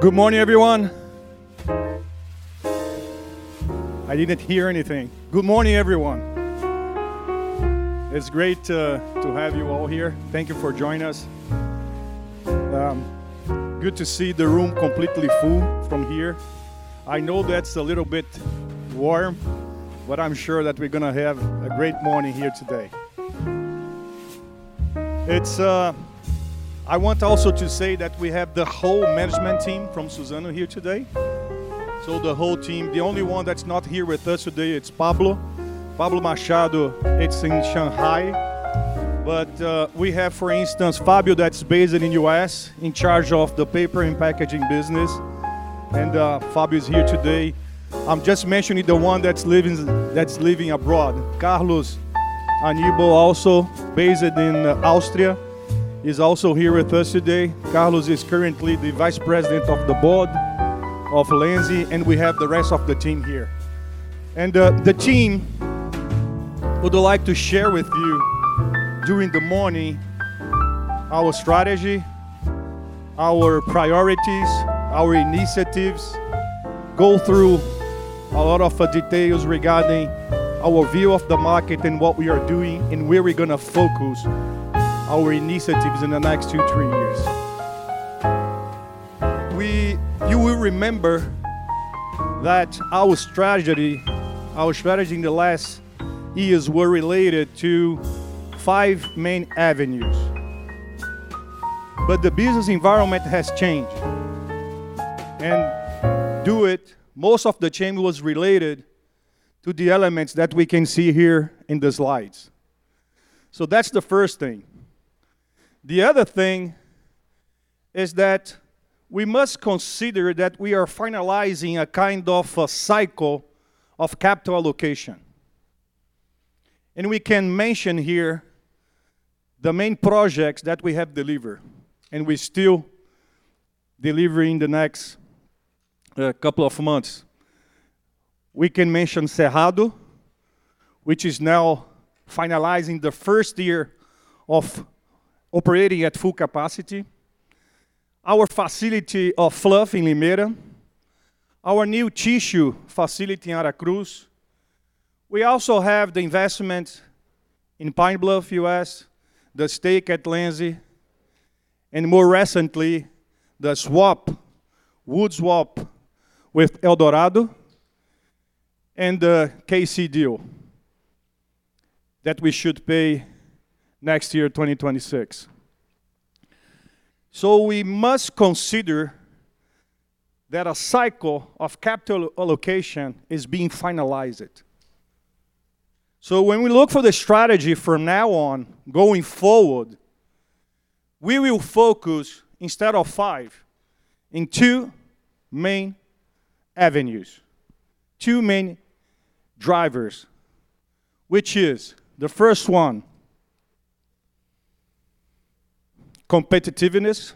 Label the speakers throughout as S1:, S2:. S1: Good morning, everyone. I didn't hear anything. Good morning, everyone. It's great to have you all here. Thank you for joining us. Good to see the room completely full from here. I know that's a little bit warm, but I'm sure that we're going to have a great morning here today. I want also to say that we have the whole management team from Suzano here today. So the whole team, the only one that's not here with us today is Pablo. Pablo Machado, it's in Shanghai. But we have, for instance, Fabio that's based in the US, in charge of the paper and packaging business. And Fabio is here today. I'm just mentioning the one that's living abroad. Carlos Aníbal, also based in Austria, is also here with us today. Carlos is currently the Vice President of the Board of Lenzing. And we have the rest of the team here. And the team would like to share with you during the morning our strategy, our priorities, our initiatives, go through a lot of details regarding our view of the market and what we are doing and where we're going to focus our initiatives in the next two, three years. You will remember that our strategy in the last years was related to five main avenues. But the business environment has changed. And most of the change was related to the elements that we can see here in the slides. So that's the first thing. The other thing is that we must consider that we are finalizing a kind of cycle of capital allocation. And we can mention here the main projects that we have delivered and we're still delivering in the next couple of months. We can mention Cerrado, which is now finalizing the first year of operating at full capacity, our facility of fluff in Limeira, our new tissue facility in Aracruz. We also have the investment in Pine Bluff U.S., the stake at Lenzing, and more recently the swap, wood swap with Eldorado and the KC deal that we should pay next year, 2026. So we must consider that a cycle of capital allocation is being finalized. So when we look for the strategy from now on going forward, we will focus instead of five in two main avenues, two main drivers, which is the first one, competitiveness.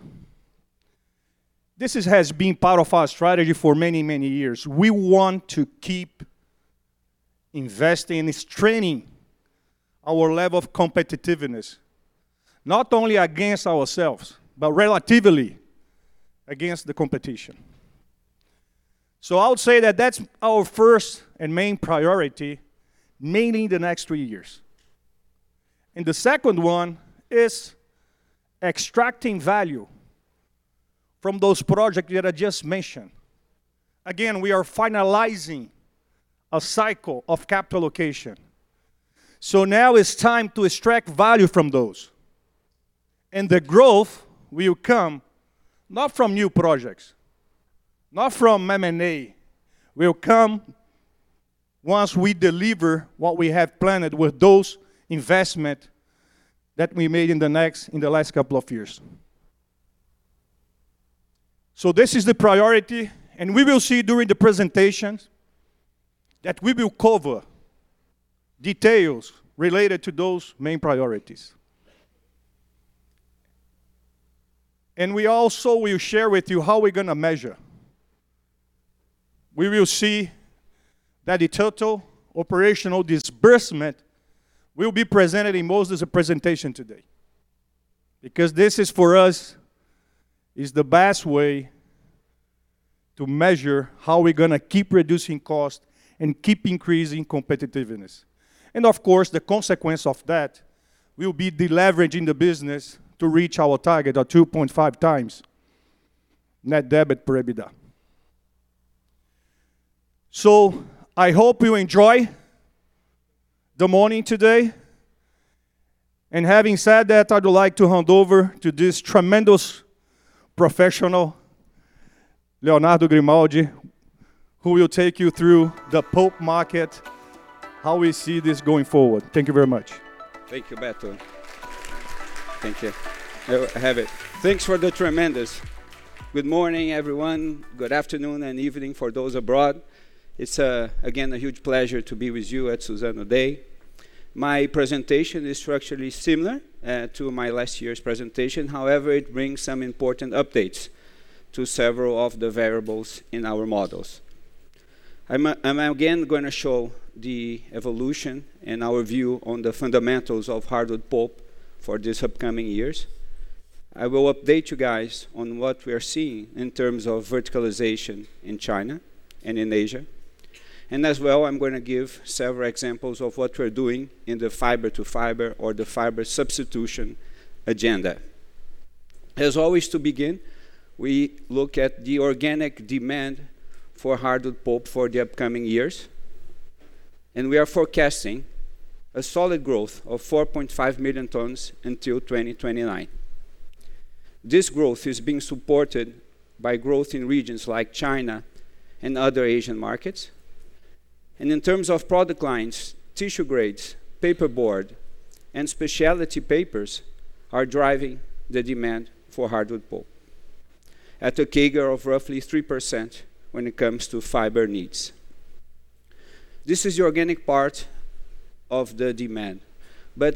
S1: This has been part of our strategy for many, many years. We want to keep investing and strengthening our level of competitiveness, not only against ourselves, but relatively against the competition. So I would say that that's our first and main priority, mainly in the next three years. And the second one is extracting value from those projects that I just mentioned. Again, we are finalizing a cycle of capital allocation. So now it's time to extract value from those. And the growth will come not from new projects, not from M&A. It'll come once we deliver what we have planned with those investments that we made in the last couple of years. So this is the priority. And we will see during the presentations that we will cover details related to those main priorities. And we also will share with you how we're going to measure. We will see that the total operational disbursement will be presented in most of the presentations today because this is, for us, the best way to measure how we're going to keep reducing costs and keep increasing competitiveness. And of course, the consequence of that will be the leverage in the business to reach our target of 2.5 times net debt per EBITDA. So I hope you enjoy the morning today. And having said that, I would like to hand over to this tremendous professional, Leonardo Grimaldi, who will take you through the pulp market, how we see this going forward. Thank you very much.
S2: Thank you, Beto. Thank you. I have it. Thanks for the tremendous. Good morning, everyone. Good afternoon and evening for those abroad. It's again a huge pleasure to be with you at Suzano Day. My presentation is structurally similar to my last year's presentation. However, it brings some important updates to several of the variables in our models. I'm again going to show the evolution and our view on the fundamentals of hardwood pulp for these upcoming years. I will update you guys on what we are seeing in terms of verticalization in China and in Asia. And as well, I'm going to give several examples of what we're doing in the fiber-to-fiber or the fiber substitution agenda. As always, to begin, we look at the organic demand for hardwood pulp for the upcoming years. And we are forecasting a solid growth of 4.5 million tons until 2029. This growth is being supported by growth in regions like China and other Asian markets. In terms of product lines, tissue grades, paperboard, and specialty papers are driving the demand for hardwood pulp at a CAGR of roughly 3% when it comes to fiber needs. This is the organic part of the demand.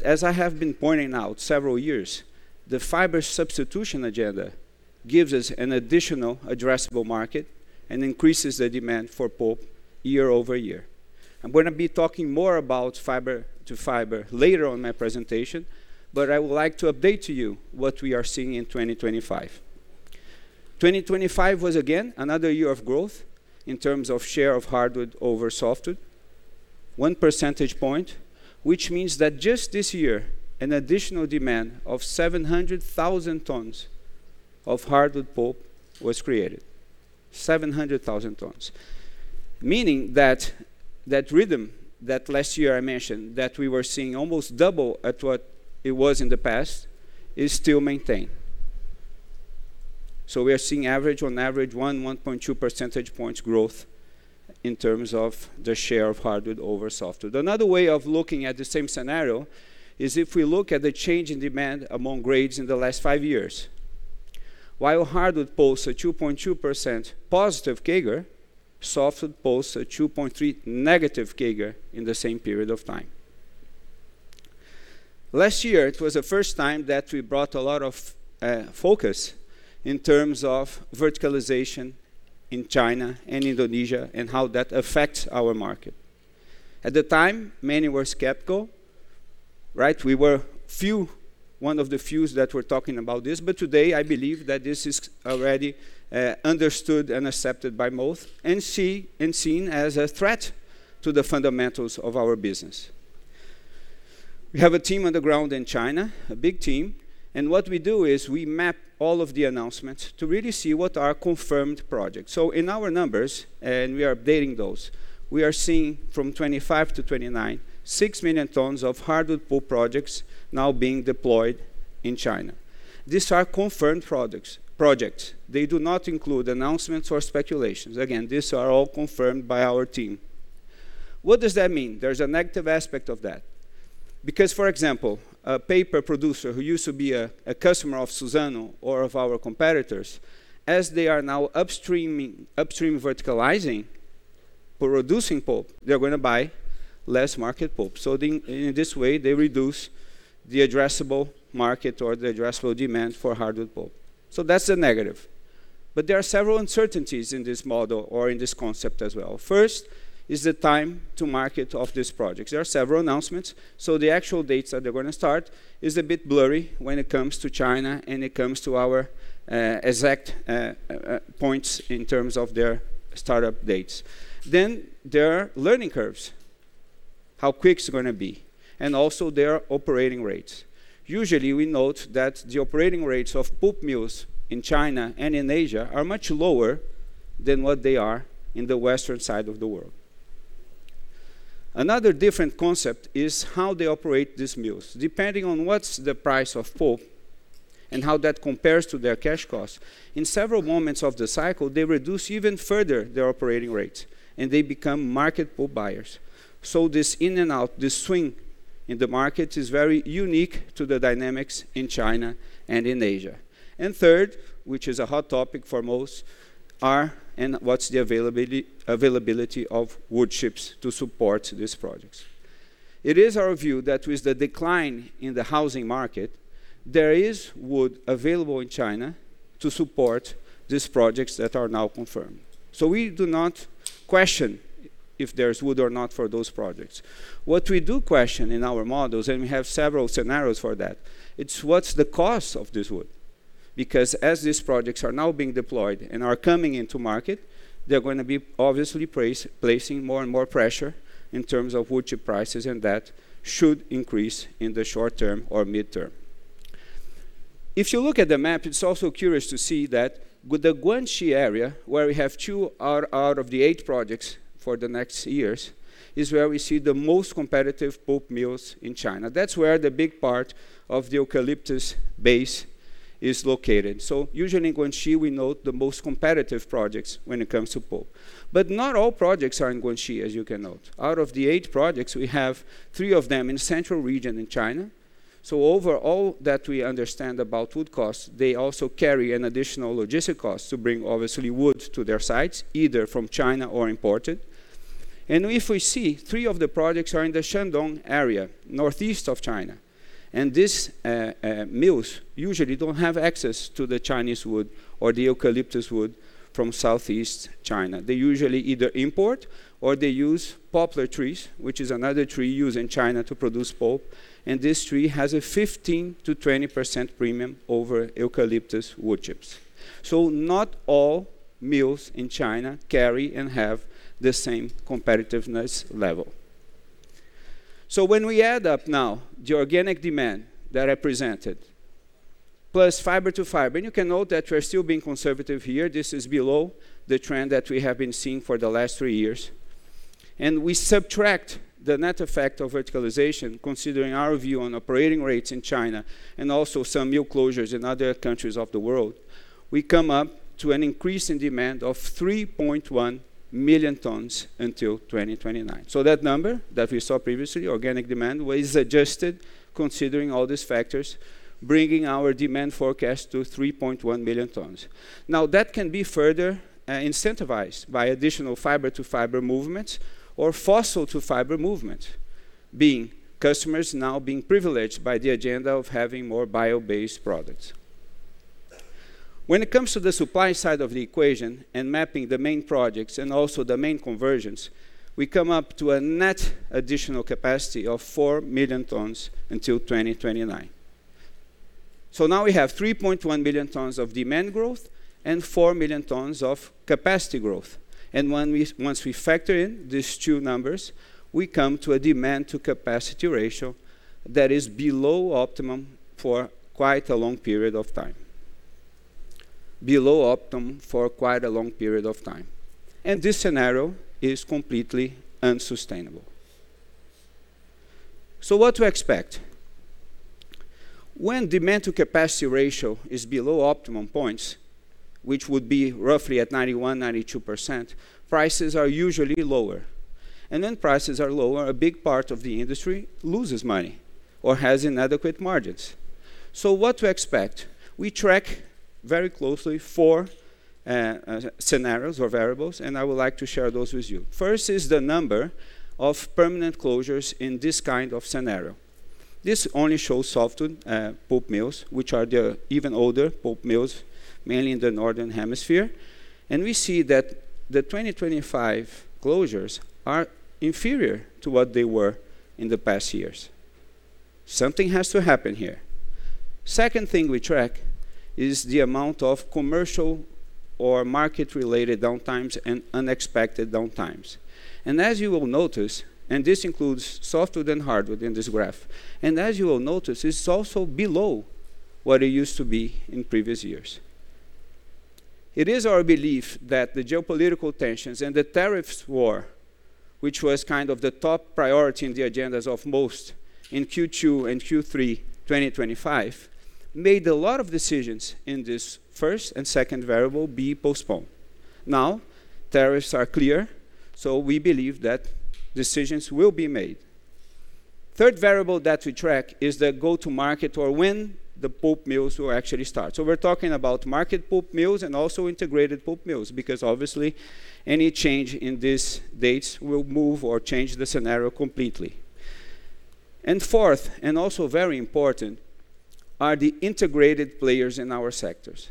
S2: As I have been pointing out several years, the fiber substitution agenda gives us an additional addressable market and increases the demand for pulp year over year. I'm going to be talking more about fiber-to-fiber later on in my presentation, but I would like to update you on what we are seeing in 2025. 2025 was again another year of growth in terms of share of hardwood over softwood, one percentage point, which means that just this year, an additional demand of 700,000 tons of hardwood pulp was created, 700,000 tons. Meaning that the rhythm that last year I mentioned that we were seeing almost double at what it was in the past is still maintained. So we are seeing, on average, 1-1.2 percentage points growth in terms of the share of hardwood over softwood. Another way of looking at the same scenario is if we look at the change in demand among grades in the last five years. While hardwood posts a 2.2% positive CAGR, softwood posts a 2.3% negative CAGR in the same period of time. Last year, it was the first time that we brought a lot of focus in terms of verticalization in China and Indonesia and how that affects our market. At the time, many were skeptical. We were one of the few that were talking about this. But today, I believe that this is already understood and accepted by most and seen as a threat to the fundamentals of our business. We have a team on the ground in China, a big team. And what we do is we map all of the announcements to really see what are confirmed projects. So in our numbers, and we are updating those, we are seeing from 2025 to 2029, six million tons of hardwood pulp projects now being deployed in China. These are confirmed projects. They do not include announcements or speculations. Again, these are all confirmed by our team. What does that mean? There's a negative aspect of that. Because, for example, a paper producer who used to be a customer of Suzano or of our competitors, as they are now upstream verticalizing, producing pulp, they're going to buy less market pulp. So in this way, they reduce the addressable market or the addressable demand for hardwood pulp. So that's a negative. But there are several uncertainties in this model or in this concept as well. First is the time to market of these projects. There are several announcements. So the actual dates that they're going to start is a bit blurry when it comes to China and it comes to our exact points in terms of their startup dates. Then there are learning curves, how quick it's going to be, and also their operating rates. Usually, we note that the operating rates of pulp mills in China and in Asia are much lower than what they are in the Western side of the world. Another different concept is how they operate these mills. Depending on what's the price of pulp and how that compares to their cash cost, in several moments of the cycle, they reduce even further their operating rates and they become market pulp buyers. So this in and out, this swing in the market is very unique to the dynamics in China and in Asia, and third, which is a hot topic for most, are what's the availability of wood chips to support these projects. It is our view that with the decline in the housing market, there is wood available in China to support these projects that are now confirmed, so we do not question if there's wood or not for those projects. What we do question in our models, and we have several scenarios for that, it's what's the cost of this wood. Because as these projects are now being deployed and are coming into market, they're going to be obviously placing more and more pressure in terms of wood chip prices and that should increase in the short term or midterm. If you look at the map, it's also curious to see that the Guangxi area, where we have two out of the eight projects for the next years, is where we see the most competitive pulp mills in China. That's where the big part of the eucalyptus base is located. So usually in Guangxi, we note the most competitive projects when it comes to pulp. But not all projects are in Guangxi, as you can note. Out of the eight projects, we have three of them in the central region in China. So overall that we understand about wood costs, they also carry an additional logistic cost to bring, obviously, wood to their sites, either from China or imported. And if we see, three of the projects are in the Shandong area, northeast of China. And these mills usually don't have access to the Chinese wood or the eucalyptus wood from southeast China. They usually either import or they use poplar trees, which is another tree used in China to produce pulp. And this tree has a 15%-20% premium over eucalyptus wood chips. So not all mills in China carry and have the same competitiveness level. So when we add up now the organic demand that I presented, plus fiber to fiber, and you can note that we're still being conservative here. This is below the trend that we have been seeing for the last three years. We subtract the net effect of verticalization, considering our view on operating rates in China and also some new closures in other countries of the world. We come up to an increase in demand of 3.1 million tons until 2029. That number that we saw previously, organic demand, was adjusted considering all these factors, bringing our demand forecast to 3.1 million tons. Now that can be further incentivized by additional fiber-to-fiber movements or fossil-to-fiber movements, being customers now being privileged by the agenda of having more bio-based products. When it comes to the supply side of the equation and mapping the main projects and also the main conversions, we come up to a net additional capacity of four million tons until 2029. Now we have 3.1 million tons of demand growth and four million tons of capacity growth. Once we factor in these two numbers, we come to a demand to capacity ratio that is below optimum for quite a long period of time, below optimum for quite a long period of time. This scenario is completely unsustainable. What to expect? When demand to capacity ratio is below optimum points, which would be roughly at 91%, 92%, prices are usually lower. When prices are lower, a big part of the industry loses money or has inadequate margins. What to expect? We track very closely four scenarios or variables, and I would like to share those with you. First is the number of permanent closures in this kind of scenario. This only shows softwood pulp mills, which are the even older pulp mills, mainly in the northern hemisphere. We see that the 2025 closures are inferior to what they were in the past years. Something has to happen here. Second thing we track is the amount of commercial or market-related downtimes and unexpected downtimes. And as you will notice, and this includes softwood and hardwood in this graph, and as you will notice, it's also below what it used to be in previous years. It is our belief that the geopolitical tensions and the tariffs war, which was kind of the top priority in the agendas of most in Q2 and Q3 2025, made a lot of decisions in this first and second variable be postponed. Now tariffs are clear, so we believe that decisions will be made. Third variable that we track is the go-to-market or when the pulp mills will actually start. We're talking about market pulp mills and also integrated pulp mills because obviously any change in these dates will move or change the scenario completely. And fourth, and also very important, are the integrated players in our sectors.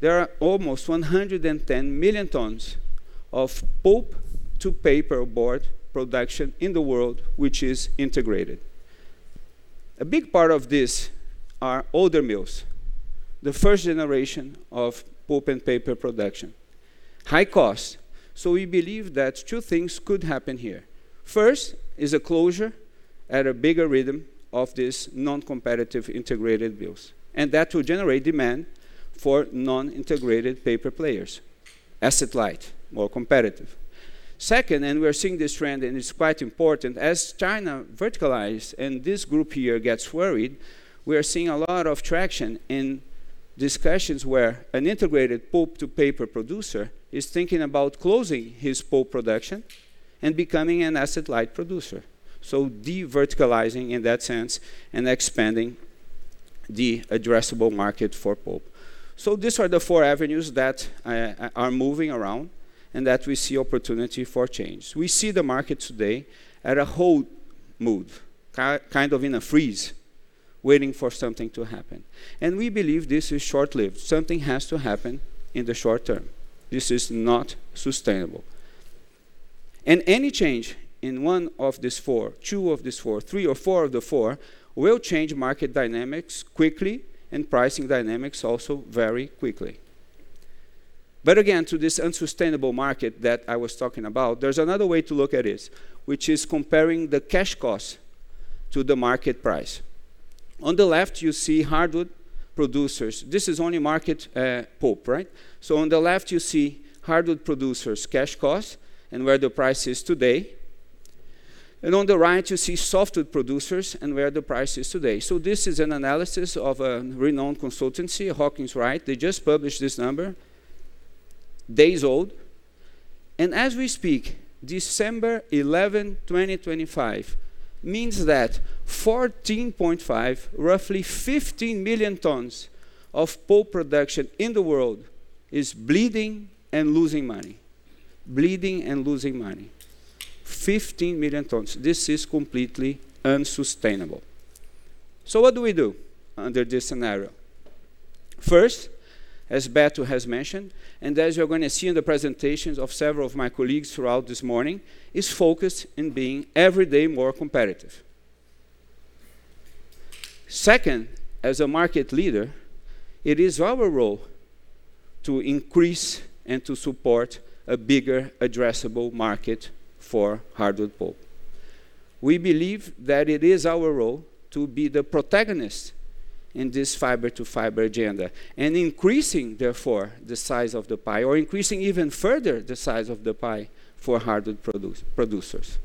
S2: There are almost 110 million tons of pulp to paperboard production in the world, which is integrated. A big part of this are older mills, the first generation of pulp and paper production. High cost. So we believe that two things could happen here. First is a closure at a bigger rhythm of these non-competitive integrated mills. And that will generate demand for non-integrated paper players, asset-light, more competitive. Second, and we're seeing this trend, and it's quite important, as China verticalizes and this group here gets worried, we are seeing a lot of traction in discussions where an integrated pulp to paper producer is thinking about closing his pulp production and becoming an asset-light producer. So de-verticalizing in that sense and expanding the addressable market for pulp. So these are the four avenues that are moving around and that we see opportunity for change. We see the market today at a hold move, kind of in a freeze, waiting for something to happen. And we believe this is short-lived. Something has to happen in the short term. This is not sustainable. And any change in one of these four, two of these four, three or four of the four will change market dynamics quickly and pricing dynamics also very quickly. But again, to this unsustainable market that I was talking about, there's another way to look at it, which is comparing the cash cost to the market price. On the left, you see hardwood producers. This is only market pulp, right? So on the left, you see hardwood producers' cash cost and where the price is today. And on the right, you see softwood producers and where the price is today. So this is an analysis of a renowned consultancy, Hawkins Wright. They just published this number, days old. And as we speak, December 11, 2025, means that 14.5, roughly 15 million tons of pulp production in the world is bleeding and losing money, bleeding and losing money, 15 million tons. This is completely unsustainable. So what do we do under this scenario? First, as Beto has mentioned, and as you're going to see in the presentations of several of my colleagues throughout this morning, is focused in being every day more competitive. Second, as a market leader, it is our role to increase and to support a bigger addressable market for hardwood pulp. We believe that it is our role to be the protagonist in this fiber to fiber agenda and increasing, therefore, the size of the pie or increasing even further the size of the pie for hardwood producers.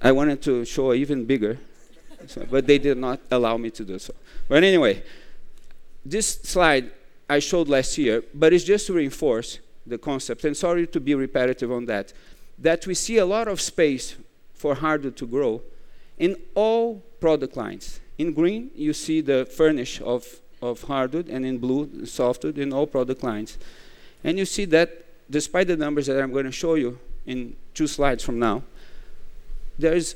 S2: I wanted to show an even bigger, but they did not allow me to do so. But anyway, this slide I showed last year, but it's just to reinforce the concept. Sorry to be repetitive on that, that we see a lot of space for hardwood to grow in all product lines. In green, you see the furnish of hardwood, and in blue, softwood in all product lines. You see that despite the numbers that I'm going to show you in two slides from now, there's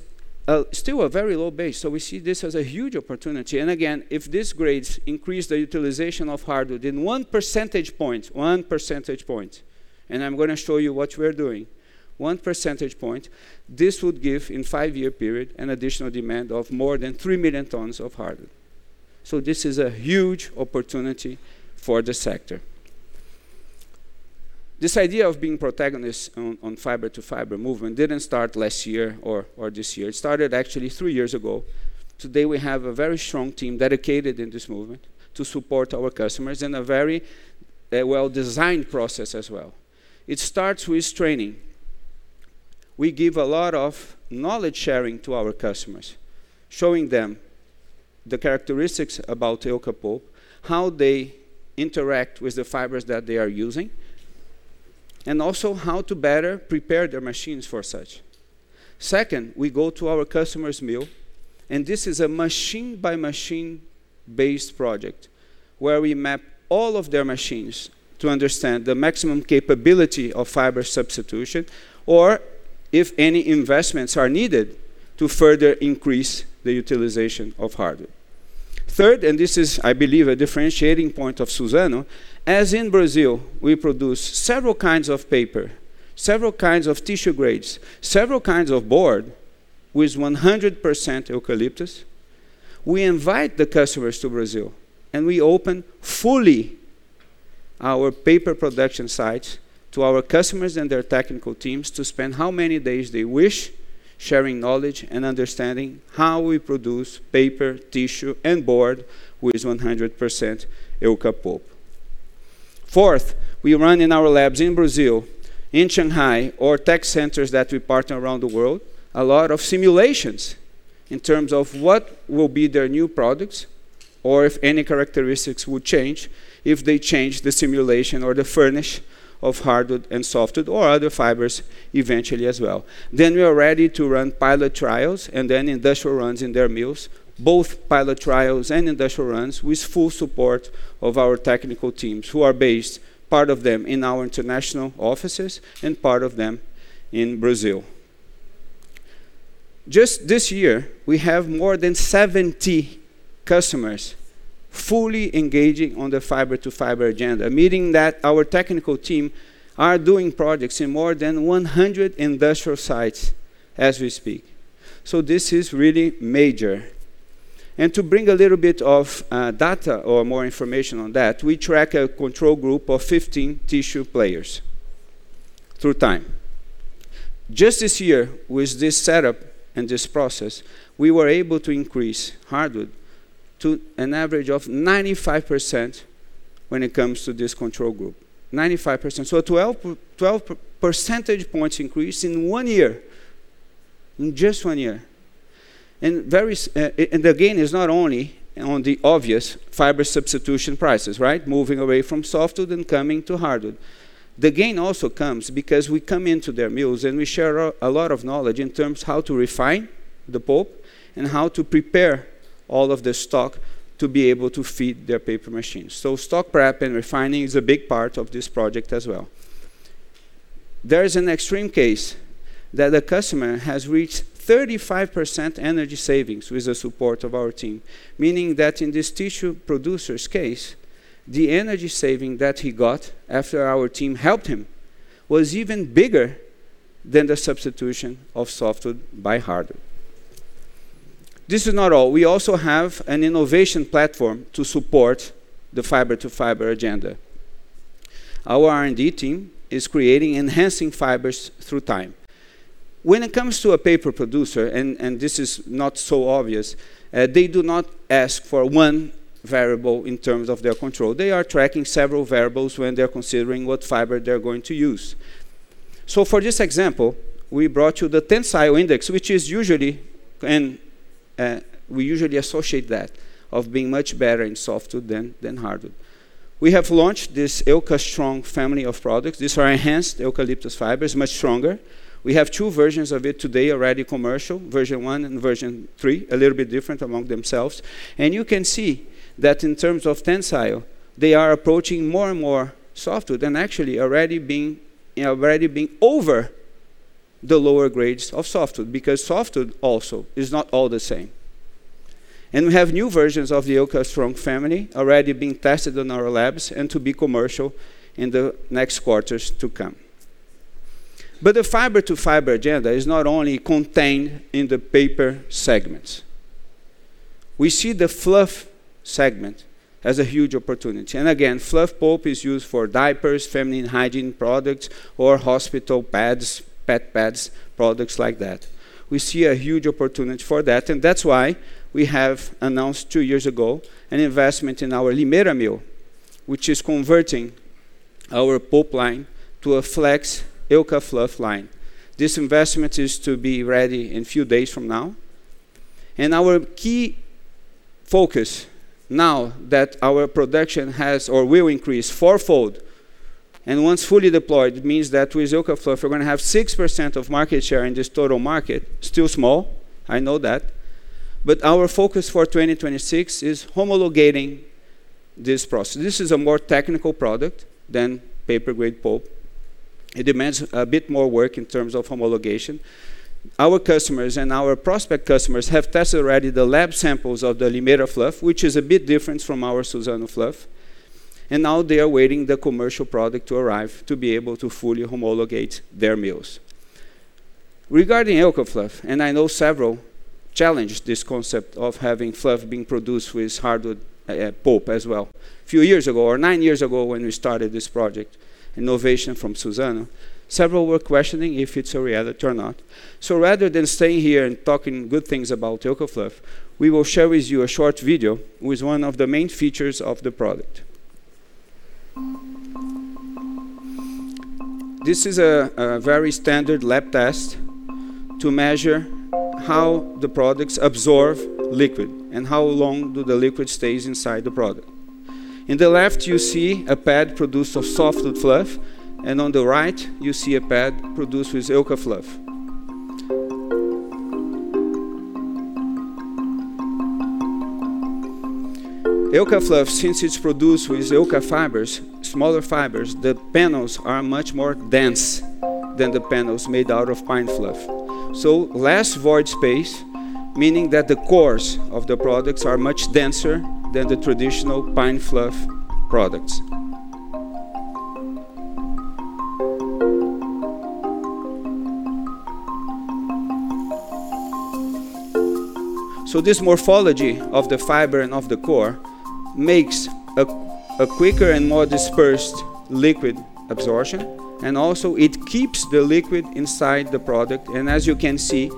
S2: still a very low base. We see this as a huge opportunity. Again, if these grades increase the utilization of hardwood in one percentage point, one percentage point, and I'm going to show you what we're doing, one percentage point, this would give in five-year period an additional demand of more than three million tons of hardwood. This is a huge opportunity for the sector. This idea of being protagonists on fiber-to-fiber movement didn't start last year or this year. It started actually three years ago. Today, we have a very strong team dedicated in this movement to support our customers in a very well-designed process as well. It starts with training. We give a lot of knowledge sharing to our customers, showing them the characteristics about the eucalyptus pulp, how they interact with the fibers that they are using, and also how to better prepare their machines for such. Second, we go to our customer's mill, and this is a machine-by-machine-based project where we map all of their machines to understand the maximum capability of fiber substitution or if any investments are needed to further increase the utilization of hardwood. Third, and this is, I believe, a differentiating point of Suzano, as in Brazil, we produce several kinds of paper, several kinds of tissue grades, several kinds of board with 100% eucalyptus. We invite the customers to Brazil, and we open fully our paper production sites to our customers and their technical teams to spend how many days they wish sharing knowledge and understanding how we produce paper, tissue, and board with 100% Euca pulp. Fourth, we run in our labs in Brazil, in Shanghai, or tech centers that we partner around the world, a lot of simulations in terms of what will be their new products or if any characteristics would change if they change the simulation or the furnish of hardwood and softwood or other fibers eventually as well. Then we are ready to run pilot trials and then industrial runs in their mills, both pilot trials and industrial runs with full support of our technical teams who are based, part of them in our international offices and part of them in Brazil. Just this year, we have more than 70 customers fully engaging on the fiber-to-fiber agenda, meaning that our technical team are doing projects in more than 100 industrial sites as we speak. So this is really major. And to bring a little bit of data or more information on that, we track a control group of 15 tissue players through time. Just this year, with this setup and this process, we were able to increase hardwood to an average of 95% when it comes to this control group, 95%. So 12 percentage points increase in one year, in just one year. And again, it's not only on the obvious fiber substitution prices, right? Moving away from softwood and coming to hardwood. The gain also comes because we come into their mills and we share a lot of knowledge in terms of how to refine the pulp and how to prepare all of the stock to be able to feed their paper machines. So stock prep and refining is a big part of this project as well. There is an extreme case that a customer has reached 35% energy savings with the support of our team, meaning that in this tissue producer's case, the energy saving that he got after our team helped him was even bigger than the substitution of softwood by hardwood. This is not all. We also have an innovation platform to support the fiber to fiber agenda. Our R&D team is creating enhancing fibers through time. When it comes to a paper producer, and this is not so obvious, they do not ask for one variable in terms of their control. They are tracking several variables when they're considering what fiber they're going to use. So for this example, we brought you the tensile index, which is usually, and we usually associate that of being much better in softwood than hardwood. We have launched this EucaStrong family of products. These are enhanced eucalyptus fibers, much stronger. We have two versions of it today already commercial, version one and version three, a little bit different among themselves. And you can see that in terms of tensile, they are approaching more and more softwood and actually already being over the lower grades of softwood because softwood also is not all the same. We have new versions of the EucaStrong family already being tested in our labs and to be commercial in the next quarters to come. The fiber-to-fiber agenda is not only contained in the paper segments. We see the fluff segment as a huge opportunity. Again, fluff pulp is used for diapers, feminine hygiene products, or hospital beds, pet beds, products like that. We see a huge opportunity for that. That's why we have announced two years ago an investment in our Limeira mill, which is converting our pulp line to a flex Eucafluff line. This investment is to be ready in a few days from now. Our key focus now that our production has or will increase fourfold and once fully deployed means that with Eucafluff, we're going to have 6% of market share in this total market, still small, I know that. But our focus for 2026 is homologating this process. This is a more technical product than paper grade pulp. It demands a bit more work in terms of homologation. Our customers and our prospect customers have tested already the lab samples of the Limeira fluff, which is a bit different from our Suzano fluff. And now they are waiting for the commercial product to arrive to be able to fully homologate their mills. Regarding Eucafluff, and I know several challenged this concept of having fluff being produced with hardwood pulp as well. A few years ago, or nine years ago, when we started this project, innovation from Suzano, several were questioning if it's a reality or not. So rather than staying here and talking good things about Eucafluff, we will share with you a short video with one of the main features of the product. This is a very standard lab test to measure how the products absorb liquid and how long do the liquid stays inside the product. On the left, you see a pad produced of softwood fluff, and on the right, you see a pad produced with Eucafluff. Eucafluff, since it's produced with Euca fibers, smaller fibers, the pads are much more dense than the pads made out of pine fluff. So less void space, meaning that the cores of the products are much denser than the traditional pine fluff products. This morphology of the fiber and of the core makes a quicker and more dispersed liquid absorption, and also it keeps the liquid inside the product. As you can see,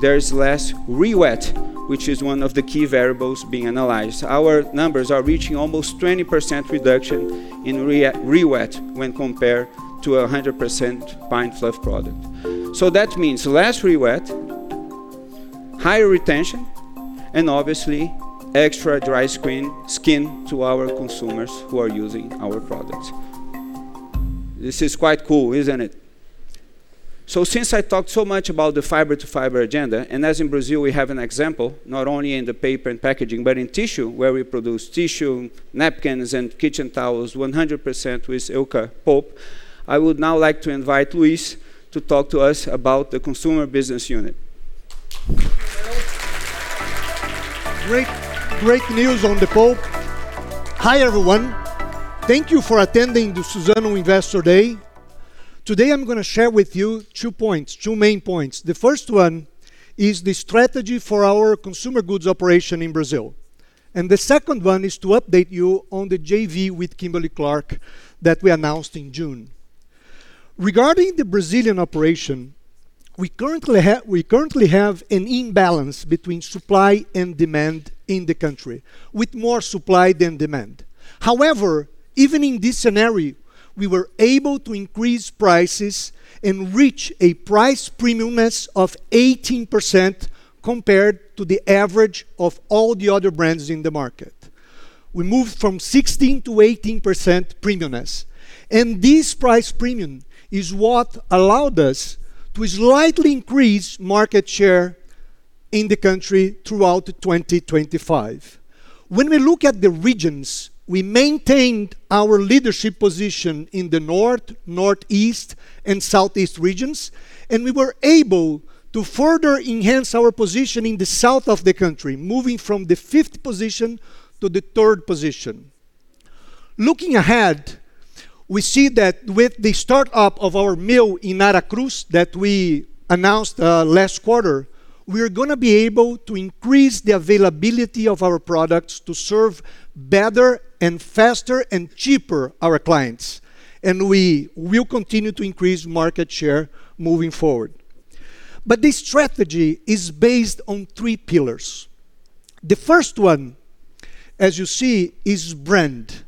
S2: there's less rewet, which is one of the key variables being analyzed. Our numbers are reaching almost 20% reduction in rewet when compared to a 100% pine fluff product. That means less rewet, higher retention, and obviously extra dry skin to our consumers who are using our products. This is quite cool, isn't it? Since I talked so much about the fiber to fiber agenda, and as in Brazil, we have an example not only in the paper and packaging, but in tissue where we produce tissue, napkins, and kitchen towels 100% with Eucafluff, I would now like to invite Luís to talk to us about the consumer business unit.
S3: Great news on the pulp. Hi everyone. Thank you for attending the Suzano Investor Day. Today, I'm going to share with you two points, two main points. The first one is the strategy for our consumer goods operation in Brazil, and the second one is to update you on the JV with Kimberly-Clark that we announced in June. Regarding the Brazilian operation, we currently have an imbalance between supply and demand in the country with more supply than demand. However, even in this scenario, we were able to increase prices and reach a price premiumness of 18% compared to the average of all the other brands in the market. We moved from 16% to 18% premiumness, and this price premium is what allowed us to slightly increase market share in the country throughout 2025. When we look at the regions, we maintained our leadership position in the north, northeast, and southeast regions, and we were able to further enhance our position in the south of the country, moving from the fifth position to the third position. Looking ahead, we see that with the startup of our mill in Aracruz that we announced last quarter, we are going to be able to increase the availability of our products to serve better and faster and cheaper our clients, and we will continue to increase market share moving forward, but the strategy is based on three pillars. The first one, as you see, is brand.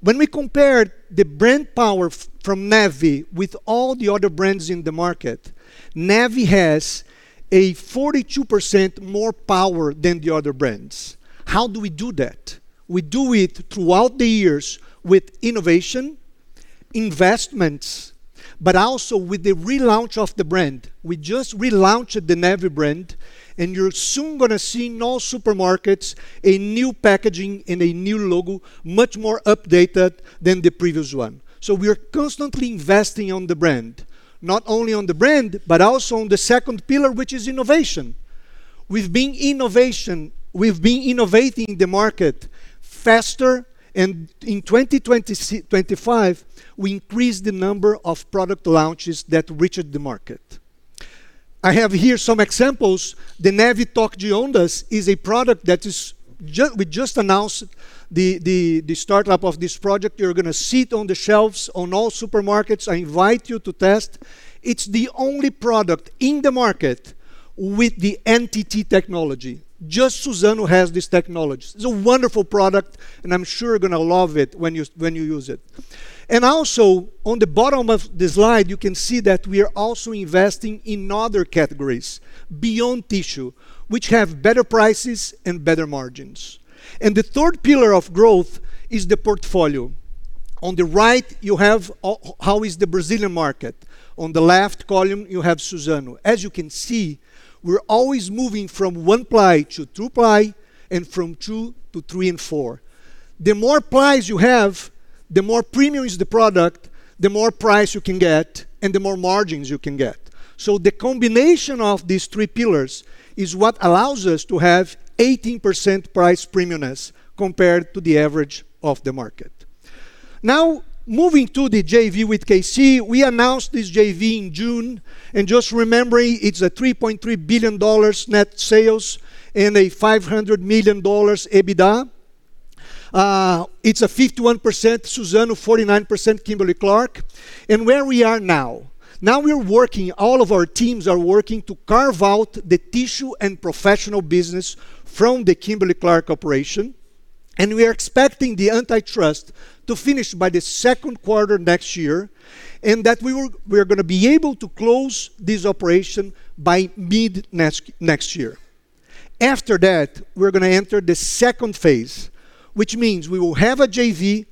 S3: When we compare the brand power from Neve with all the other brands in the market, Neve has a 42% more power than the other brands. How do we do that? We do it throughout the years with innovation, investments, but also with the relaunch of the brand. We just relaunched the Neve brand, and you're soon going to see in all supermarkets a new packaging and a new logo much more updated than the previous one, so we are constantly investing on the brand, not only on the brand, but also on the second pillar, which is innovation. We've been innovating the market faster, and in 2025, we increased the number of product launches that reached the market. I have here some examples. The Neve Top Qualidade is a product that we just announced the startup of this project. You're going to see it on the shelves on all supermarkets. I invite you to test. It's the only product in the market with the NTT technology. Just Suzano has this technology. It's a wonderful product, and I'm sure you're going to love it when you use it. And also, on the bottom of the slide, you can see that we are also investing in other categories beyond tissue, which have better prices and better margins. And the third pillar of growth is the portfolio. On the right, you have how is the Brazilian market. On the left column, you have Suzano. As you can see, we're always moving from one ply to two ply and from two to three and four. The more plies you have, the more premium is the product, the more price you can get, and the more margins you can get. So the combination of these three pillars is what allows us to have 18% price premiumness compared to the average of the market. Now, moving to the JV with KC, we announced this JV in June and just remembering it's a $3.3 billion net sales and a $500 million EBITDA. It's a 51% Suzano, 49% Kimberly-Clark. Where we are now, now we're working, all of our teams are working to carve out the tissue and professional business from the Kimberly-Clark operation. We are expecting the antitrust to finish by the second quarter next year and that we are going to be able to close this operation by mid next year. After that, we're going to enter the second phase, which means we will have a JV,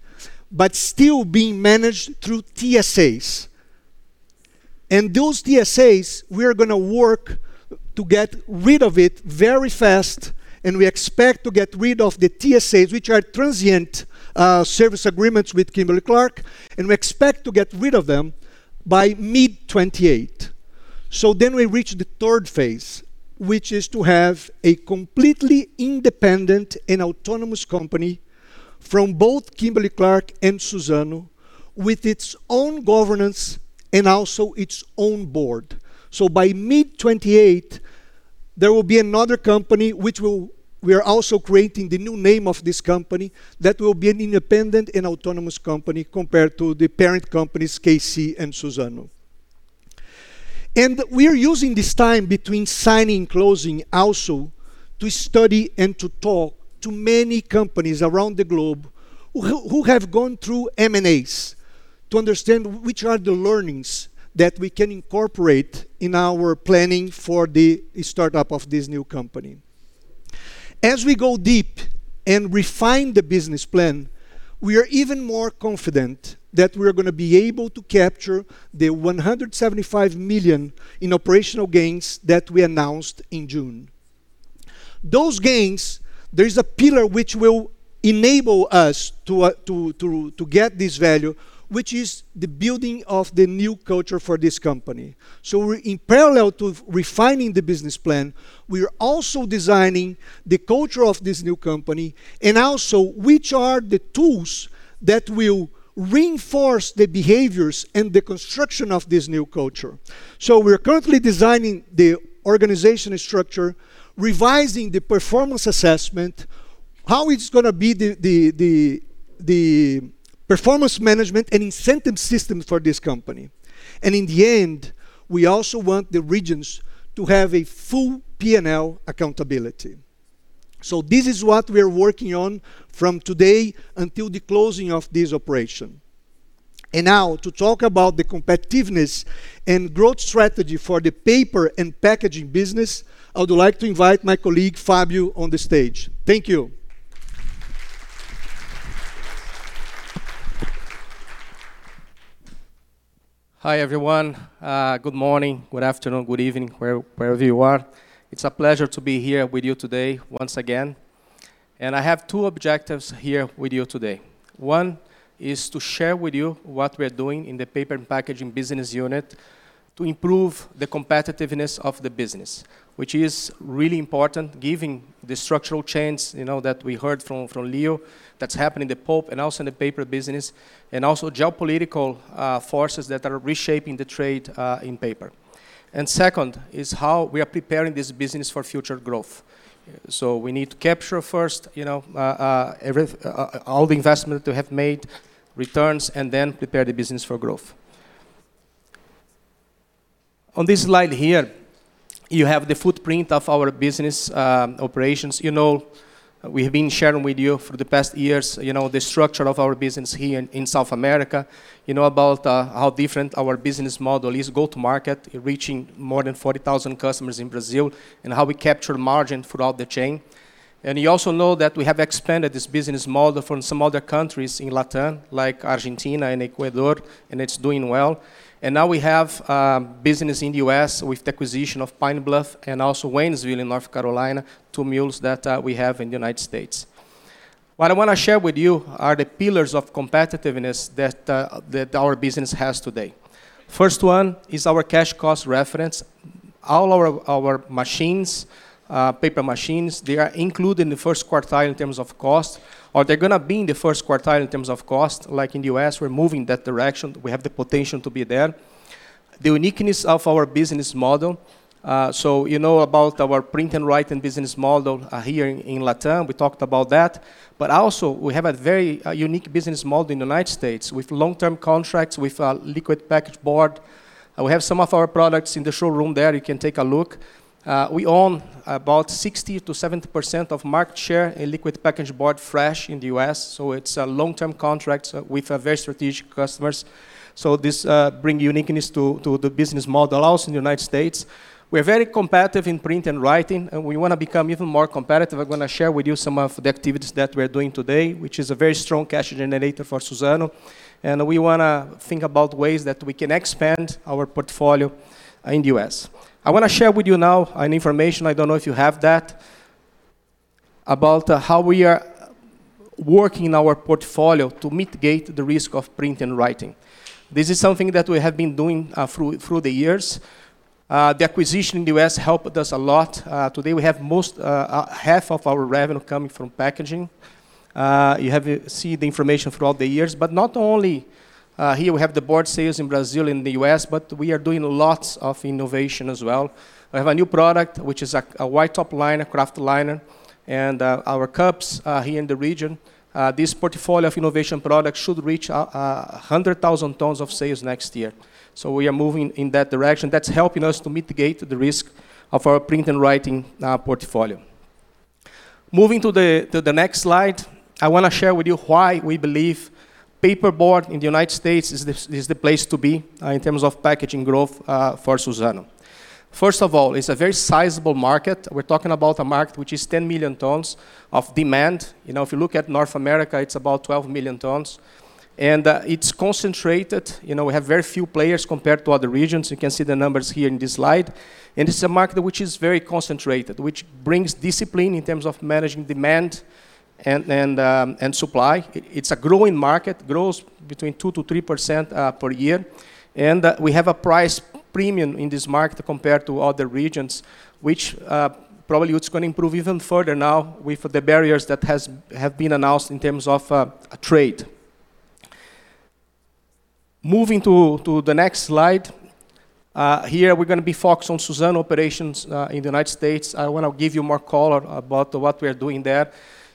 S3: but still being managed through TSAs. Those TSAs, we are going to work to get rid of it very fast, and we expect to get rid of the TSAs, which are Transient Service Agreements with Kimberly-Clark, and we expect to get rid of them by mid-2028. Then we reach the third phase, which is to have a completely independent and autonomous company from both Kimberly-Clark and Suzano with its own governance and also its own board. By mid-2028, there will be another company, which we are also creating the new name of this company that will be an independent and autonomous company compared to the parent companies KC and Suzano. We are using this time between signing and closing also to study and to talk to many companies around the globe who have gone through M&As to understand which are the learnings that we can incorporate in our planning for the startup of this new company. As we go deep and refine the business plan, we are even more confident that we are going to be able to capture the $175 million in operational gains that we announced in June. Those gains, there is a pillar which will enable us to get this value, which is the building of the new culture for this company. In parallel to refining the business plan, we are also designing the culture of this new company and also which are the tools that will reinforce the behaviors and the construction of this new culture. So we're currently designing the organization structure, revising the performance assessment, how it's going to be the performance management and incentive system for this company. And in the end, we also want the regions to have a full P&L accountability. So this is what we are working on from today until the closing of this operation. And now to talk about the competitiveness and growth strategy for the paper and packaging business, I would like to invite my colleague Fabio on the stage. Thank you.
S4: Hi everyone. Good morning, good afternoon, good evening, wherever you are. It's a pleasure to be here with you today once again. And I have two objectives here with you today. One is to share with you what we are doing in the paper and packaging business unit to improve the competitiveness of the business, which is really important given the structural change that we heard from Leo that's happening in the pulp and also in the paper business and also geopolitical forces that are reshaping the trade in paper. And second is how we are preparing this business for future growth. So we need to capture first all the investment that we have made, returns, and then prepare the business for growth. On this slide here, you have the footprint of our business operations. You know we have been sharing with you for the past years the structure of our business here in South America, about how different our business model is, go-to-market, reaching more than 40,000 customers in Brazil, and how we capture margin throughout the chain. You also know that we have expanded this business model from some other countries in LatAm like Argentina and Ecuador, and it's doing well. Now we have business in the U.S. with the acquisition of Pine Bluff and also Waynesville in North Carolina, two mills that we have in the United States. What I want to share with you are the pillars of competitiveness that our business has today. First one is our cash cost reference. All our machines, paper machines, they are included in the first quartile in terms of cost, or they're going to be in the first quartile in terms of cost. Like in the U.S., we're moving in that direction. We have the potential to be there. The uniqueness of our business model. You know about our print and write business model here in LatAm. We talked about that. But also we have a very unique business model in the United States with long-term contracts with Liquid Packaging Board. We have some of our products in the showroom there. You can take a look. We own about 60%-70% of market share in Liquid Packaging Board fresh in the U.S. So it's a long-term contract with very strategic customers. So this brings uniqueness to the business model also in the United States. We are very competitive in print and writing, and we want to become even more competitive. I'm going to share with you some of the activities that we're doing today, which is a very strong cash generator for Suzano. And we want to think about ways that we can expand our portfolio in the U.S. I want to share with you now an information. I don't know if you have that about how we are working in our portfolio to mitigate the risk of print and writing. This is something that we have been doing through the years. The acquisition in the U.S. helped us a lot. Today, we have more than half of our revenue coming from packaging. You have seen the information throughout the years. But not only here we have the board sales in Brazil and the U.S., but we are doing lots of innovation as well. We have a new product, which is a white top liner, kraft liner, and our cups here in the region. This portfolio of innovation products should reach 100,000 tons of sales next year. So we are moving in that direction. That's helping us to mitigate the risk of our print and writing portfolio. Moving to the next slide, I want to share with you why we believe paperboard in the United States is the place to be in terms of packaging growth for Suzano. First of all, it's a very sizable market. We're talking about a market which is 10 million tons of demand. If you look at North America, it's about 12 million tons. It's concentrated. We have very few players compared to other regions. You can see the numbers here in this slide. It's a market which is very concentrated, which brings discipline in terms of managing demand and supply. It's a growing market, grows between 2%-3% per year. We have a price premium in this market compared to other regions, which probably it's going to improve even further now with the barriers that have been announced in terms of trade. Moving to the next slide, here we're going to be focused on Suzano operations in the United States. I want to give you more color about what we are doing there.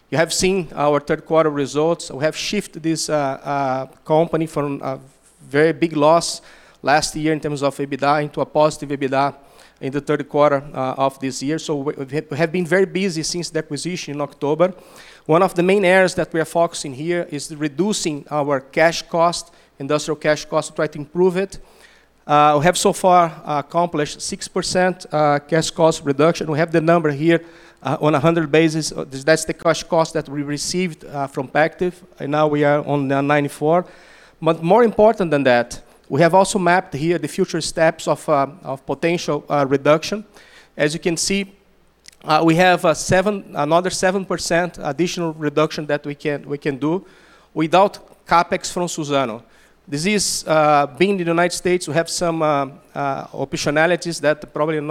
S4: You have seen our third quarter results. We have shifted this company from a very big loss last year in terms of EBITDA into a positive EBITDA in the third quarter of this year. So we have been very busy since the acquisition in October. One of the main areas that we are focusing here is reducing our cash cost, industrial cash cost to try to improve it. We have so far accomplished 6% cash cost reduction. We have the number here on a 100 basis. That's the cash cost that we received from Pactiv. And now we are on 94. But more important than that, we have also mapped here the future steps of potential reduction. As you can see, we have another 7% additional reduction that we can do without CapEx from Suzano. This is being in the United States. We have some optionalities that probably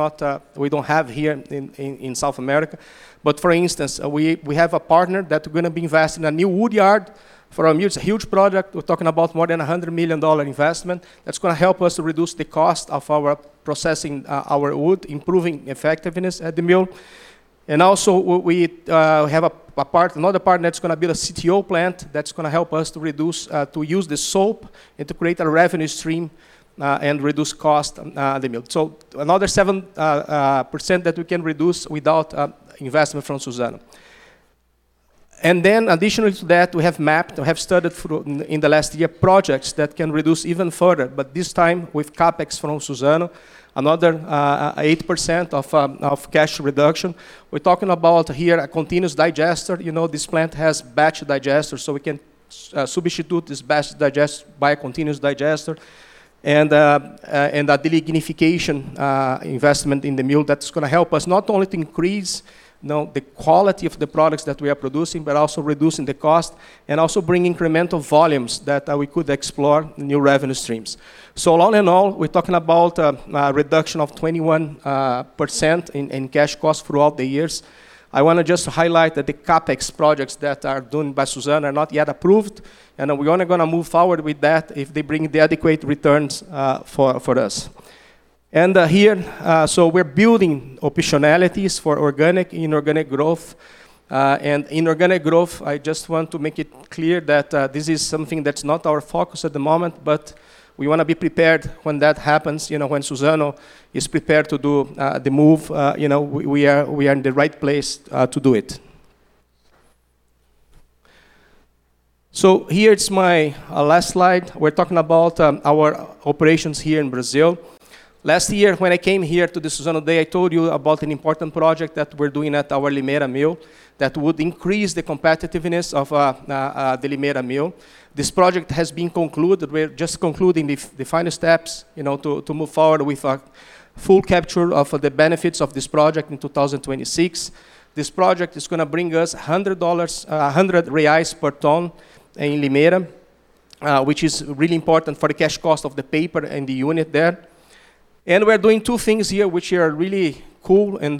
S4: we don't have here in South America. But for instance, we have a partner that we're going to be investing in a new wood yard for a mill. It's a huge project. We're talking about more than $100 million investment. That's going to help us to reduce the cost of our processing our wood, improving effectiveness at the mill. And also we have another partner that's going to build a CTO plant that's going to help us to use the soap and to create a revenue stream and reduce cost at the mill. So another 7% that we can reduce without investment from Suzano. And then additionally to that, we have mapped and have studied in the last year projects that can reduce even further, but this time with CapEx from Suzano, another 8% of cash reduction. We're talking about here a continuous digester. This plant has batch digesters, so we can substitute this batch digester by a continuous digester and a delignification investment in the mill that's going to help us not only to increase the quality of the products that we are producing, but also reducing the cost and also bringing incremental volumes that we could explore new revenue streams. So all in all, we're talking about a reduction of 21% in cash cost throughout the years. I want to just highlight that the CapEx projects that are done by Suzano are not yet approved, and we are going to move forward with that if they bring the adequate returns for us. And here, so we're building optionalities for organic and inorganic growth. And inorganic growth, I just want to make it clear that this is something that's not our focus at the moment, but we want to be prepared when that happens, when Suzano is prepared to do the move, we are in the right place to do it. So here's my last slide. We're talking about our operations here in Brazil. Last year, when I came here to the Suzano day, I told you about an important project that we're doing at our Limeira mill that would increase the competitiveness of the Limeira mill. This project has been concluded. We're just concluding the final steps to move forward with a full capture of the benefits of this project in 2026. This project is going to bring us BRL 100 per ton in Limeira, which is really important for the cash cost of the paper and the unit there. And we're doing two things here, which are really cool and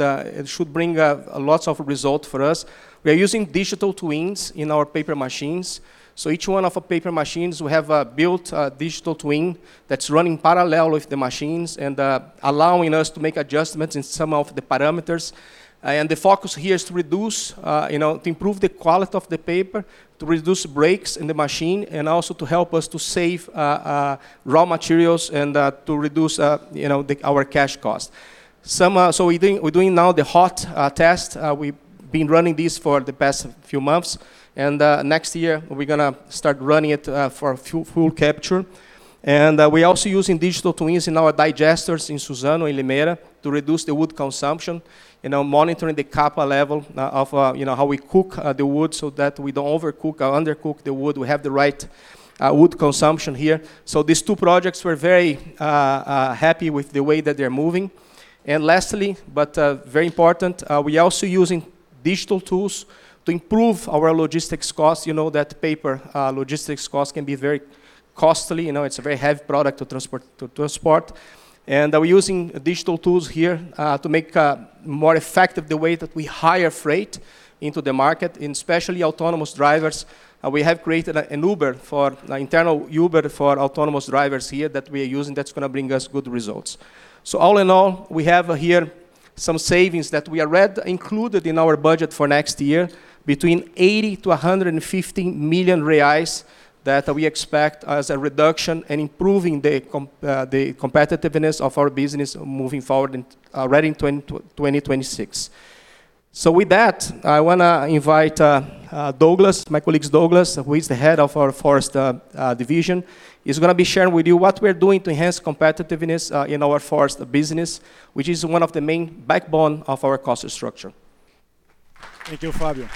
S4: should bring lots of results for us. We are using digital twins in our paper machines. So each one of our paper machines, we have built a digital twin that's running parallel with the machines and allowing us to make adjustments in some of the parameters. And the focus here is to reduce, to improve the quality of the paper, to reduce breaks in the machine, and also to help us to save raw materials and to reduce our cash cost. So we're doing now the hot test. We've been running this for the past few months. And next year, we're going to start running it for full capture. And we're also using digital twins in our digesters in Suzano in Limeira to reduce the wood consumption and monitoring the Kappa level of how we cook the wood so that we don't overcook or undercook the wood. We have the right wood consumption here. So these two projects, we're very happy with the way that they're moving. And lastly, but very important, we're also using digital tools to improve our logistics costs. You know that paper logistics costs can be very costly. It's a very heavy product to transport. And we're using digital tools here to make more effective the way that we hire freight into the market, especially autonomous drivers. We have created an internal Uber for autonomous drivers here that we are using that's going to bring us good results. So all in all, we have here some savings that we already included in our budget for next year between 80 million reais to 150 million reais that we expect as a reduction and improving the competitiveness of our business moving forward already in 2026. So with that, I want to invite Douglas, my colleague Douglas, who is the head of our forest division. He's going to be sharing with you what we're doing to enhance competitiveness in our forest business, which is one of the main backbone of our cost structure.
S5: Thank you, Fabio.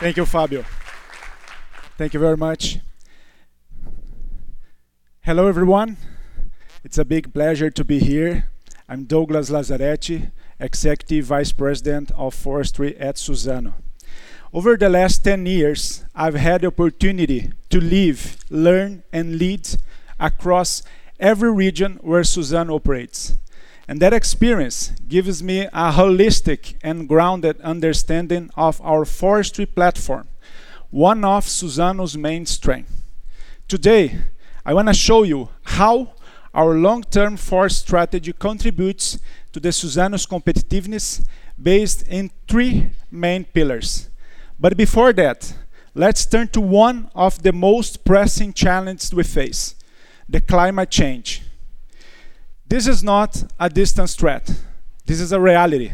S5: Thank you, Fabio. Thank you very much. Hello everyone. It's a big pleasure to be here. I'm Douglas Lazaretti, Executive Vice President of Forestry at Suzano. Over the last 10 years, I've had the opportunity to live, learn, and lead across every region where Suzano operates. That experience gives me a holistic and grounded understanding of our forestry platform, one of Suzano's main strengths. Today, I want to show you how our long-term forest strategy contributes to Suzano's competitiveness based on three main pillars. Before that, let's turn to one of the most pressing challenges we face, climate change. This is not a distant threat. This is a reality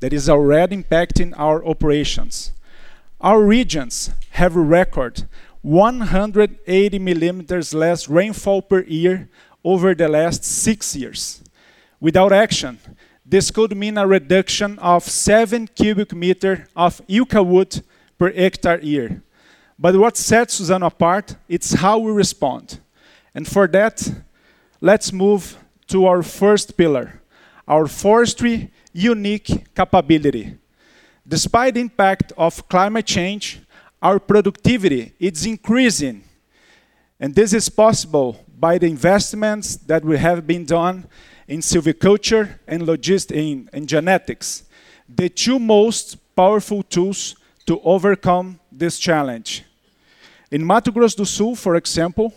S5: that is already impacting our operations. Our regions have recorded 180 millimeters less rainfall per year over the last six years. Without action, this could mean a reduction of seven cubic meters of eucalyptus wood per hectare a year. What sets Suzano apart, it's how we respond. For that, let's move to our first pillar, our forestry unique capability. Despite the impact of climate change, our productivity is increasing. This is possible by the investments that have been done in silviculture and genetics, the two most powerful tools to overcome this challenge. In Mato Grosso do Sul, for example,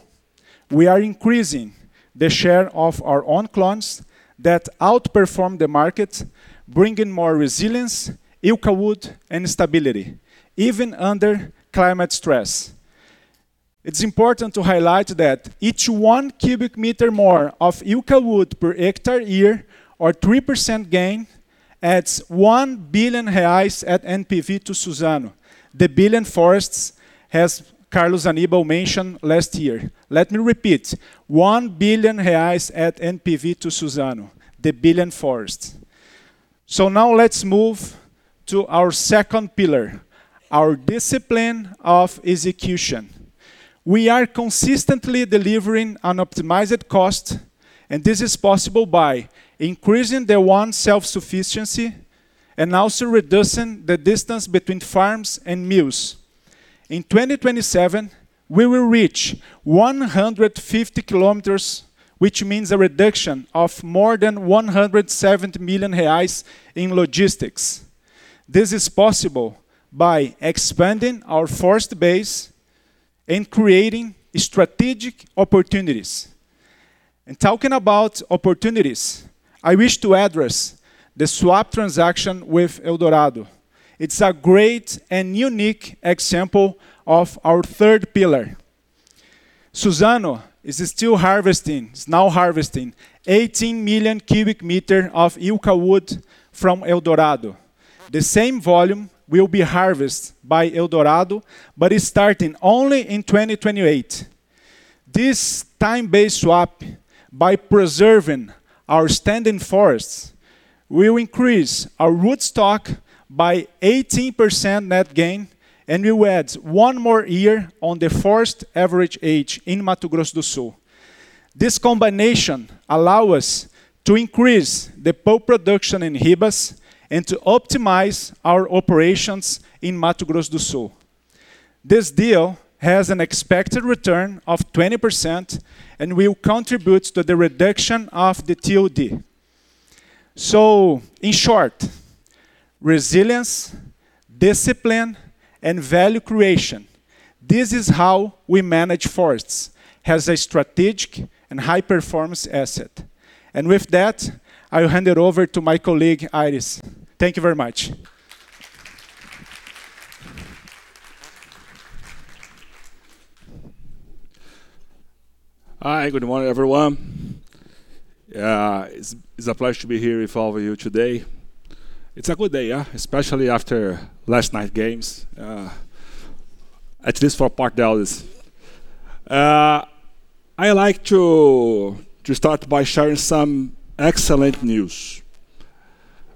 S5: we are increasing the share of our own clones that outperform the market, bringing more resilience, eucalyptus wood, and stability, even under climate stress. It's important to highlight that each one cubic meter more of eucalyptus wood per hectare a year, or 3% gain, adds 1 billion reais at NPV to Suzano. The billion forest, as Carlos Aníbal mentioned last year. Let me repeat, 1 billion reais at NPV to Suzano, the billion forest. Now let's move to our second pillar, our discipline of execution. We are consistently delivering an optimized cost, and this is possible by increasing our self-sufficiency and also reducing the distance between farms and mills. In 2027, we will reach 150 kilometers, which means a reduction of more than 170 million reais in logistics. This is possible by expanding our forest base and creating strategic opportunities. Talking about opportunities, I wish to address the swap transaction with Eldorado. It's a great and unique example of our third pillar. Suzano is still harvesting, is now harvesting 18 million cubic meters of eucalyptus wood from Eldorado. The same volume will be harvested by Eldorado, but it's starting only in 2028. This time-based swap, by preserving our standing forests, will increase our root stock by 18% net gain, and we will add one more year on the forest average age in Mato Grosso do Sul. This combination allows us to increase the pulp production in Ribas and to optimize our operations in Mato Grosso do Sul. This deal has an expected return of 20%, and we will contribute to the reduction of the TOD. Resilience, discipline, and value creation. This is how we manage forests as a strategic and high-performance asset. With that, I'll hand it over to my colleague Aires. Thank you very much. Hi, good morning, everyone. It's a pleasure to be here with all of you today. It's a good day, especially after last night's games, at least for part of those. I'd like to start by sharing some excellent news.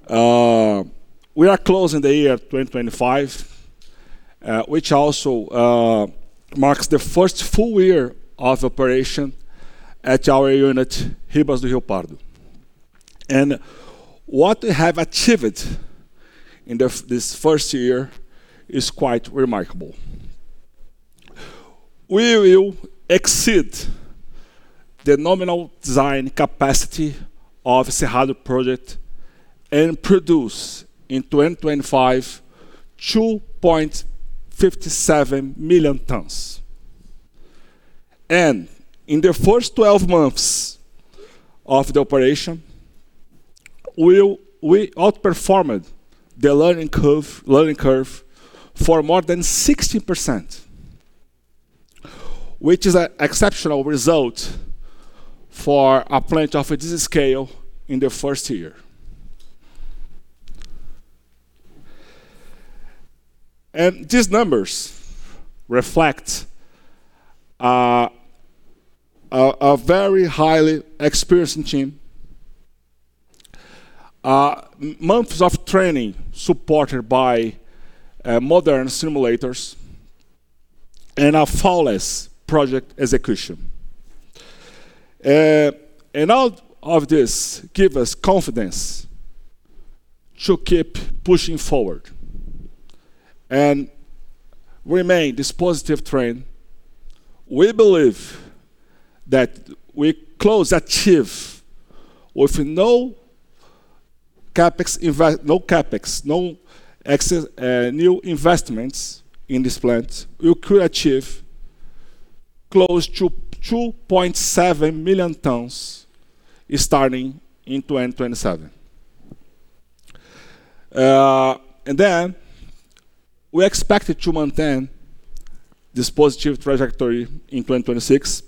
S5: We are closing the year 2025, which also marks the first full year of operation at our unit, Ribas do Rio Pardo. What we have achieved in this first year is quite remarkable. We will exceed the nominal design capacity of the Cerrado Project and produce in 2025 2.57 million tons. In the first 12 months of the operation, we outperformed the learning curve for more than 60%, which is an exceptional result for a plant of this scale in the first year. These numbers reflect a very highly experienced team, months of training supported by modern simulators, and a flawless project execution. All of this gives us confidence to keep pushing forward and remain this positive trend. We believe that we could achieve with no CapEx, no new investments in this plant, we could achieve close to 2.7 million tons starting in 2027. Then we expect to maintain this positive trajectory in 2026,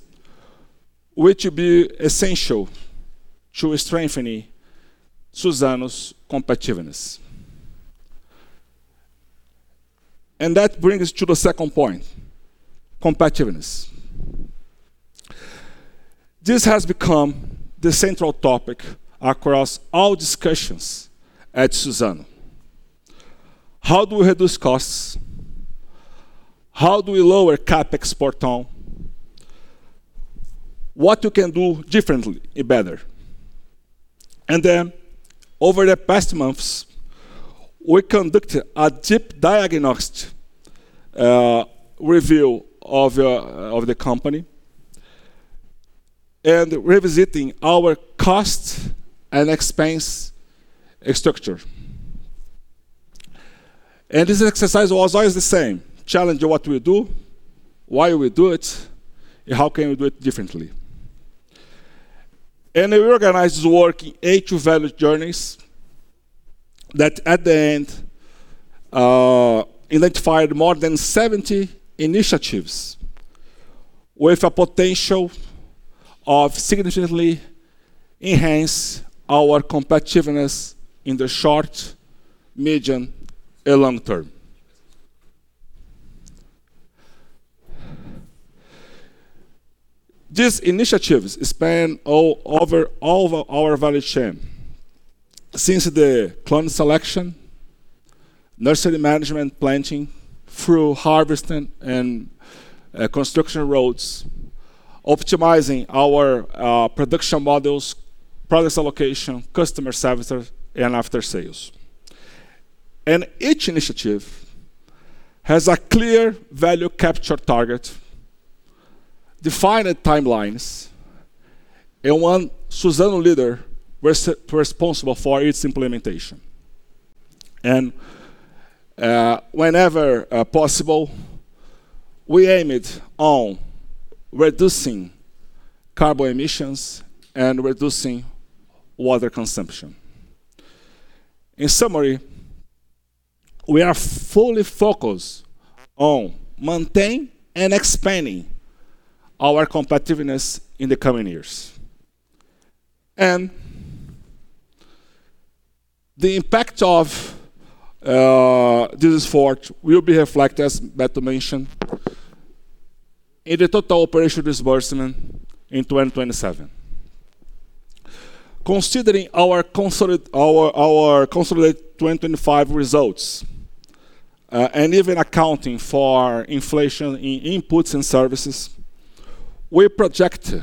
S5: which will be essential to strengthening Suzano's competitiveness. That brings us to the second point, competitiveness. This has become the central topic across all discussions at Suzano. How do we reduce costs? How do we lower CapEx per ton? What can we do differently and better? Over the past months, we conducted a deep diagnostic review of the company and revisited our cost and expense structure. This exercise was always the same: challenge what we do, why we do it, and how can we do it differently. We organized this work in eight value journeys that, at the end, identified more than 70 initiatives with a potential of significantly enhancing our competitiveness in the short, medium, and long term. These initiatives span over all of our value chain since the clone selection, nursery management, planting, through harvesting and construction roads, optimizing our production models, product allocation, customer service, and after-sales. Each initiative has a clear value capture target, defined timelines, and one Suzano leader responsible for its implementation. Whenever possible, we aimed on reducing carbon emissions and reducing water consumption. In summary, we are fully focused on maintaining and expanding our competitiveness in the coming years. The impact of this effort will be reflected, as Beto mentioned, in the total operational disbursement in 2027. Considering our consolidated 2025 results and even accounting for inflation in inputs and services, we project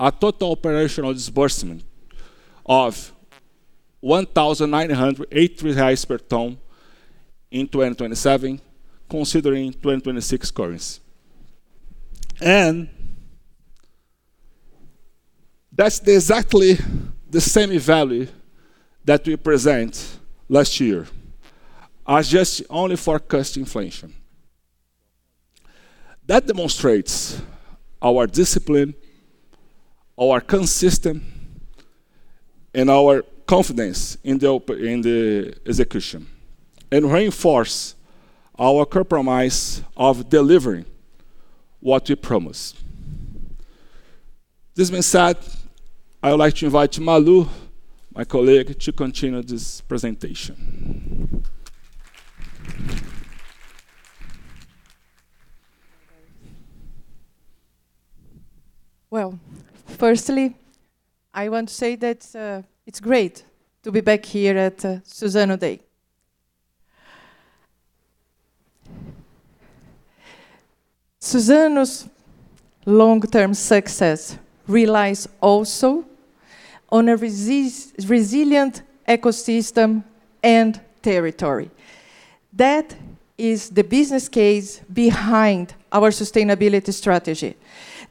S5: a total operational disbursement of 1,983 reais per ton in 2027, considering 2026 currency. That's exactly the same value that we presented last year, just only forecast inflation. That demonstrates our discipline, our consistency, and our confidence in the execution and reinforces our commitment of delivering what we promised. This being said, I'd like to invite Malu, my colleague, to continue this presentation.
S6: Firstly, I want to say that it's great to be back here at Suzano Day. Suzano's long-term success relies also on a resilient ecosystem and territory. That is the business case behind our sustainability strategy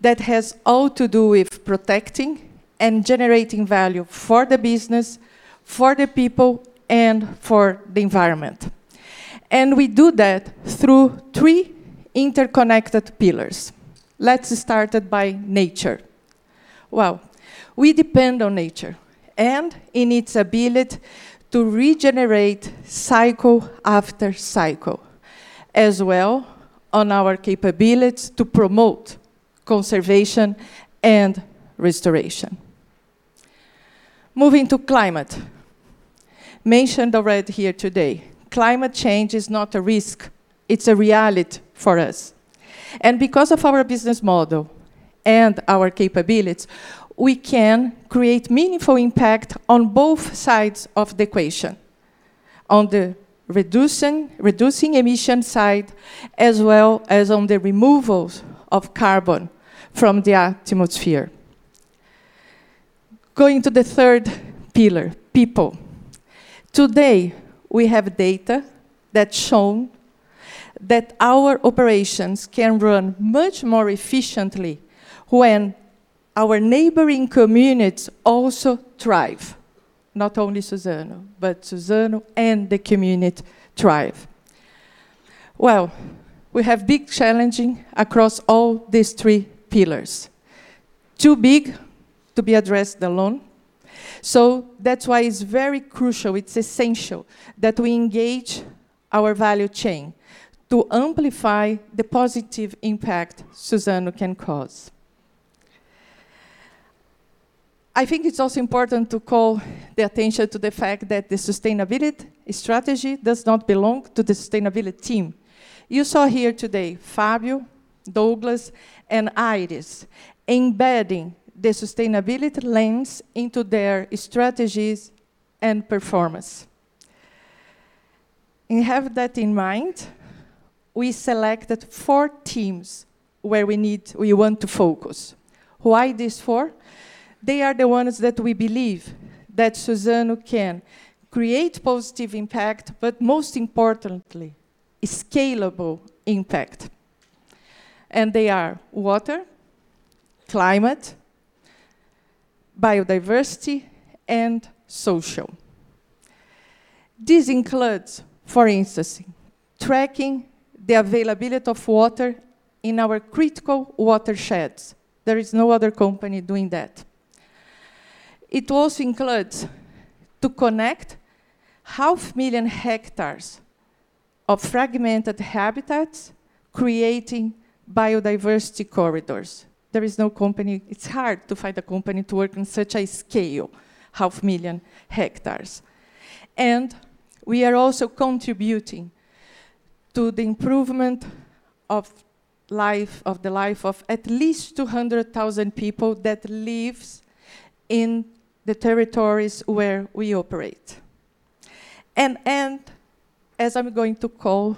S6: that has all to do with protecting and generating value for the business, for the people, and for the environment. And we do that through three interconnected pillars. Let's start by nature. Well, we depend on nature and on its ability to regenerate cycle after cycle, as well as on our capabilities to promote conservation and restoration. Moving to climate, mentioned already here today, climate change is not a risk. It's a reality for us. And because of our business model and our capabilities, we can create a meaningful impact on both sides of the equation, on the reducing emissions side, as well as on the removal of carbon from the atmosphere. Going to the third pillar, people. Today, we have data that show that our operations can run much more efficiently when our neighboring communities also thrive, not only Suzano, but Suzano and the community thrive. Well, we have big challenges across all these three pillars, too big to be addressed alone. So that's why it's very crucial, it's essential that we engage our value chain to amplify the positive impact Suzano can cause. I think it's also important to call the attention to the fact that the sustainability strategy does not belong to the sustainability team. You saw here today Fabio, Douglas, and Aires embedding the sustainability lens into their strategies and performance. Have that in mind, we selected four teams where we want to focus. Why these four? They are the ones that we believe Suzano can create positive impact, but most importantly, scalable impact. They are water, climate, biodiversity, and social. This includes, for instance, tracking the availability of water in our critical watersheds. There is no other company doing that. It also includes connecting 500,000 hectares of fragmented habitats, creating biodiversity corridors. There is no company. It's hard to find a company to work on such a scale, 500,000 hectares. We are also contributing to the improvement of the life of at least 200,000 people that live in the territories where we operate. As I'm going to call,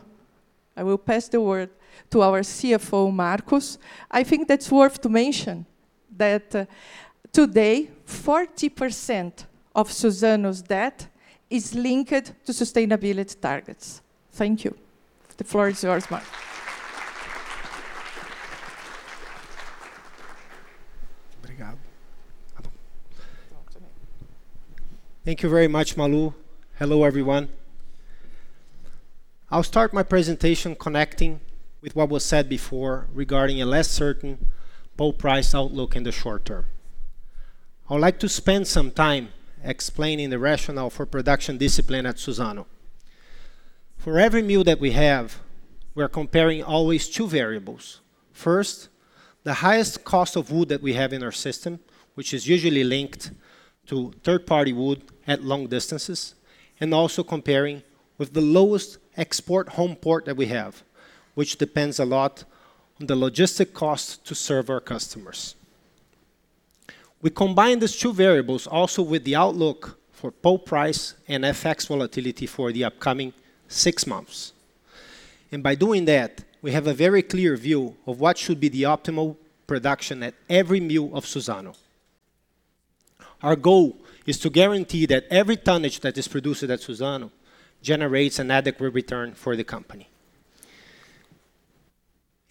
S6: I will pass the word to our CFO, Marcos. I think that's worth mentioning that today, 40% of Suzano's debt is linked to sustainability targets. Thank you. The floor is yours, Marcos.
S7: Thank you very much, Malu. Hello, everyone. I'll start my presentation connecting with what was said before regarding a less certain pulp price outlook in the short term. I'd like to spend some time explaining the rationale for production discipline at Suzano. For every mill that we have, we're comparing always two variables. First, the highest cost of wood that we have in our system, which is usually linked to third-party wood at long distances, and also comparing with the lowest export FOB port that we have, which depends a lot on the logistic cost to serve our customers. We combine these two variables also with the outlook for pulp price and FX volatility for the upcoming six months, and by doing that, we have a very clear view of what should be the optimal production at every mill of Suzano. Our goal is to guarantee that every tonnage that is produced at Suzano generates an adequate return for the company,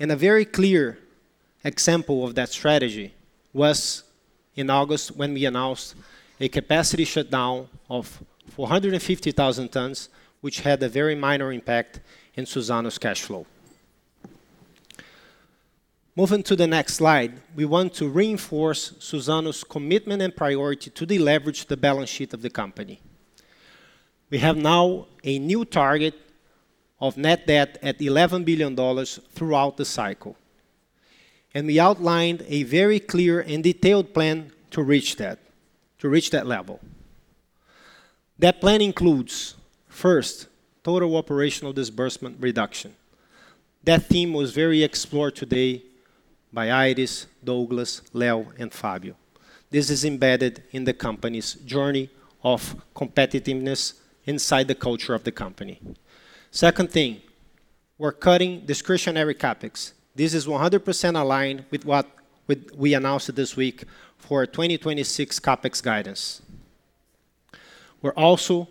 S7: and a very clear example of that strategy was in August when we announced a capacity shutdown of 450,000 tons, which had a very minor impact in Suzano's cash flow. Moving to the next slide, we want to reinforce Suzano's commitment and priority to leverage the balance sheet of the company. We have now a new target of net debt at $11 billion throughout the cycle, and we outlined a very clear and detailed plan to reach that, to reach that level. That plan includes, first, total operational disbursement reduction. That theme was very explored today by Aires, Douglas, Leo, and Fabio. This is embedded in the company's journey of competitiveness inside the culture of the company. Second thing, we're cutting discretionary CapEx. This is 100% aligned with what we announced this week for 2026 CapEx guidance. We're also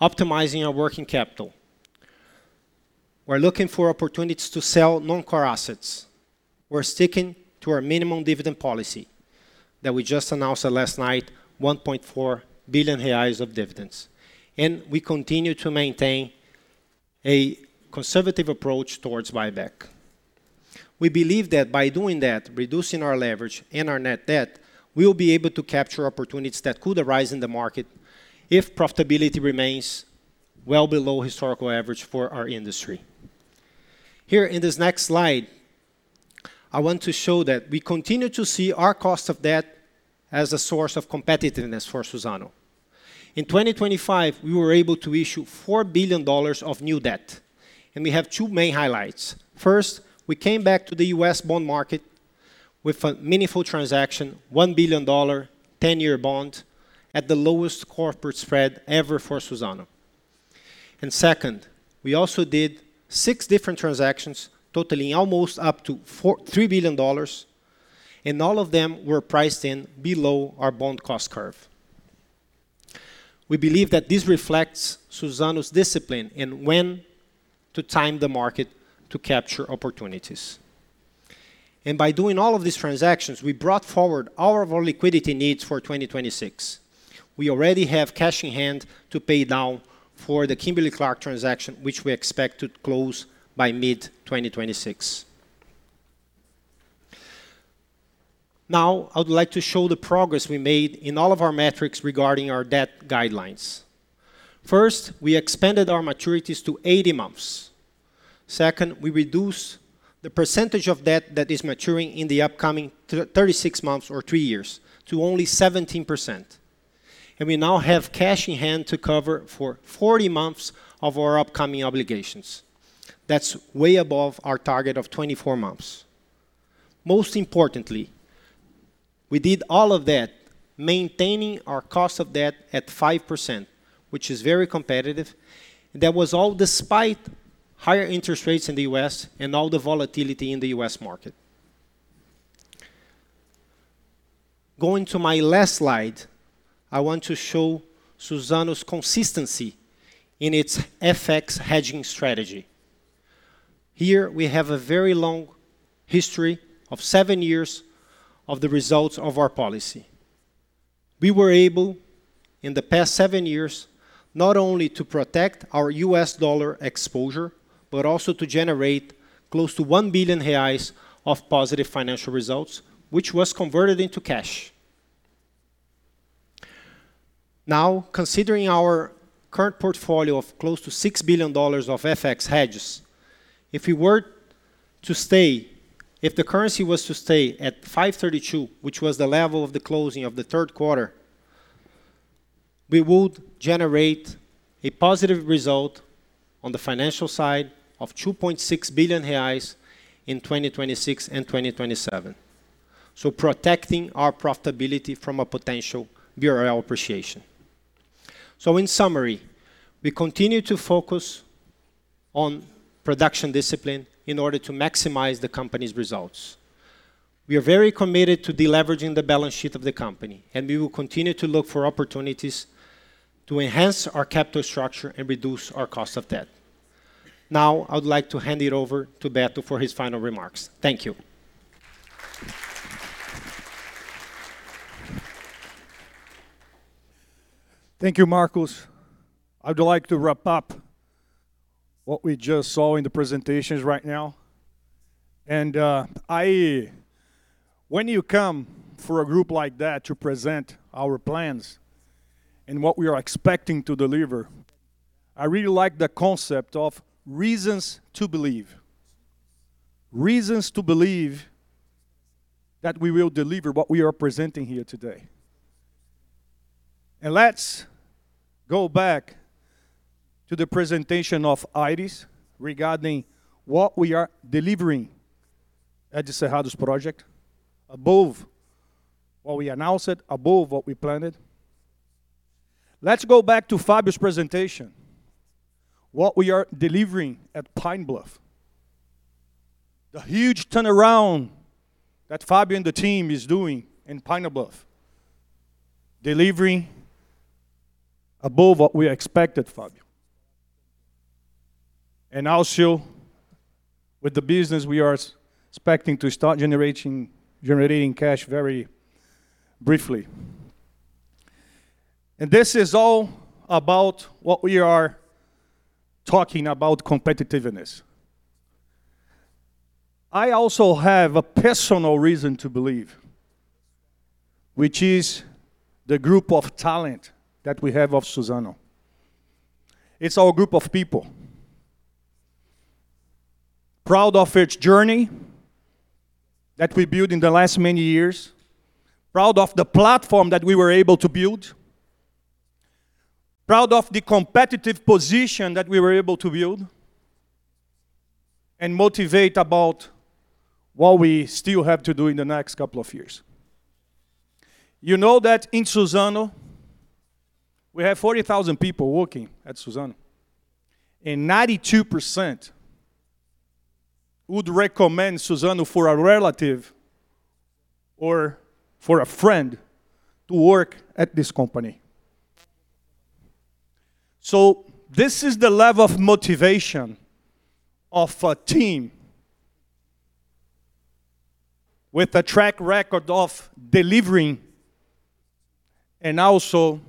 S7: optimizing our working capital. We're looking for opportunities to sell non-core assets. We're sticking to our minimum dividend policy that we just announced last night, 1.4 billion reais of dividends. We continue to maintain a conservative approach towards buyback. We believe that by doing that, reducing our leverage and our net debt, we will be able to capture opportunities that could arise in the market if profitability remains well below historical average for our industry. Here, in this next slide, I want to show that we continue to see our cost of debt as a source of competitiveness for Suzano. In 2025, we were able to issue $4 billion of new debt. We have two main highlights. First, we came back to the U.S. Bond market with a meaningful transaction, $1 billion 10-year bond at the lowest corporate spread ever for Suzano. And second, we also did six different transactions totaling almost up to $3 billion, and all of them were priced in below our bond cost curve. We believe that this reflects Suzano's discipline and when to time the market to capture opportunities. And by doing all of these transactions, we brought forward all of our liquidity needs for 2026. We already have cash in hand to pay down for the Kimberly-Clark transaction, which we expect to close by mid-2026. Now, I would like to show the progress we made in all of our metrics regarding our debt guidelines. First, we expanded our maturities to 80 months. Second, we reduced the percentage of debt that is maturing in the upcoming 36 months or three years to only 17%. We now have cash in hand to cover for 40 months of our upcoming obligations. That's way above our target of 24 months. Most importantly, we did all of that maintaining our cost of debt at 5%, which is very competitive. That was all despite higher interest rates in the U.S. and all the volatility in the U.S. market. Going to my last slide, I want to show Suzano's consistency in its FX hedging strategy. Here, we have a very long history of seven years of the results of our policy. We were able, in the past seven years, not only to protect our U.S. dollar exposure, but also to generate close to 1 billion reais of positive financial results, which was converted into cash. Now, considering our current portfolio of close to $6 billion of FX hedges, if we were to stay, if the currency was to stay at 532, which was the level of the closing of the third quarter, we would generate a positive result on the financial side of 2.6 billion reais in 2026 and 2027. So protecting our profitability from a potential BRL appreciation. So in summary, we continue to focus on production discipline in order to maximize the company's results. We are very committed to deleveraging the balance sheet of the company, and we will continue to look for opportunities to enhance our capital structure and reduce our cost of debt. Now, I would like to hand it over to Beto for his final remarks. Thank you.
S8: Thank you, Marcos. I would like to wrap up what we just saw in the presentations right now. When you come for a group like that to present our plans and what we are expecting to deliver, I really like the concept of reasons to believe, reasons to believe that we will deliver what we are presenting here today. Let's go back to the presentation of Aires regarding what we are delivering at the Cerrado Project, above what we announced, above what we planned. Let's go back to Fabio's presentation, what we are delivering at Pine Bluff, the huge turnaround that Fabio and the team are doing in Pine Bluff, delivering above what we expected, Fabio. Also with the business we are expecting to start generating cash very briefly. This is all about what we are talking about competitiveness. I also have a personal reason to believe, which is the group of talent that we have of Suzano. It's our group of people, proud of its journey that we built in the last many years, proud of the platform that we were able to build, proud of the competitive position that we were able to build, and motivated about what we still have to do in the next couple of years. You know that in Suzano, we have 40,000 people working at Suzano, and 92% would recommend Suzano for a relative or for a friend to work at this company. So this is the level of motivation of a team with a track record of delivering and also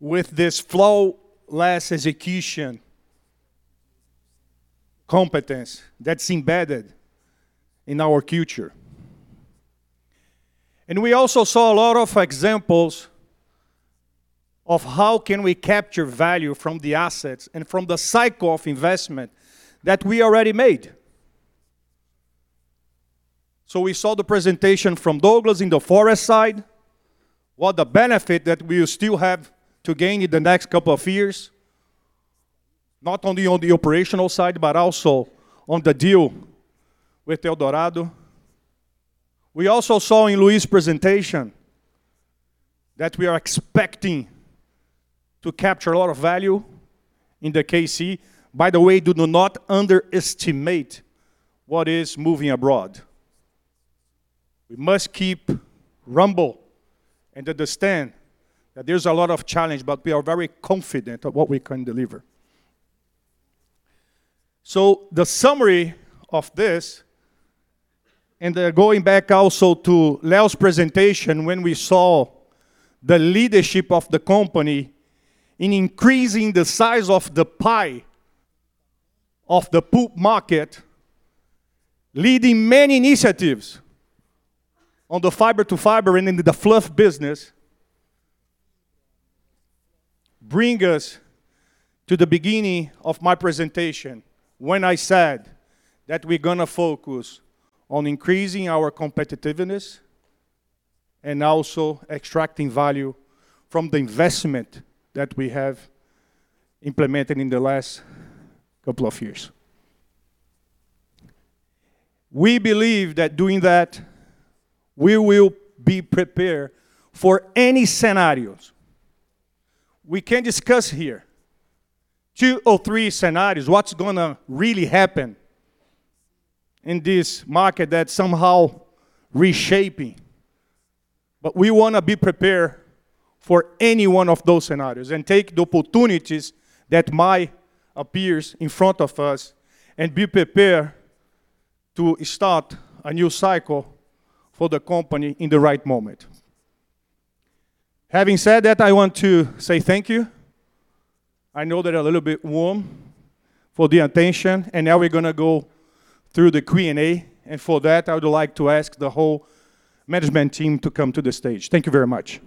S8: with this flawless execution competence that's embedded in our future. We also saw a lot of examples of how can we capture value from the assets and from the cycle of investment that we already made. So we saw the presentation from Douglas on the forestry side, what the benefit that we still have to gain in the next couple of years, not only on the operational side, but also on the deal with Eldorado. We also saw in Luís's presentation that we are expecting to capture a lot of value in the KC. By the way, do not underestimate what is moving abroad. We must keep humble and understand that there's a lot of challenge, but we are very confident of what we can deliver. So the summary of this, and going back also to Leo's presentation when we saw the leadership of the company in increasing the size of the pie of the pulp market, leading many initiatives on the fiber-to-fiber and in the fluff business, brings us to the beginning of my presentation when I said that we're going to focus on increasing our competitiveness and also extracting value from the investment that we have implemented in the last couple of years. We believe that doing that, we will be prepared for any scenarios. We can discuss here two or three scenarios, what's going to really happen in this market that's somehow reshaping. But we want to be prepared for any one of those scenarios and take the opportunities that might appear in front of us and be prepared to start a new cycle for the company in the right moment. Having said that, I want to say thank you. I know that I'm a little bit warm for the attention, and now we're going to go through the Q&A. And for that, I would like to ask the whole management team to come to the stage. Thank you very much.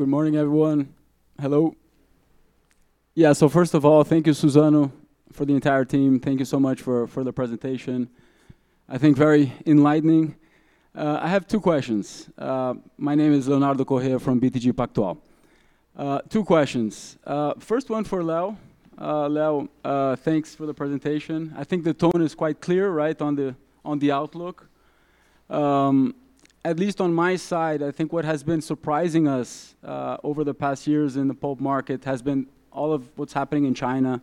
S9: Good morning, everyone. Hello. Yeah, so first of all, thank you, Suzano, for the entire team. Thank you so much for the presentation. I think very enlightening. I have two questions. My name is Leonardo Correa from BTG Pactual. Two questions. First one for Leo. Leo, thanks for the presentation. I think the tone is quite clear, right, on the outlook. At least on my side, I think what has been surprising us over the past years in the pulp market has been all of what's happening in China.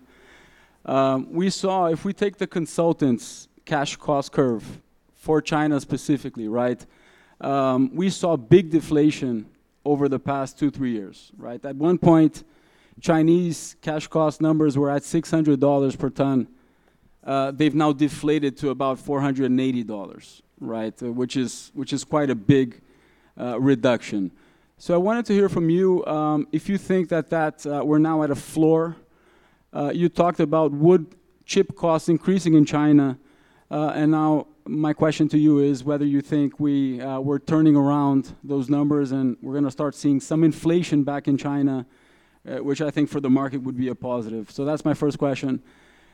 S9: We saw, if we take the consultants' cash cost curve for China specifically, right, we saw big deflation over the past two, three years. Right? At one point, Chinese cash cost numbers were at $600 per ton. They've now deflated to about $480, right, which is quite a big reduction. So I wanted to hear from you if you think that we're now at a floor. You talked about wood chip costs increasing in China. And now my question to you is whether you think we're turning around those numbers and we're going to start seeing some inflation back in China, which I think for the market would be a positive. So that's my first question.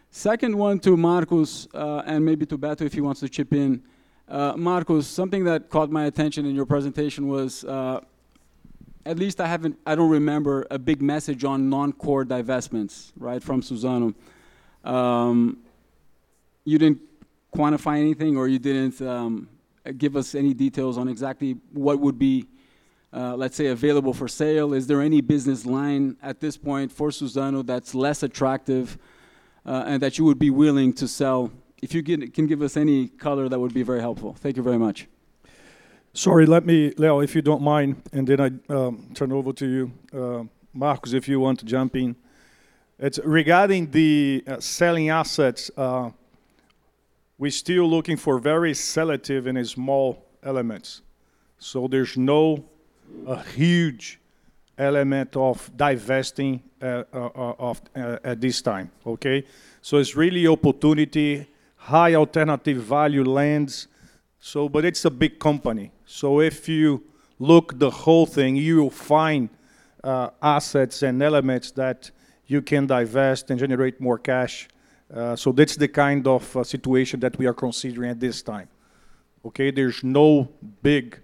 S9: Second one to Marcos and maybe to Beto if he wants to chip in. Marcos, something that caught my attention in your presentation was, at least I don't remember a big message on non-core divestments, right, from Suzano. You didn't quantify anything or you didn't give us any details on exactly what would be, let's say, available for sale. Is there any business line at this point for Suzano that's less attractive and that you would be willing to sell? If you can give us any color, that would be very helpful. Thank you very much.
S8: Sorry, let me, Leo, if you don't mind, and then I turn over to you. Marcos, if you want to jump in. It's regarding the selling assets. We're still looking for very selective and small elements. So there's no huge element of divesting at this time, okay? So it's really opportunity, high alternative value lands. But it's a big company. If you look at the whole thing, you will find assets and elements that you can divest and generate more cash. That's the kind of situation that we are considering at this time. Okay? There's no big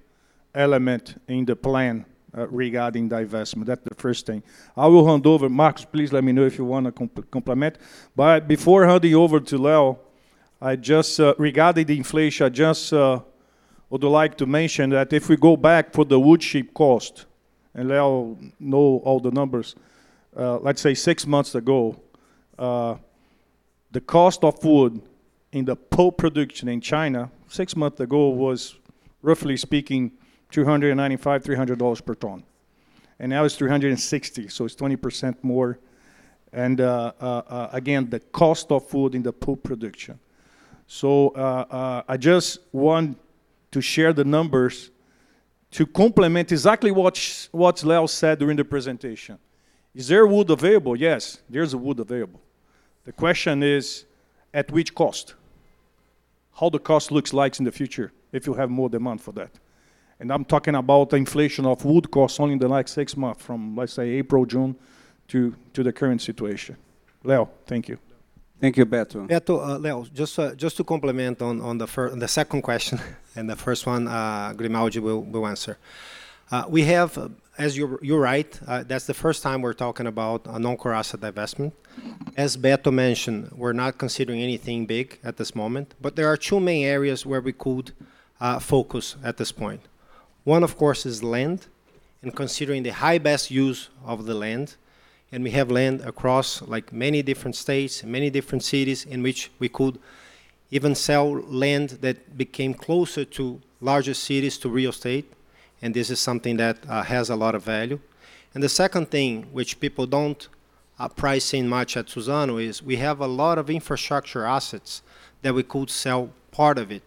S8: element in the plan regarding divestment. That's the first thing. I will hand over. Marcos, please let me know if you want to comment. But before handing over to Leo, regarding the inflation, I just would like to mention that if we go back for the wood chip cost, and Leo knows all the numbers, let's say six months ago, the cost of wood in the pulp production in China, six months ago was, roughly speaking, $295-$300 per ton. And now it's $360, so it's 20% more. And again, the cost of wood in the pulp production. So I just want to share the numbers to complement exactly what Leo said during the presentation. Is there wood available? Yes, there's wood available. The question is at which cost, how the cost looks like in the future if you have more demand for that. And I'm talking about the inflation of wood costs only in the next six months from, let's say, April to June to the current situation. Leo, thank you.
S2: Thank you, Beto.
S7: Beto, Leo, just to complement on the second question and the first one, Grimaldi will answer. We have, as you're right, that's the first time we're talking about a non-core asset divestment. As Beto mentioned, we're not considering anything big at this moment, but there are two main areas where we could focus at this point. One, of course, is land and considering the highest and best use of the land. We have land across many different states, many different cities in which we could even sell land that became closer to larger cities to real estate. This is something that has a lot of value. The second thing which people don't price in much at Suzano is we have a lot of infrastructure assets that we could sell part of it.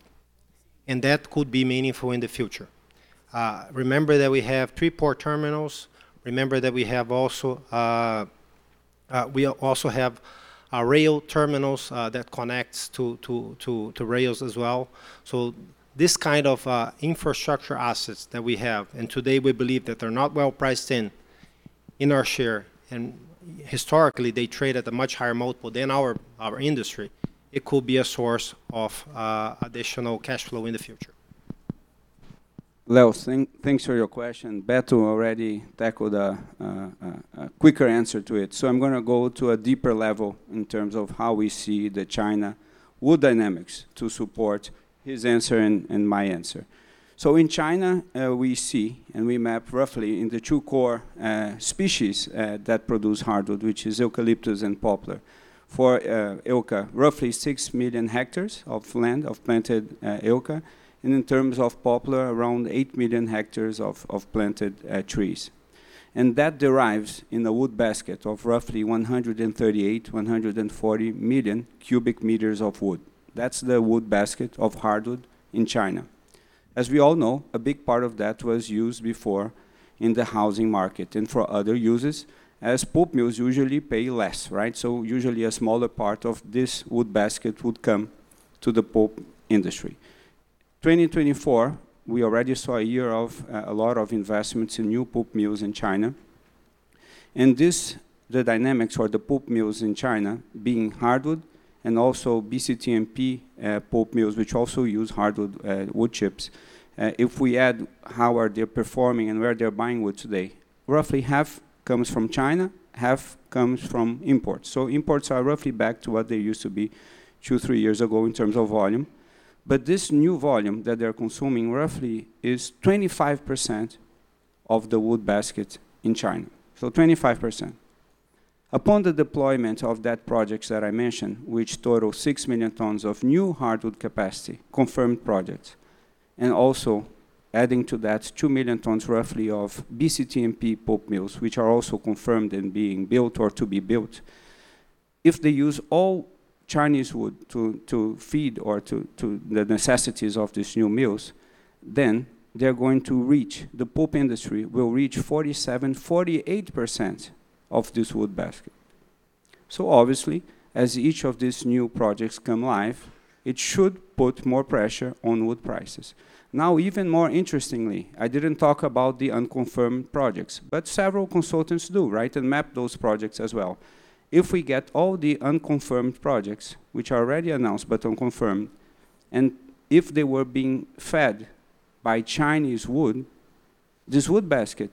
S7: That could be meaningful in the future. Remember that we have three port terminals. Remember that we also have rail terminals that connect to rails as well. This kind of infrastructure assets that we have, and today we believe that they're not well priced in our share. Historically, they trade at a much higher multiple than our industry. It could be a source of additional cash flow in the future.
S2: Leo, thanks for your question. Beto already tackled a quicker answer to it, so I'm going to go to a deeper level in terms of how we see the China wood dynamics to support his answer and my answer, so in China, we see and we map roughly in the two core species that produce hardwood, which is eucalyptus and poplar. For euca, roughly six million hectares of land of planted euca, and in terms of poplar, around eight million hectares of planted trees, and that derives in the wood basket of roughly 138-140 million cubic meters of wood. That's the wood basket of hardwood in China. As we all know, a big part of that was used before in the housing market and for other uses as pulp mills usually pay less, right, so usually a smaller part of this wood basket would come to the pulp industry. 2024, we already saw a year of a lot of investments in new pulp mills in China. And this, the dynamics for the pulp mills in China being hardwood and also BCTMP pulp mills, which also use hardwood wood chips. If we add how are they performing and where they're buying wood today, roughly half comes from China, half comes from imports. So imports are roughly back to what they used to be two, three years ago in terms of volume. But this new volume that they're consuming roughly is 25% of the wood basket in China. So 25%. Upon the deployment of that project that I mentioned, which totaled 6 million tons of new hardwood capacity, confirmed projects. And also adding to that 2 million tons roughly of BCTMP pulp mills, which are also confirmed and being built or to be built. If they use all Chinese wood to feed or to the necessities of these new mills, then they're going to reach, the pulp industry will reach 47%-48% of this wood basket. So obviously, as each of these new projects come live, it should put more pressure on wood prices. Now, even more interestingly, I didn't talk about the unconfirmed projects, but several consultants do, right, and map those projects as well. If we get all the unconfirmed projects, which are already announced but unconfirmed, and if they were being fed by Chinese wood, this wood basket,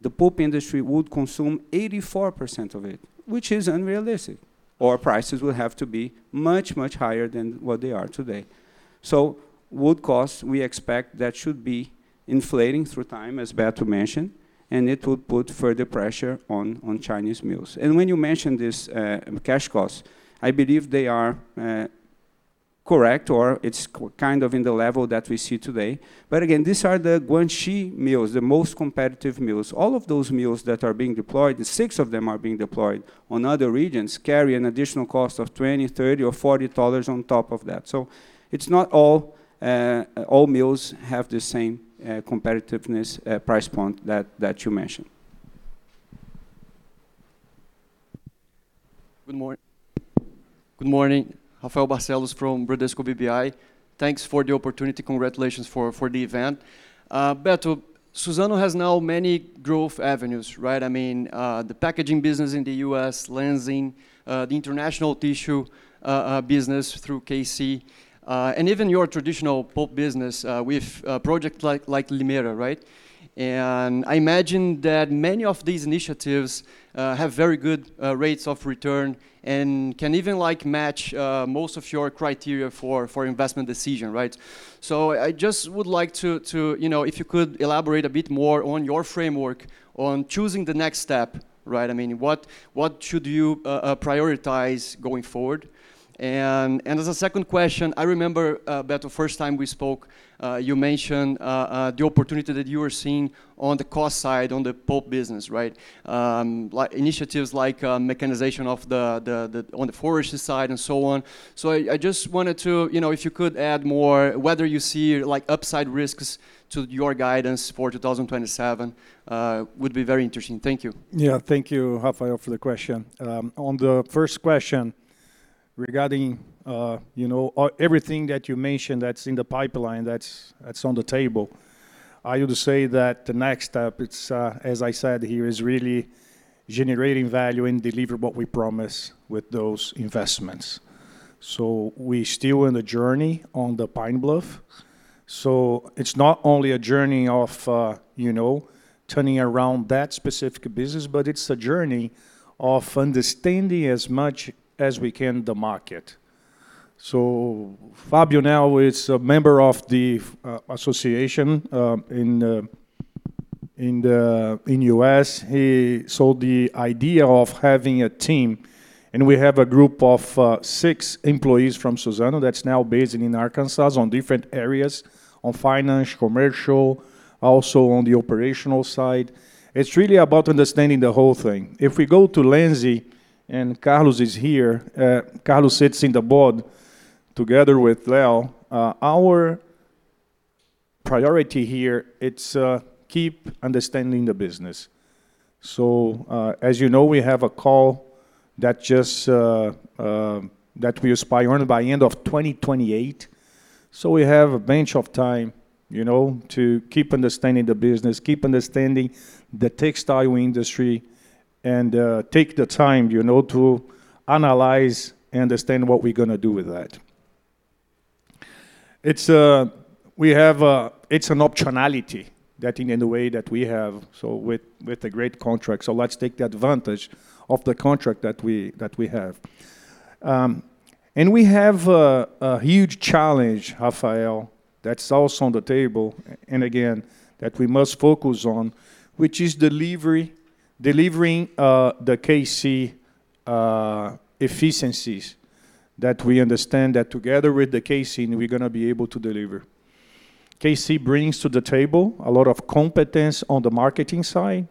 S2: the pulp industry would consume 84% of it, which is unrealistic. Or prices will have to be much, much higher than what they are today. So wood costs, we expect that should be inflating through time, as Beto mentioned, and it would put further pressure on Chinese mills. When you mentioned this cash cost, I believe they are correct or it's kind of in the level that we see today. But again, these are the Guangxi mills, the most competitive mills. All of those mills that are being deployed, six of them are being deployed on other regions, carry an additional cost of $20, $30, or $40 on top of that. So it's not all mills have the same competitiveness price point that you mentioned.
S10: Good morning. Good morning. Rafael Barcellos from Bradesco BBI. Thanks for the opportunity. Congratulations for the event. Beto, Suzano has now many growth avenues, right? I mean, the packaging business in the U.S., Lenzing, the international tissue business through KC, and even your traditional pulp business with projects like Limeira, right? And I imagine that many of these initiatives have very good rates of return and can even match most of your criteria for investment decision, right? So I just would like to, if you could elaborate a bit more on your framework on choosing the next step, right? I mean, what should you prioritize going forward? And as a second question, I remember, Beto, first time we spoke, you mentioned the opportunity that you were seeing on the cost side on the pulp business, right? Initiatives like mechanization on the forest side and so on. So I just wanted to, if you could add more, whether you see upside risks to your guidance for 2027 would be very interesting. Thank you.
S8: Yeah, thank you, Rafael, for the question. On the first question regarding everything that you mentioned that's in the pipeline that's on the table, I would say that the next step, as I said here, is really generating value and delivering what we promise with those investments. So we're still on the journey on the Pine Bluff. So it's not only a journey of turning around that specific business, but it's a journey of understanding as much as we can the market. So Fabio now is a member of the association in the U.S. He sold the idea of having a team. And we have a group of six employees from Suzano that's now based in Arkansas on different areas, on finance, commercial, also on the operational side. It's really about understanding the whole thing. If we go to Lenzing and Carlos is here, Carlos sits in the board together with Leo. Our priority here, it's to keep understanding the business. As you know, we have an option that we exercise by the end of 2028. We have a bunch of time to keep understanding the business, keep understanding the textile industry, and take the time to analyze and understand what we're going to do with that. It's an optionality that in the way that we have, so with a great contract. Let's take the advantage of the contract that we have. We have a huge challenge, Rafael, that's also on the table, and again, that we must focus on, which is delivering the KC efficiencies that we understand that together with the KC, we're going to be able to deliver. KC brings to the table a lot of competence on the marketing side,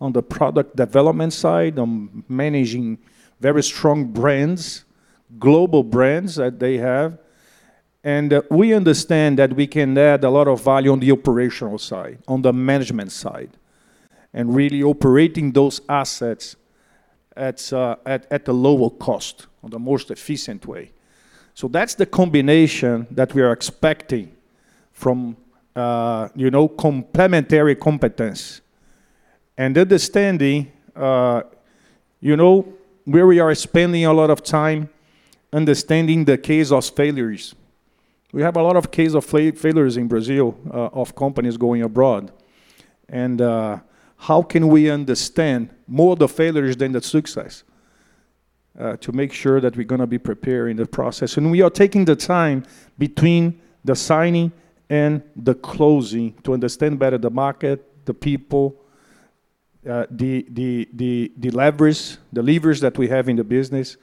S8: on the product development side, on managing very strong brands, global brands that they have. We understand that we can add a lot of value on the operational side, on the management side, and really operating those assets at a lower cost, in the most efficient way. So that's the combination that we are expecting from complementary competence. We are spending a lot of time understanding the cases of failures. We have a lot of cases of failures in Brazil of companies going abroad. How can we understand more of the failures than the success to make sure that we're going to be prepared in the process? We are taking the time between the signing and the closing to understand better the market, the people, the leverage, the levers that we have in the business.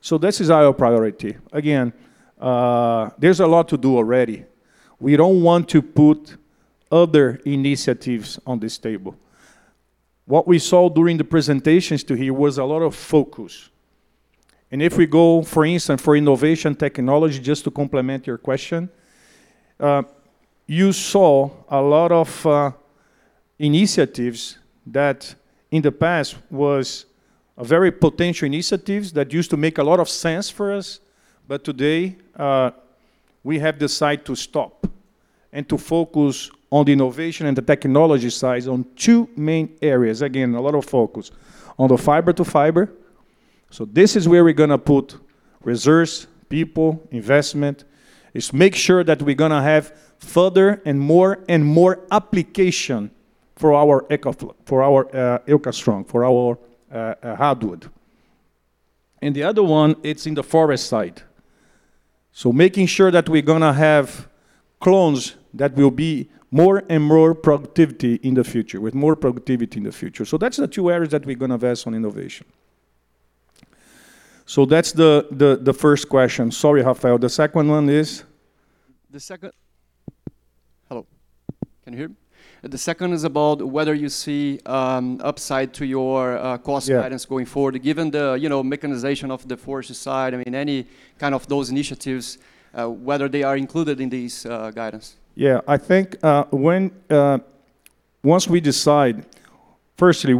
S8: So this is our priority. Again, there's a lot to do already. We don't want to put other initiatives on this table. What we saw during the presentations to here was a lot of focus. If we go, for instance, for innovation technology, just to complement your question, you saw a lot of initiatives that in the past was a very potential initiative that used to make a lot of sense for us. But today, we have decided to stop and to focus on the innovation and the technology side on two main areas. Again, a lot of focus on the fiber-to-fiber. So this is where we're going to put resources, people, investment. It's to make sure that we're going to have further and more and more application for our EucaStrong, for our hardwood. The other one, it's in the forest side. So making sure that we're going to have clones that will be more and more productivity in the future, with more productivity in the future. So that's the two areas that we're going to invest on innovation. So that's the first question. Sorry, Rafael. The second one is?
S10: The second, hello. Can you hear me? The second is about whether you see upside to your cost guidance going forward, given the mechanization of the forest side. I mean, any kind of those initiatives, whether they are included in these guidance?
S8: Yeah, I think once we decide, firstly,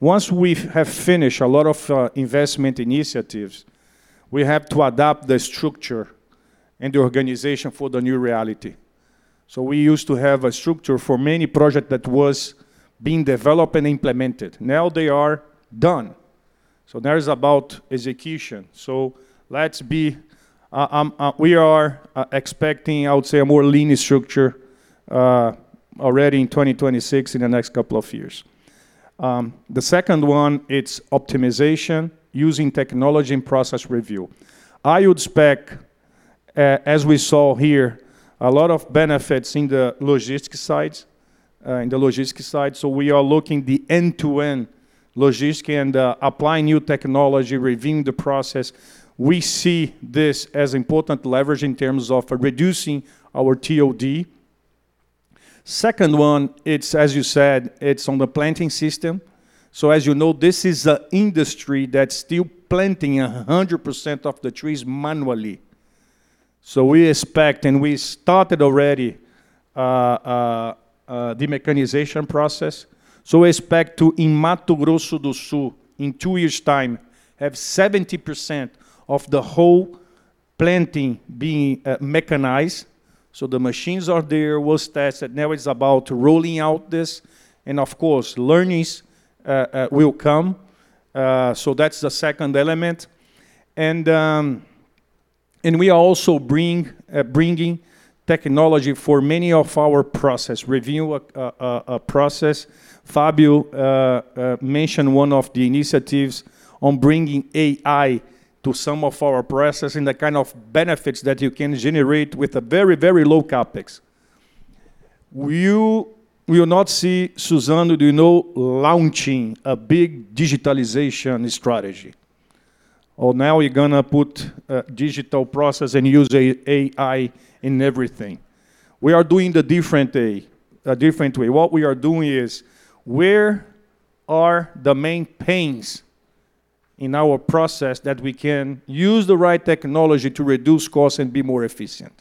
S8: once we have finished a lot of investment initiatives, we have to adapt the structure and the organization for the new reality. So we used to have a structure for many projects that was being developed and implemented. Now they are done. So there is about execution. So we are expecting, I would say, a more lean structure already in 2026, in the next couple of years. The second one, it's optimization, using technology and process review. I would spec, as we saw here, a lot of benefits in the logistics side, in the logistics side. We are looking at the end-to-end logistics and applying new technology, reviewing the process. We see this as important leverage in terms of reducing our TOD. Second one, it's, as you said, it's on the planting system. As you know, this is an industry that's still planting 100% of the trees manually. We expect, and we started already the mechanization process. We expect to, in Mato Grosso do Sul, in two years' time, have 70% of the whole planting being mechanized. The machines are there, was tested. Now it's about rolling out this. And of course, learnings will come. That's the second element. We are also bringing technology for many of our process review process. Fabio mentioned one of the initiatives on bringing AI to some of our processes and the kind of benefits that you can generate with a very, very low CapEx. We will not see Suzano, you know, launching a big digitalization strategy. Or now we're going to put a digital process and use AI in everything. We are doing the different way. What we are doing is where are the main pains in our process that we can use the right technology to reduce costs and be more efficient.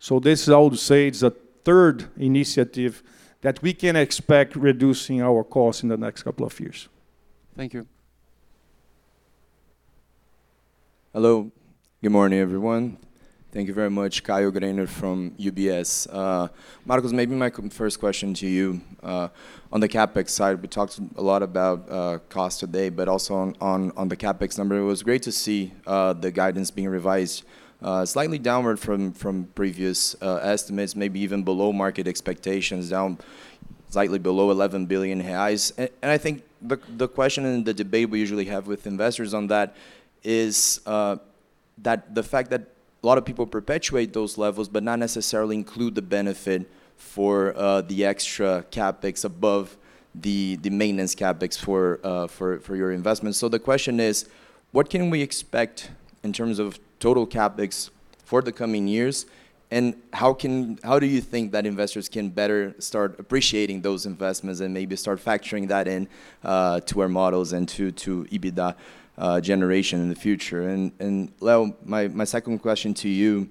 S8: So this is, I would say, it's a third initiative that we can expect reducing our costs in the next couple of years.
S10: Thank you.
S11: Hello. Good morning, everyone. Thank you very much, Caio Greiner from UBS. Marcos, maybe my first question to you. On the CapEx side, we talked a lot about cost today, but also on the CapEx number, it was great to see the guidance being revised slightly downward from previous estimates, maybe even below market expectations, down slightly below 11 billion reais. And I think the question and the debate we usually have with investors on that is that the fact that a lot of people perpetuate those levels, but not necessarily include the benefit for the extra CapEx above the maintenance CapEx for your investments. So the question is, what can we expect in terms of total CapEx for the coming years? And how do you think that investors can better start appreciating those investments and maybe start factoring that into our models and to EBITDA generation in the future? Leo, my second question to you,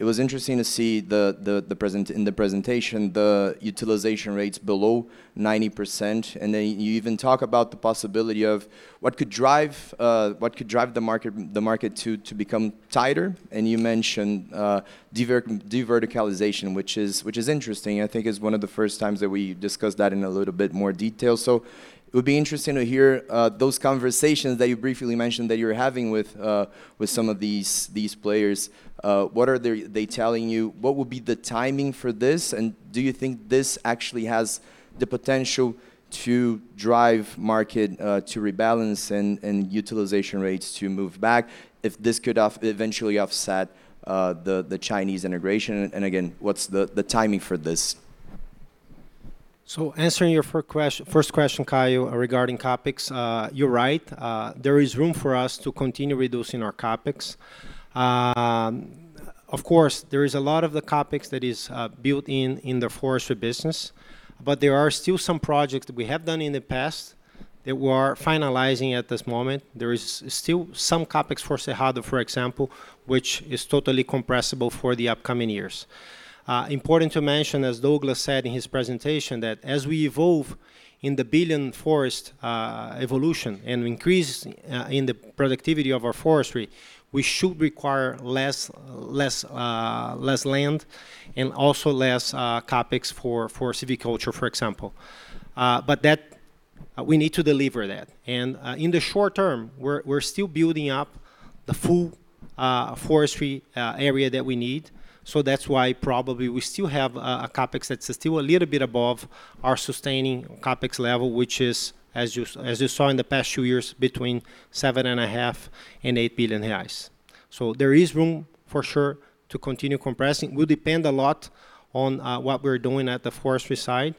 S11: it was interesting to see in the presentation the utilization rates below 90%. And then you even talk about the possibility of what could drive the market to become tighter. And you mentioned deverticalization, which is interesting. I think it's one of the first times that we discussed that in a little bit more detail. So it would be interesting to hear those conversations that you briefly mentioned that you're having with some of these players. What are they telling you? What would be the timing for this? And do you think this actually has the potential to drive market to rebalance and utilization rates to move back if this could eventually offset the Chinese integration? And again, what's the timing for this?
S7: So answering your first question, Caio, regarding CapEx, you're right. There is room for us to continue reducing our CapEx. Of course, there is a lot of the CapEx that is built in the forestry business, but there are still some projects that we have done in the past that we are finalizing at this moment. There is still some CapEx for Cerrado, for example, which is totally compressible for the upcoming years. Important to mention, as Douglas said in his presentation, that as we evolve in the eucalyptus forest evolution and increase in the productivity of our forestry, we should require less land and also less CapEx for silviculture, for example. But we need to deliver that. And in the short term, we're still building up the full forestry area that we need. So that's why probably we still have a CapEx that's still a little bit above our sustaining CapEx level, which is, as you saw in the past few years, between 7.5 and 8 billion reais. There is room for sure to continue compressing. It will depend a lot on what we're doing at the forestry side.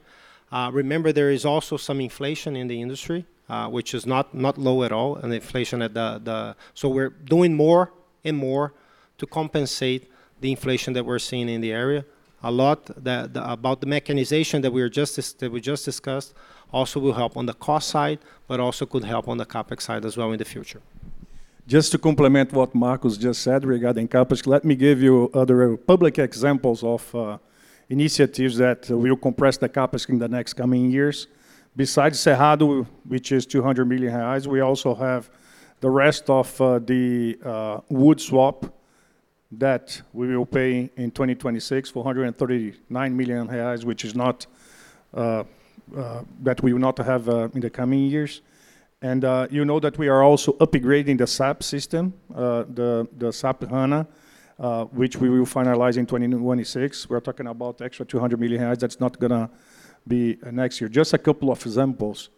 S7: Remember, there is also some inflation in the industry, which is not low at all. Inflation at the... We're doing more and more to compensate the inflation that we're seeing in the area. A lot about the mechanization that we just discussed also will help on the cost side, but also could help on the CapEx side as well in the future.
S8: Just to complement what Marcos just said regarding CapEx, let me give you other public examples of initiatives that will compress the CapEx in the next coming years. Besides Cerrado, which is 200 million reais, we also have the rest of the wood swap that we will pay in 2026 for 139 million reais, which is not that we will not have in the coming years. And you know that we are also upgrading the SAP system, the SAP S/4HANA, which we will finalize in 2026. We're talking about extra 200 million that's not going to be next year. Just a couple of examples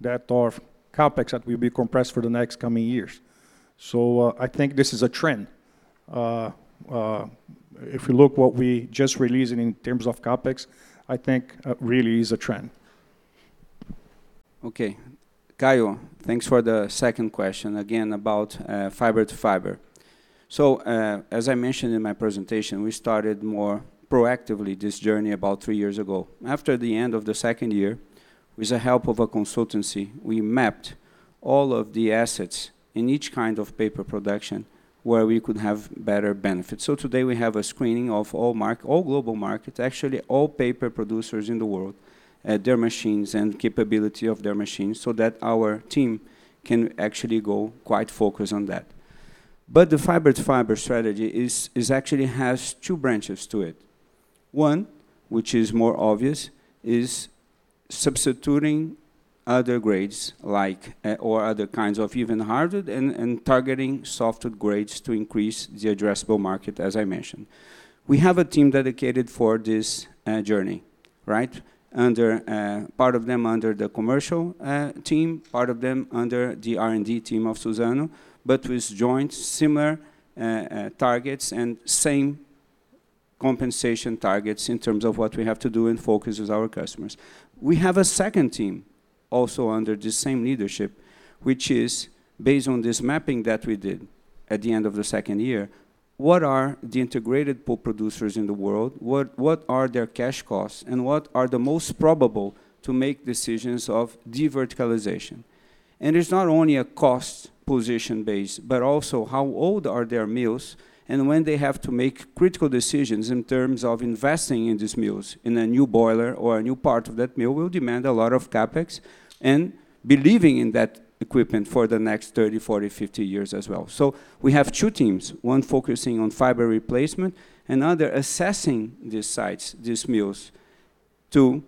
S8: that are CapEx that will be compressed for the next coming years. So I think this is a trend. If we look at what we just released in terms of CapEx, I think it really is a trend.
S2: Okay. Caio, thanks for the second question again about fiber-to-fiber. So as I mentioned in my presentation, we started more proactively this journey about three years ago. After the end of the second year, with the help of a consultancy, we mapped all of the assets in each kind of paper production where we could have better benefits. So today we have a screening of all global markets, actually all paper producers in the world, their machines and capability of their machines so that our team can actually go quite focused on that. But the fiber to fiber strategy actually has two branches to it. One, which is more obvious, is substituting other grades or other kinds of even hardwood and targeting softwood grades to increase the addressable market, as I mentioned. We have a team dedicated for this journey, right? Part of them under the commercial team, part of them under the R&D team of Suzano, but with joint similar targets and same compensation targets in terms of what we have to do and focus with our customers. We have a second team also under the same leadership, which is based on this mapping that we did at the end of the second year. What are the integrated producers in the world? What are their cash costs? And what are the most probable to make decisions of deverticalization? And it's not only a cost position base, but also how old are their mills? And when they have to make critical decisions in terms of investing in these mills, in a new boiler or a new part of that mill will demand a lot of CapEx and believing in that equipment for the next 30, 40, 50 years as well. So we have two teams, one focusing on fiber replacement and other assessing these sites, these mills to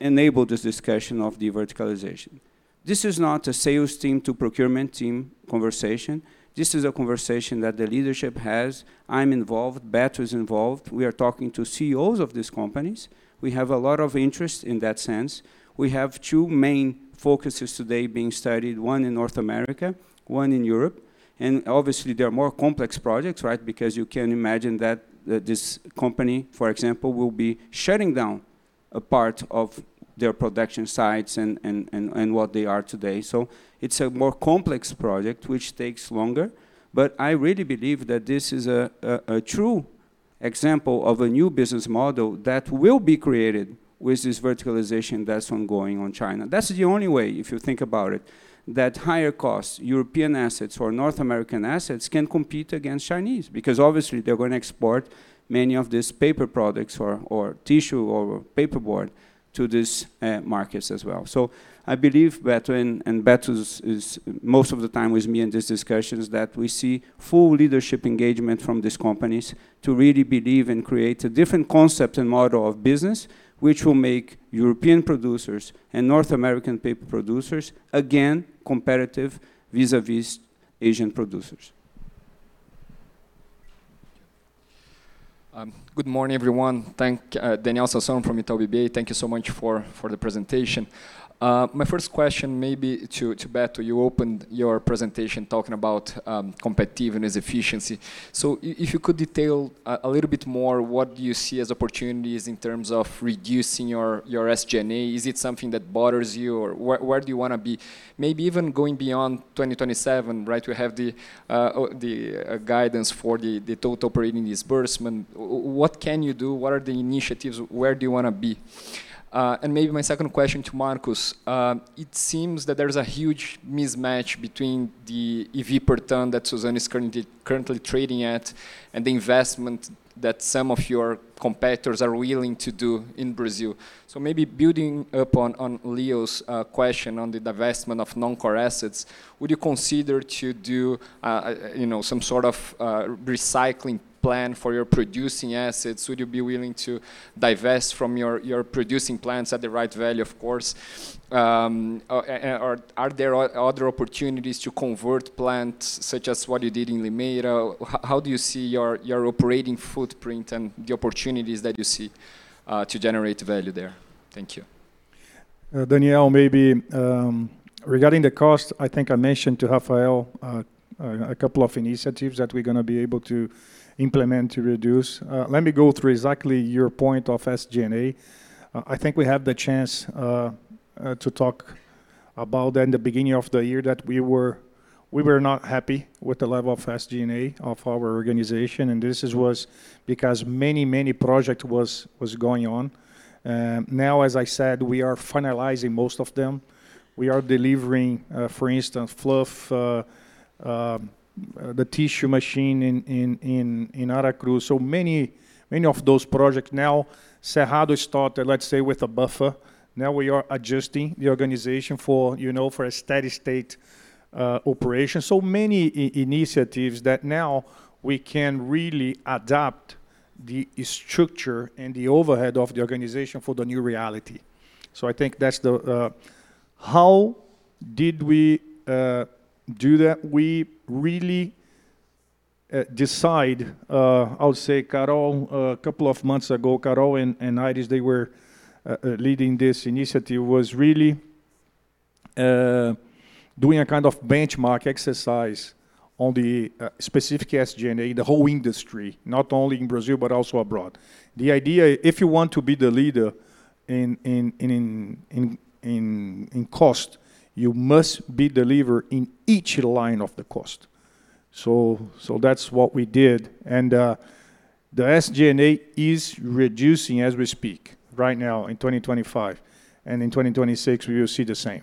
S2: enable this discussion of verticalization. This is not a sales team to procurement team conversation. This is a conversation that the leadership has. I'm involved, Beto was involved. We are talking to CEOs of these companies. We have a lot of interest in that sense. We have two main focuses today being studied, one in North America, one in Europe, and obviously, there are more complex projects, right? Because you can imagine that this company, for example, will be shutting down a part of their production sites and what they are today, so it's a more complex project, which takes longer, but I really believe that this is a true example of a new business model that will be created with this verticalization that's ongoing in China. That's the only way, if you think about it, that higher cost European assets or North American assets can compete against Chinese because obviously they're going to export many of these paper products or tissue or paperboard to these markets as well. So I believe Beto and Beto is most of the time with me in these discussions that we see full leadership engagement from these companies to really believe and create a different concept and model of business, which will make European producers and North American paper producers again competitive vis-à-vis Asian producers.
S12: Good morning, everyone. Thank you, Daniel Sasson from Itaú BBA. Thank you so much for the presentation. My first question may be to Beto. You opened your presentation talking about competitiveness, efficiency. So if you could detail a little bit more, what do you see as opportunities in terms of reducing your SG&A? Is it something that bothers you or where do you want to be? Maybe even going beyond 2027, right? We have the guidance for the total operating disbursement. What can you do? What are the initiatives? Where do you want to be? And maybe my second question to Marcos, it seems that there's a huge mismatch between the EV per ton that Suzano is currently trading at and the investment that some of your competitors are willing to do in Brazil. So maybe building up on Leo's question on the divestment of non-core assets, would you consider to do some sort of recycling plan for your producing assets? Would you be willing to divest from your producing plants at the right value, of course? Are there other opportunities to convert plants such as what you did in Limeira? How do you see your operating footprint and the opportunities that you see to generate value there? Thank you.
S8: Daniel, maybe regarding the cost, I think I mentioned to Rafael a couple of initiatives that we're going to be able to implement to reduce. Let me go through exactly your point of SG&A. I think we had the chance to talk about that in the beginning of the year that we were not happy with the level of SG&A of our organization. This was because many, many projects were going on. Now, as I said, we are finalizing most of them. We are delivering, for instance, Fluff, the tissue machine in Aracruz. So many of those projects now, Cerrado started, let's say, with a buffer. Now we are adjusting the organization for a steady-state operation. So many initiatives that now we can really adapt the structure and the overhead of the organization for the new reality. So I think that's the how did we do that? We really decide, I would say, Carol, a couple of months ago, Carol and Aires, they were leading this initiative, was really doing a kind of benchmark exercise on the specific SG&A, the whole industry, not only in Brazil, but also abroad. The idea, if you want to be the leader in cost, you must be delivered in each line of the cost. So that's what we did. And the SG&A is reducing as we speak right now in 2025. And in 2026, we will see the same.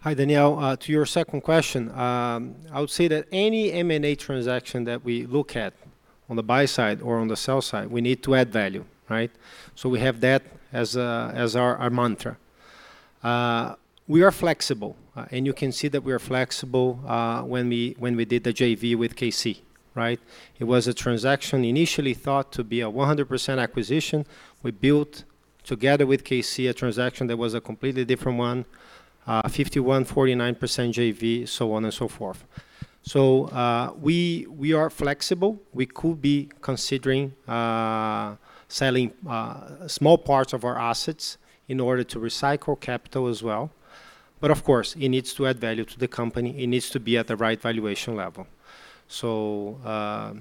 S7: Hi, Daniel. To your second question, I would say that any M&A transaction that we look at on the buy side or on the sell side, we need to add value, right? So we have that as our mantra. We are flexible. And you can see that we are flexible when we did the JV with KC, right? It was a transaction initially thought to be a 100% acquisition. We built together with KC a transaction that was a completely different one, 51%-49% JV, so on and so forth. So we are flexible. We could be considering selling small parts of our assets in order to recycle capital as well. But of course, it needs to add value to the company. It needs to be at the right valuation level. So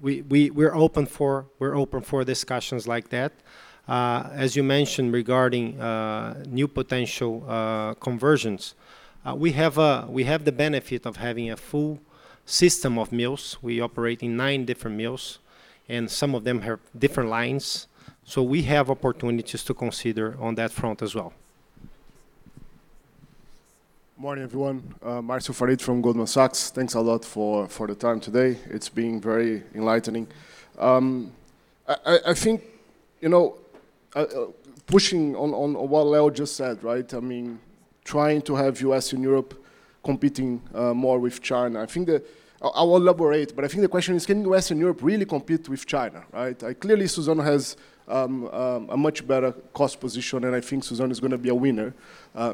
S7: we're open for discussions like that. As you mentioned regarding new potential conversions, we have the benefit of having a full system of mills. We operate in nine different mills, and some of them have different lines. So we have opportunities to consider on that front as well.
S13: Morning, everyone. Marcio Farid from Goldman Sachs. Thanks a lot for the time today. It's been very enlightening. I think pushing on what Leo just said, right? I mean, trying to have U.S. and Europe competing more with China. I think that I will elaborate, but I think the question is, can U.S. and Europe really compete with China, right? Clearly, Suzano has a much better cost position, and I think Suzano is going to be a winner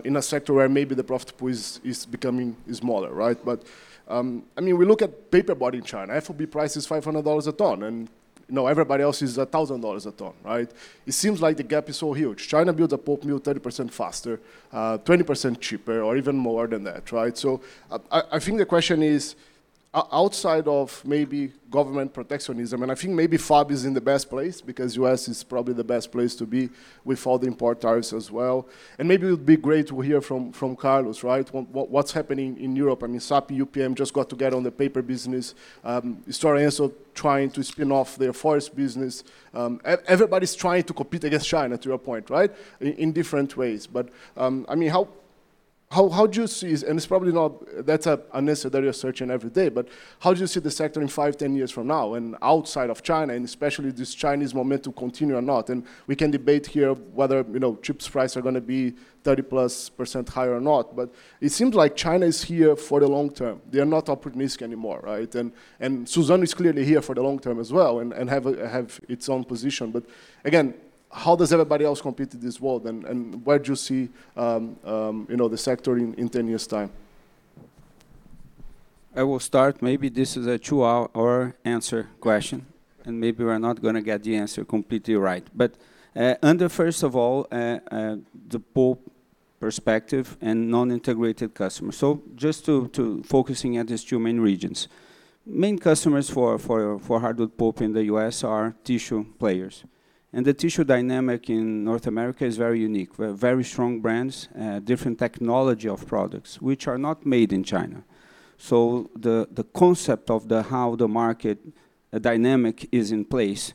S13: in a sector where maybe the profit pool is becoming smaller, right? But I mean, we look at paperboard in China. FOB price is $500 a ton, and everybody else is $1,000 a ton, right? It seems like the gap is so huge. China builds a pulp mill 30% faster, 20% cheaper, or even more than that, right? So I think the question is outside of maybe government protectionism, and I think maybe Fabio is in the best place because U.S. is probably the best place to be with all the import tariffs as well, and maybe it would be great to hear from Carlos, right? What's happening in Europe? I mean, Sappi, UPM just got together on the paper business. Stora Enso are trying to spin off their forest business. Everybody's trying to compete against China, to your point, right? In different ways, but I mean, how do you see? It's probably not a necessary search every day, but how do you see the sector in five, ten years from now and outside of China, and especially this Chinese momentum continue or not? We can debate here whether chip prices are going to be 30% plus higher or not, but it seems like China is here for the long term. They are not opportunistic anymore, right? Suzano is clearly here for the long term as well and have its own position. Again, how does everybody else compete in this world? Where do you see the sector in ten years' time?
S2: I will start. Maybe this is a two-hour answer question, and maybe we're not going to get the answer completely right. First of all, the pulp perspective and non-integrated customers. Just focusing on these two main regions. Main customers for hardwood pulp in the U.S. are tissue players. The tissue dynamic in North America is very unique. We have very strong brands, different technology of products, which are not made in China. The concept of how the market dynamic is in place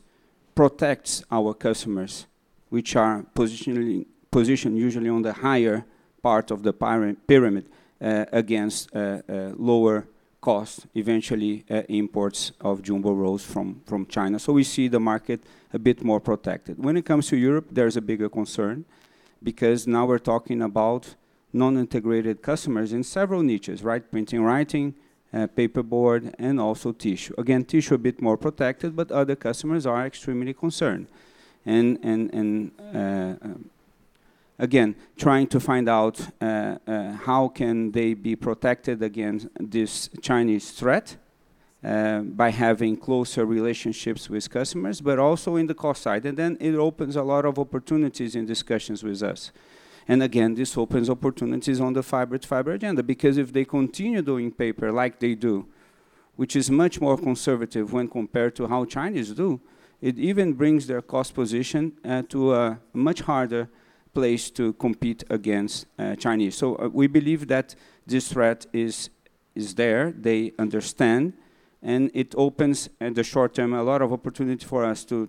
S2: protects our customers, which are positioned usually on the higher part of the pyramid against lower cost, eventually imports of jumbo rolls from China. We see the market a bit more protected. When it comes to Europe, there's a bigger concern because now we're talking about non-integrated customers in several niches, right? Printing, writing, paperboard, and also tissue. Again, tissue a bit more protected, but other customers are extremely concerned. Again, trying to find out how can they be protected against this Chinese threat by having closer relationships with customers, but also in the cost side. And then it opens a lot of opportunities in discussions with us. And again, this opens opportunities on the fiber to fiber agenda because if they continue doing paper like they do, which is much more conservative when compared to how Chinese do, it even brings their cost position to a much harder place to compete against Chinese. So we believe that this threat is there. They understand. And it opens in the short term a lot of opportunity for us to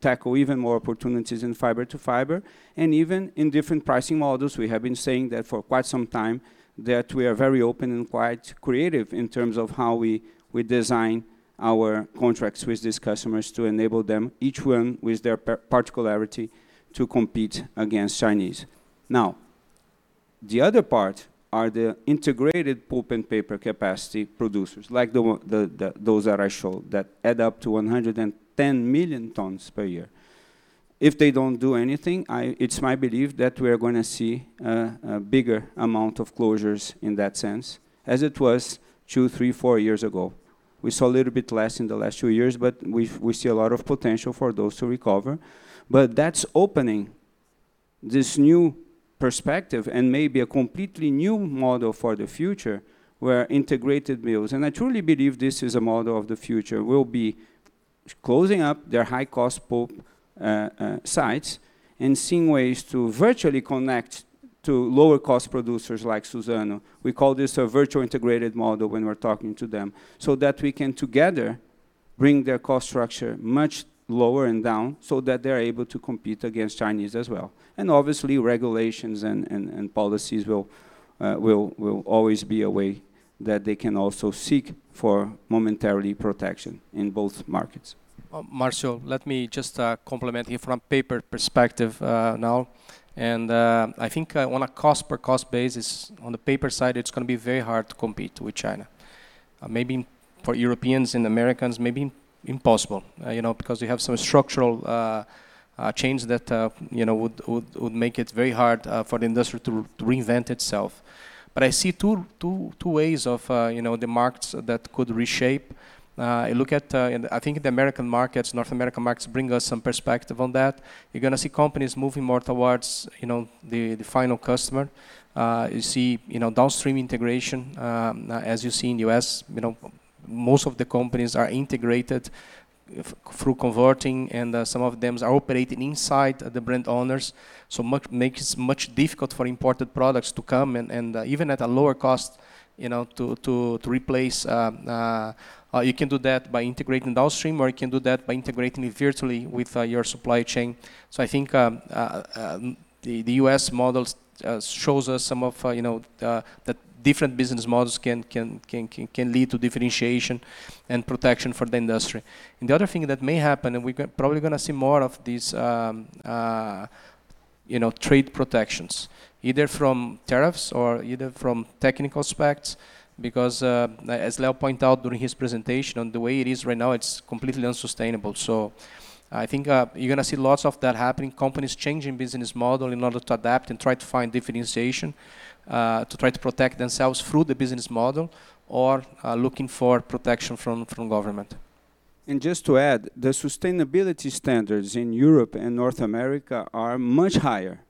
S2: tackle even more opportunities in fiber to fiber. And even in different pricing models, we have been saying that for quite some time that we are very open and quite creative in terms of how we design our contracts with these customers to enable them, each one with their particularity, to compete against Chinese. Now, the other part are the integrated pulp and paper capacity producers, like those that I showed that add up to 110 million tons per year. If they don't do anything, it's my belief that we are going to see a bigger amount of closures in that sense, as it was two, three, four years ago. We saw a little bit less in the last two years, but we see a lot of potential for those to recover. But that's opening this new perspective and maybe a completely new model for the future where integrated mills. I truly believe this is a model of the future. We'll be closing up their high-cost pulp sites and seeing ways to virtually connect to lower-cost producers like Suzano. We call this a virtual integrated model when we're talking to them so that we can together bring their cost structure much lower and down so that they're able to compete against Chinese as well, and obviously, regulations and policies will always be a way that they can also seek for momentary protection in both markets. Marcio, let me just complement here from a paper perspective now, and I think on a cost-per-cost basis, on the paper side, it's going to be very hard to compete with China. Maybe for Europeans and Americans, maybe impossible because we have some structural chains that would make it very hard for the industry to reinvent itself, but I see two ways the markets that could reshape. I look at, I think the American markets, North American markets bring us some perspective on that. You're going to see companies moving more towards the final customer. You see downstream integration, as you see in the U.S. Most of the companies are integrated through converting, and some of them are operating inside the brand owners. So it makes it much difficult for imported products to come and even at a lower cost to replace. You can do that by integrating downstream or you can do that by integrating it virtually with your supply chain. So I think the U.S. model shows us some of the different business models can lead to differentiation and protection for the industry. The other thing that may happen, and we're probably going to see more of these trade protections, either from tariffs or either from technical specs, because as Leo pointed out during his presentation, the way it is right now, it's completely unsustainable. So I think you're going to see lots of that happening, companies changing business model in order to adapt and try to find differentiation, to try to protect themselves through the business model or looking for protection from government. And just to add, the sustainability standards in Europe and North America are much higher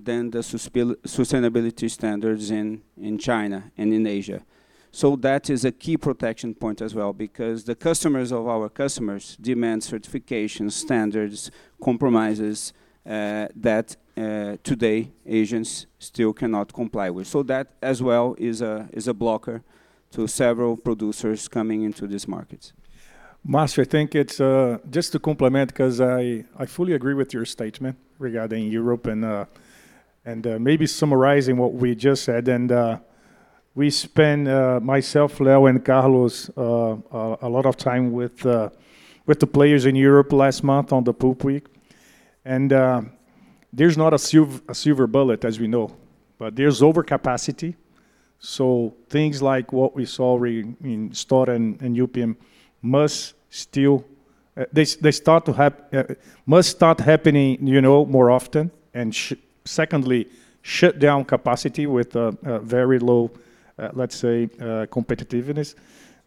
S2: than the sustainability standards in China and in Asia. So that is a key protection point as well because the customers of our customers demand certification standards, commitments that today Asians still cannot comply with. So that as well is a blocker to several producers coming into this market.
S8: Marcio, I think it's just to complement because I fully agree with your statement regarding Europe and maybe summarizing what we just said. And we spent, myself, Leo, and Carlos a lot of time with the players in Europe last month on the Pulp Week. There's not a silver bullet, as we know, but there's overcapacity. So things like what we saw in Stora and UPM must start to happen more often. And secondly, shut down capacity with a very low, let's say, competitiveness.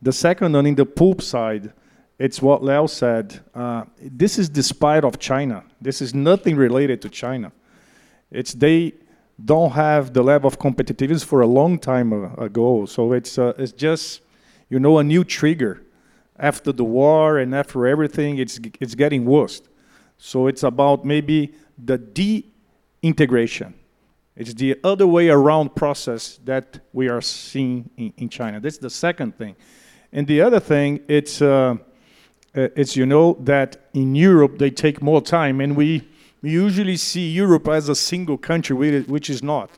S8: The second, on the pulp side, it's what Leo said. This is in spite of China. This is nothing related to China. They don't have the level of competitiveness for a long time ago. So it's just a new trigger after the war and after everything. It's getting worse. So it's about maybe the de-integration. It's the other way around process that we are seeing in China. That's the second thing. The other thing is that in Europe, they take more time. We usually see Europe as a single country, which is not.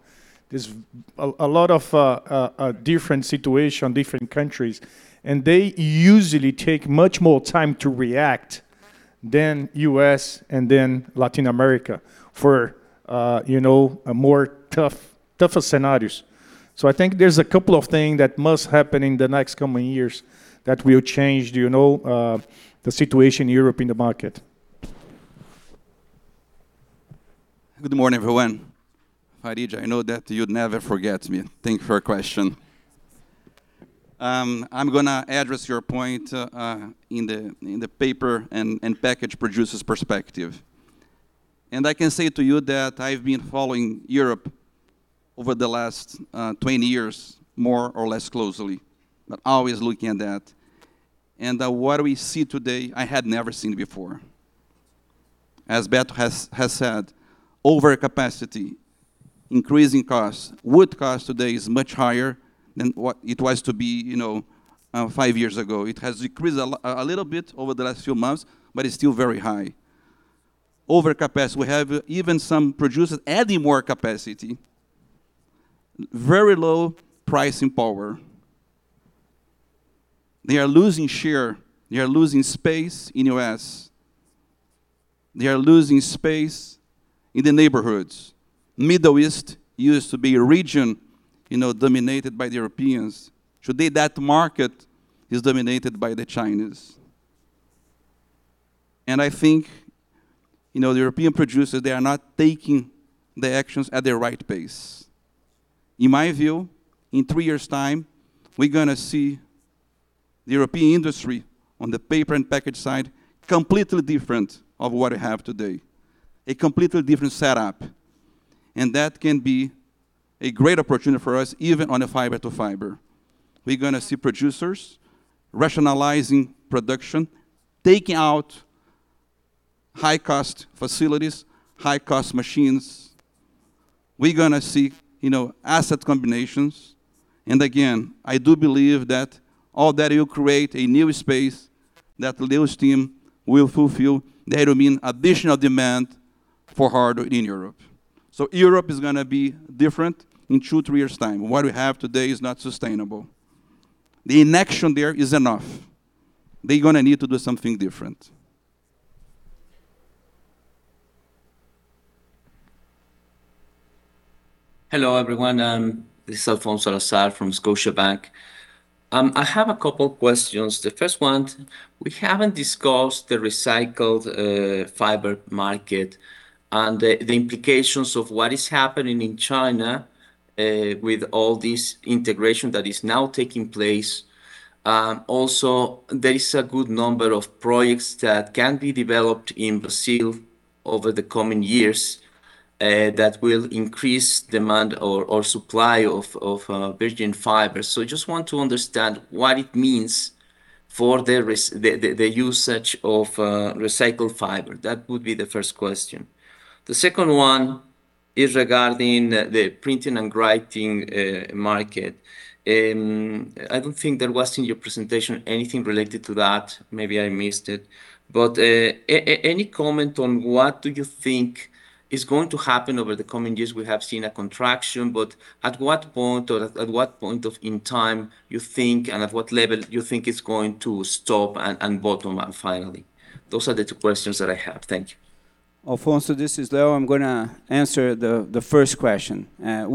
S8: There's a lot of different situations, different countries. They usually take much more time to react than U.S. and then Latin America for more tougher scenarios. I think there's a couple of things that must happen in the next coming years that will change the situation in Europe in the market.
S14: Good morning, everyone. Farid, I know that you'd never forget me. Thank you for your question. I'm going to address your point in the paper and packaging producers' perspective. I can say to you that I've been following Europe over the last 20 years more or less closely, but always looking at that. What we see today, I had never seen before. As Beto has said, overcapacity, increasing costs, wood costs today is much higher than what it was to be five years ago. It has decreased a little bit over the last few months, but it's still very high. Overcapacity. We have even some producers adding more capacity, very low pricing power. They are losing share. They are losing space in the U.S. They are losing space in the neighborhoods. The Middle East used to be a region dominated by the Europeans. Today, that market is dominated by the Chinese. I think the European producers, they are not taking the actions at the right pace. In my view, in three years' time, we're going to see the European industry on the paper and packaging side completely different from what we have today. A completely different setup. That can be a great opportunity for us, even on a fiber-to-fiber. We're going to see producers rationalizing production, taking out high-cost facilities, high-cost machines. We're going to see asset combinations. Again, I do believe that all that will create a new space that Leo's team will fulfill. That will mean additional demand for hardware in Europe. So Europe is going to be different in two, three years' time. What we have today is not sustainable. The inaction there is enough. They're going to need to do something different.
S15: Hello, everyone. This is Alfonso Salazar from Scotiabank. I have a couple of questions. The first one, we haven't discussed the recycled fiber market and the implications of what is happening in China with all this integration that is now taking place. Also, there is a good number of projects that can be developed in Brazil over the coming years that will increase demand or supply of virgin fiber. So I just want to understand what it means for the usage of recycled fiber. That would be the first question. The second one is regarding the printing and writing market. I don't think there was in your presentation anything related to that. Maybe I missed it. But any comment on what do you think is going to happen over the coming years? We have seen a contraction, but at what point or at what point in time you think, and at what level you think it's going to stop and bottom out finally? Those are the two questions that I have.
S2: Thank you. Alfonso, this is Leo. I'm going to answer the first question.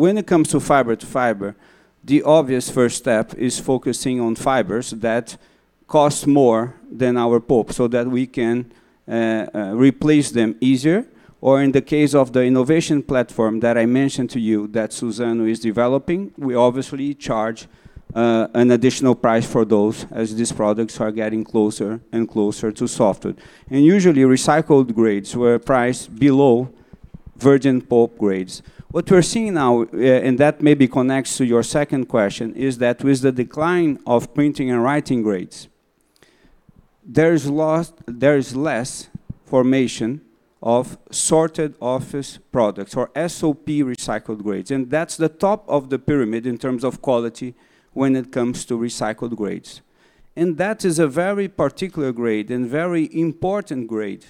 S2: When it comes to fiber-to-fiber, the obvious first step is focusing on fibers that cost more than our pulp so that we can replace them easier. Or in the case of the innovation platform that I mentioned to you that Suzano is developing, we obviously charge an additional price for those as these products are getting closer and closer to softwood. Usually, recycled grades were priced below virgin pulp grades. What we're seeing now, and that maybe connects to your second question, is that with the decline of printing and writing grades, there's less formation of sorted office papers or SOP recycled grades. That is the top of the pyramid in terms of quality when it comes to recycled grades. That is a very particular grade and very important grade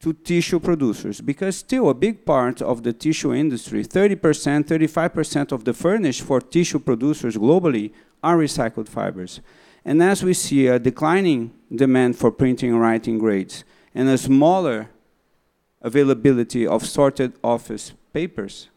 S2: to tissue producers because still a big part of the tissue industry, 30%, 35% of the furnish for tissue producers globally are recycled fibers. As we see a declining demand for printing and writing grades and a smaller availability of sorted office papers,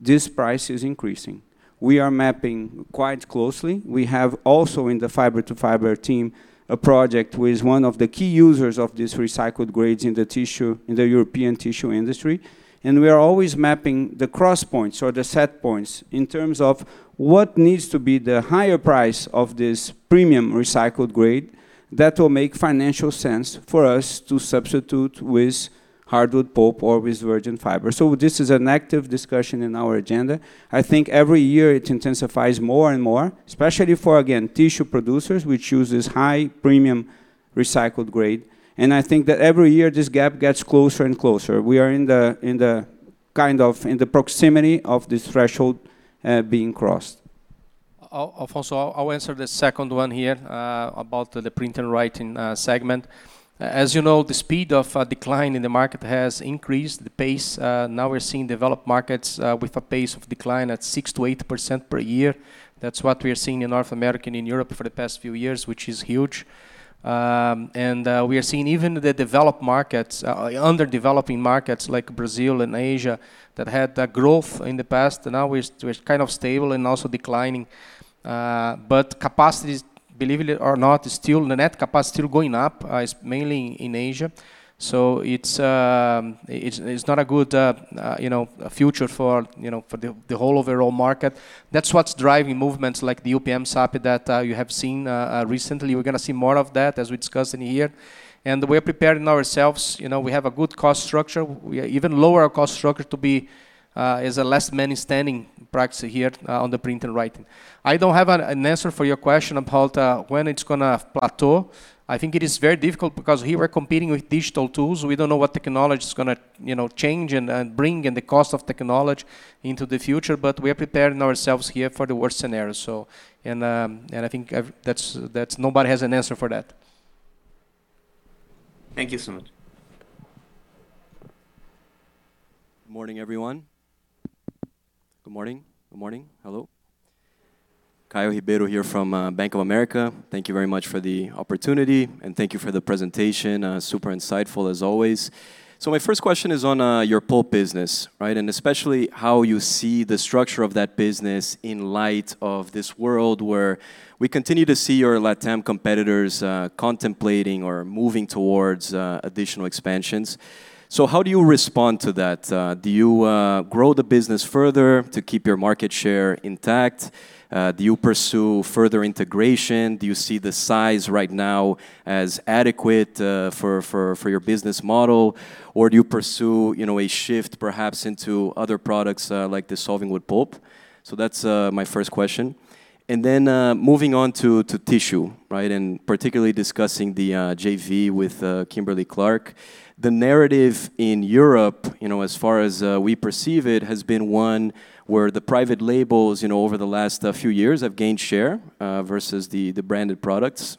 S2: this price is increasing. We are mapping quite closely. We have also in the fiber-to-fiber team a project with one of the key users of these recycled grades in the tissue, in the European tissue industry. And we are always mapping the cross points or the set points in terms of what needs to be the higher price of this premium recycled grade that will make financial sense for us to substitute with hardwood pulp or with virgin fiber. So this is an active discussion in our agenda. I think every year it intensifies more and more, especially for, again, tissue producers, which uses high premium recycled grade. And I think that every year this gap gets closer and closer. We are in the kind of in the proximity of this threshold being crossed.
S7: Alfonso, I'll answer the second one here about the printing and writing segment. As you know, the speed of decline in the market has increased the pace. Now we're seeing developed markets with a pace of decline at 6-8% per year. That's what we are seeing in North America and in Europe for the past few years, which is huge. And we are seeing even the developed markets, developing markets like Brazil and Asia that had growth in the past. Now we're kind of stable and also declining. But capacities, believe it or not, still the net capacity is still going up, mainly in Asia. So it's not a good future for the whole overall market. That's what's driving movements like the UPM, Sappi that you have seen recently. We're going to see more of that as we discuss in here. And we're preparing ourselves. We have a good cost structure. We even lower our cost structure to be a less manpower intensive practice here on the printing and writing. I don't have an answer for your question about when it's going to plateau. I think it is very difficult because here we're competing with digital tools. We don't know what technology is going to change and bring and the cost of technology into the future. But we are preparing ourselves here for the worst scenario, and I think nobody has an answer for that.
S15: Thank you so much.
S16: Good morning, everyone. Good morning. Good morning. Hello. Caio Ribeiro here from Bank of America. Thank you very much for the opportunity and thank you for the presentation. Super insightful, as always. My first question is on your pulp business, and especially how you see the structure of that business in light of this world where we continue to see your LATAM competitors contemplating or moving towards additional expansions. How do you respond to that? Do you grow the business further to keep your market share intact? Do you pursue further integration? Do you see the size right now as adequate for your business model? Or do you pursue a shift perhaps into other products like dissolving pulp? That's my first question. And then moving on to tissue, and particularly discussing the JV with Kimberly-Clark. The narrative in Europe, as far as we perceive it, has been one where the private labels over the last few years have gained share versus the branded products.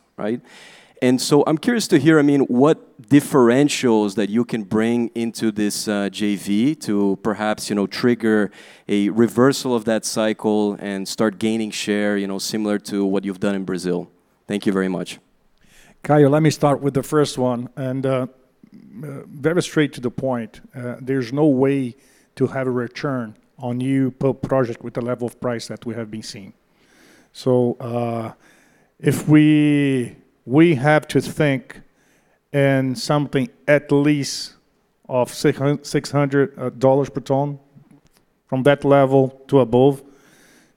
S16: So I'm curious to hear, I mean, what differentials that you can bring into this JV to perhaps trigger a reversal of that cycle and start gaining share similar to what you've done in Brazil? Thank you very much.
S8: Caio, let me start with the first one. Very straight to the point, there's no way to have a return on new pulp project with the level of price that we have been seeing. So if we have to think in something at least of $600 per ton from that level to above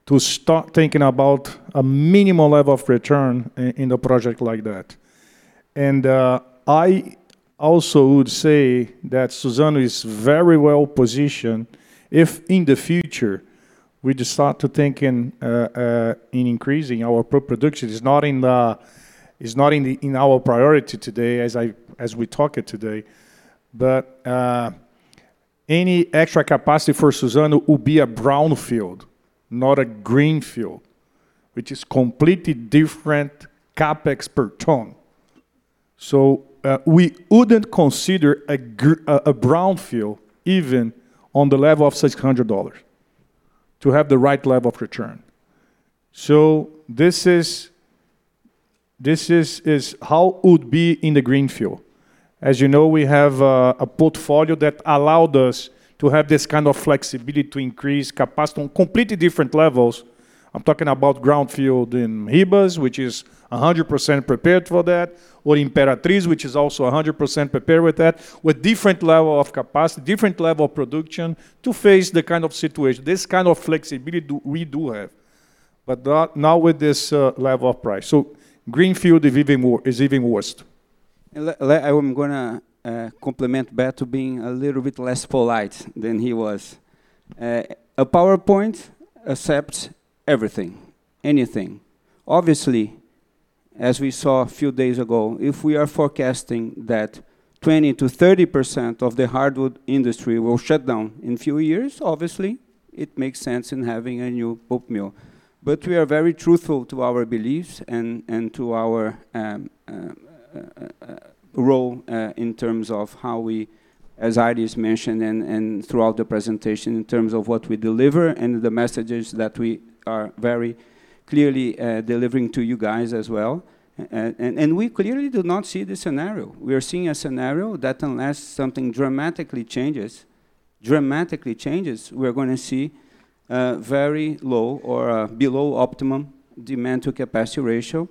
S8: to start thinking about a minimal level of return in a project like that. I also would say that Suzano is very well positioned if in the future we just start to think in increasing our pulp production. It's not in our priority today as we talk it today. But any extra capacity for Suzano would be a brownfield, not a greenfield, which is completely different CapEx per ton. So we wouldn't consider a brownfield even on the level of $600 to have the right level of return. So this is how it would be in the greenfield. As you know, we have a portfolio that allowed us to have this kind of flexibility to increase capacity on completely different levels. I'm talking about greenfield in Ribas, which is 100% prepared for that, or Imperatriz, which is also 100% prepared with that, with different level of capacity, different level of production to face the kind of situation. This kind of flexibility we do have. But not now with this level of price. So greenfield is even worse.
S2: I'm going to complement Beto being a little bit less polite than he was. A PowerPoint accepts everything, anything. Obviously, as we saw a few days ago, if we are forecasting that 20%-30% of the hardwood industry will shut down in a few years, obviously, it makes sense in having a new pulp mill, but we are very truthful to our beliefs and to our role in terms of how we, as Aires mentioned and throughout the presentation, in terms of what we deliver and the messages that we are very clearly delivering to you guys as well, and we clearly do not see this scenario. We are seeing a scenario that unless something dramatically changes, dramatically changes, we're going to see very low or below optimum demand to capacity ratio,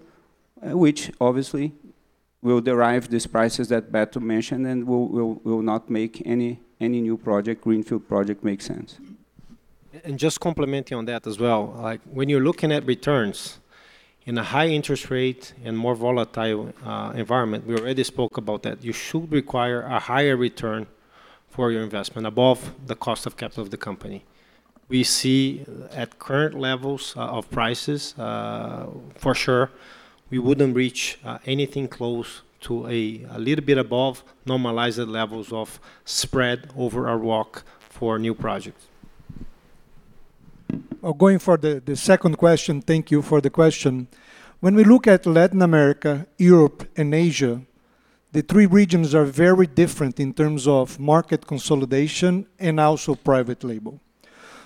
S2: which obviously will drive these prices that Beto mentioned and will not make any new project, greenfield project make sense.
S8: Just commenting on that as well, when you're looking at returns in a high interest rate and more volatile environment, we already spoke about that. You should require a higher return for your investment above the cost of capital of the company. We see at current levels of prices, for sure, we wouldn't reach anything close to a little bit above normalized levels of spread over our WACC for new projects.
S3: Going to the second question, thank you for the question. When we look at Latin America, Europe, and Asia, the three regions are very different in terms of market consolidation and also private label.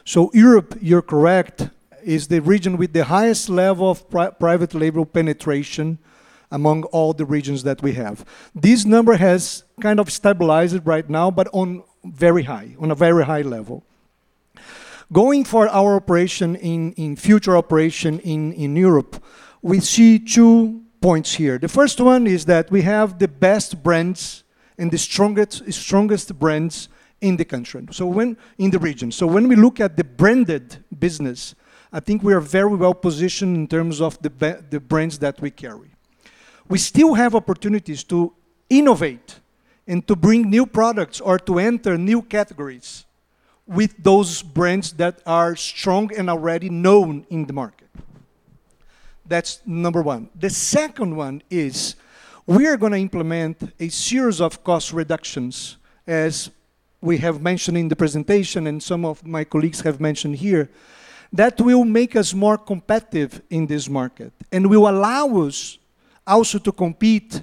S3: So Europe, you're correct, is the region with the highest level of private label penetration among all the regions that we have. This number has kind of stabilized right now, but on a very high level. Going for our operation in future operation in Europe, we see two points here. The first one is that we have the best brands and the strongest brands in the country, in the region. So when we look at the branded business, I think we are very well positioned in terms of the brands that we carry. We still have opportunities to innovate and to bring new products or to enter new categories with those brands that are strong and already known in the market. That's number one. The second one is we are going to implement a series of cost reductions, as we have mentioned in the presentation and some of my colleagues have mentioned here, that will make us more competitive in this market. And it will allow us also to compete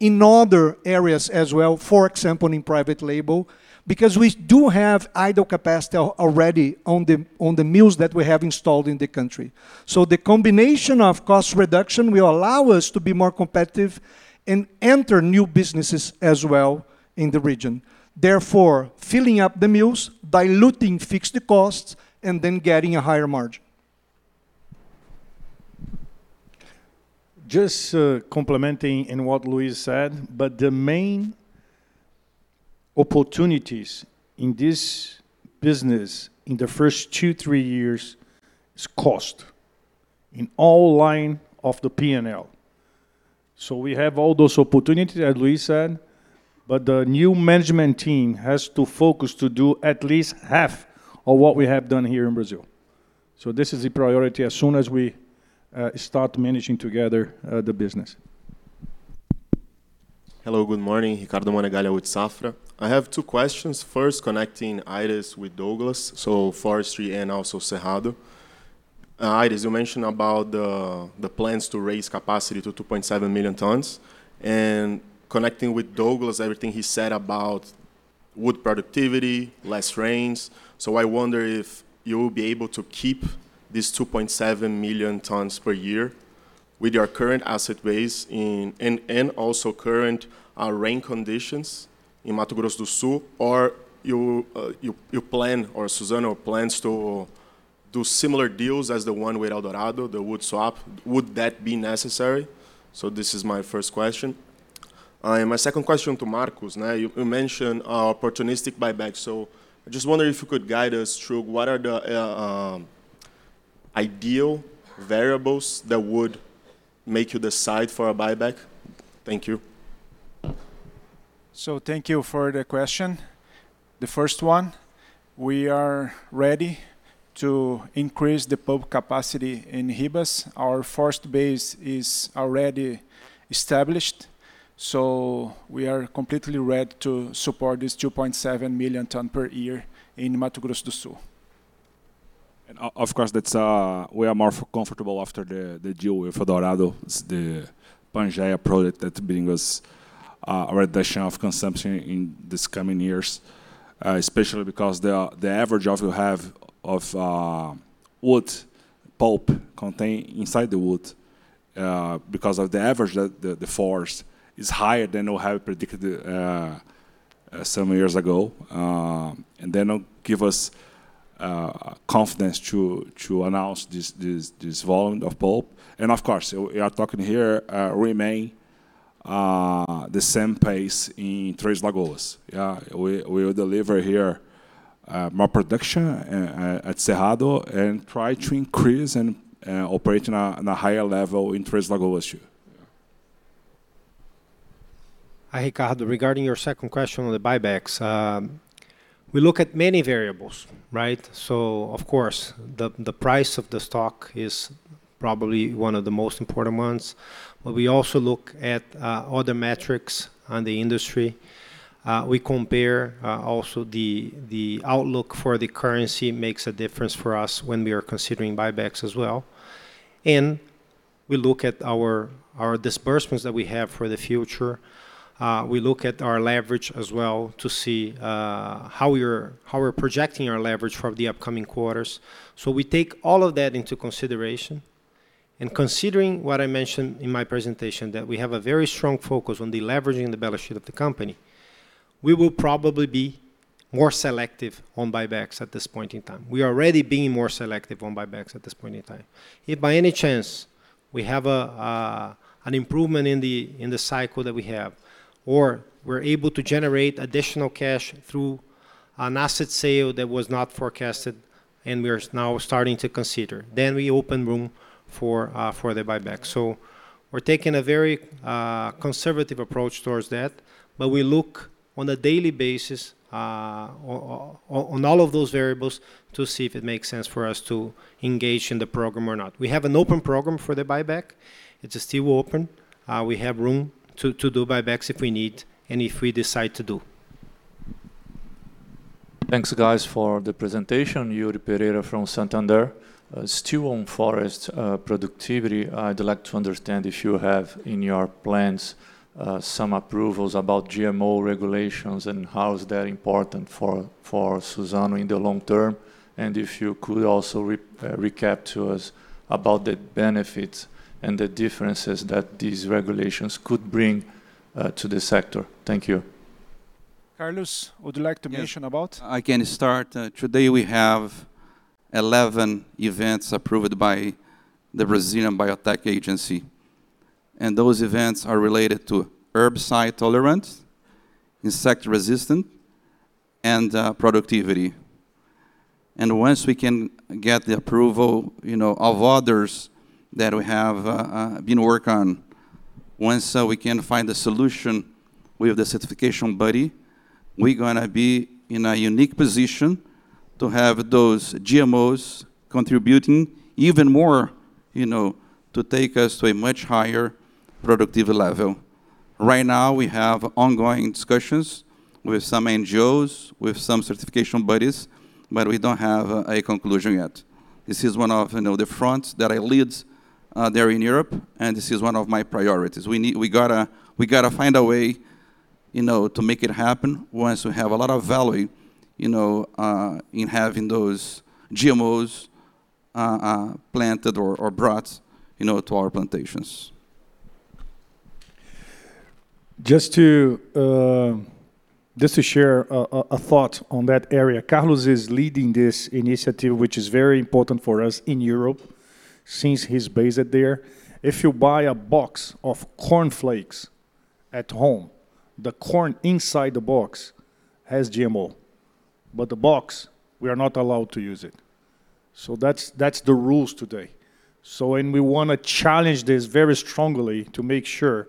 S3: in other areas as well, for example, in private label, because we do have idle capacity already on the mills that we have installed in the country. So the combination of cost reduction will allow us to be more competitive and enter new businesses as well in the region. Therefore, filling up the mills, diluting, fix the costs, and then getting a higher margin.
S8: Just complementing in what Luis said, but the main opportunities in this business in the first two, three years is cost in all line of the P&L. So we have all those opportunities, as Luis said, but the new management team has to focus to do at least half of what we have done here in Brazil. So this is the priority as soon as we start managing together the business.
S17: Hello, good morning. Ricardo Monegaglia with Safra. I have two questions. First, connecting Aires with Douglas, so forestry and also Cerrado. Aires, you mentioned about the plans to raise capacity to 2.7 million tons. And connecting with Douglas, everything he said about wood productivity, less rains. So I wonder if you will be able to keep this 2.7 million tons per year with your current asset base and also current rain conditions in Mato Grosso do Sul, or you plan, or Suzano plans to do similar deals as the one with Eldorado, the wood swap, would that be necessary? So this is my first question. And my second question to Marcos, you mentioned opportunistic buyback. So I just wonder if you could guide us through what are the ideal variables that would make you decide for a buyback. Thank you.
S3: So thank you for the question. The first one, we are ready to increase the pulp capacity in Ribas. Our forest base is already established. So we are completely ready to support this 2.7 million tons per year in Mato Grosso do Sul.
S2: Of course, we are more comfortable after the deal with Eldorado, the Pangea Project that brings us a reduction of consumption in these coming years, especially because the average yield of wood pulp contained inside the wood, because of the average age of the forest is higher than we have predicted some years ago, and then give us confidence to announce this volume of pulp. Of course, we remain at the same pace in Três Lagoas. We will deliver here more production at Cerrado and try to increase and operate on a higher level in Três Lagoas here. Hi, Ricardo.
S8: Regarding your second question on the buybacks, we look at many variables. Of course, the price of the stock is probably one of the most important ones. We also look at other metrics on the industry. We compare also the outlook for the currency, makes a difference for us when we are considering buybacks as well. We look at our disbursements that we have for the future. We look at our leverage as well to see how we're projecting our leverage for the upcoming quarters. We take all of that into consideration. Considering what I mentioned in my presentation, that we have a very strong focus on the leveraging and the balance sheet of the company, we will probably be more selective on buybacks at this point in time. We are already being more selective on buybacks at this point in time. If by any chance we have an improvement in the cycle that we have, or we're able to generate additional cash through an asset sale that was not forecasted and we are now starting to consider, then we open room for the buyback. So we're taking a very conservative approach towards that. But we look on a daily basis on all of those variables to see if it makes sense for us to engage in the program or not. We have an open program for the buyback. It's still open. We have room to do buybacks if we need and if we decide to do.
S18: Thanks, guys, for the presentation. Yuri Pereira from Santander. Still on forest productivity, I'd like to understand if you have in your plans some approvals about GMO regulations and how is that important for Suzano in the long term.
S2: If you could also recap to us about the benefits and the differences that these regulations could bring to the sector? Thank you.
S3: Carlos, would you like to mention about?
S14: I can start. Today we have 11 events approved by the Brazilian Biotech Agency. Those events are related to herbicide tolerance, insect resistance, and productivity. Once we can get the approval of others that we have been working on, once we can find a solution with the certification body, we're going to be in a unique position to have those GMOs contributing even more to take us to a much higher productivity level. Right now, we have ongoing discussions with some NGOs, with some certification bodies, but we don't have a conclusion yet. This is one of the fronts that I lead there in Europe, and this is one of my priorities. We got to find a way to make it happen once we have a lot of value in having those GMOs planted or brought to our plantations.
S7: Just to share a thought on that area, Carlos is leading this initiative, which is very important for us in Europe since he's based there. If you buy a box of corn flakes at home, the corn inside the box has GMO. But the box, we are not allowed to use it. So that's the rules today. So we want to challenge this very strongly to make sure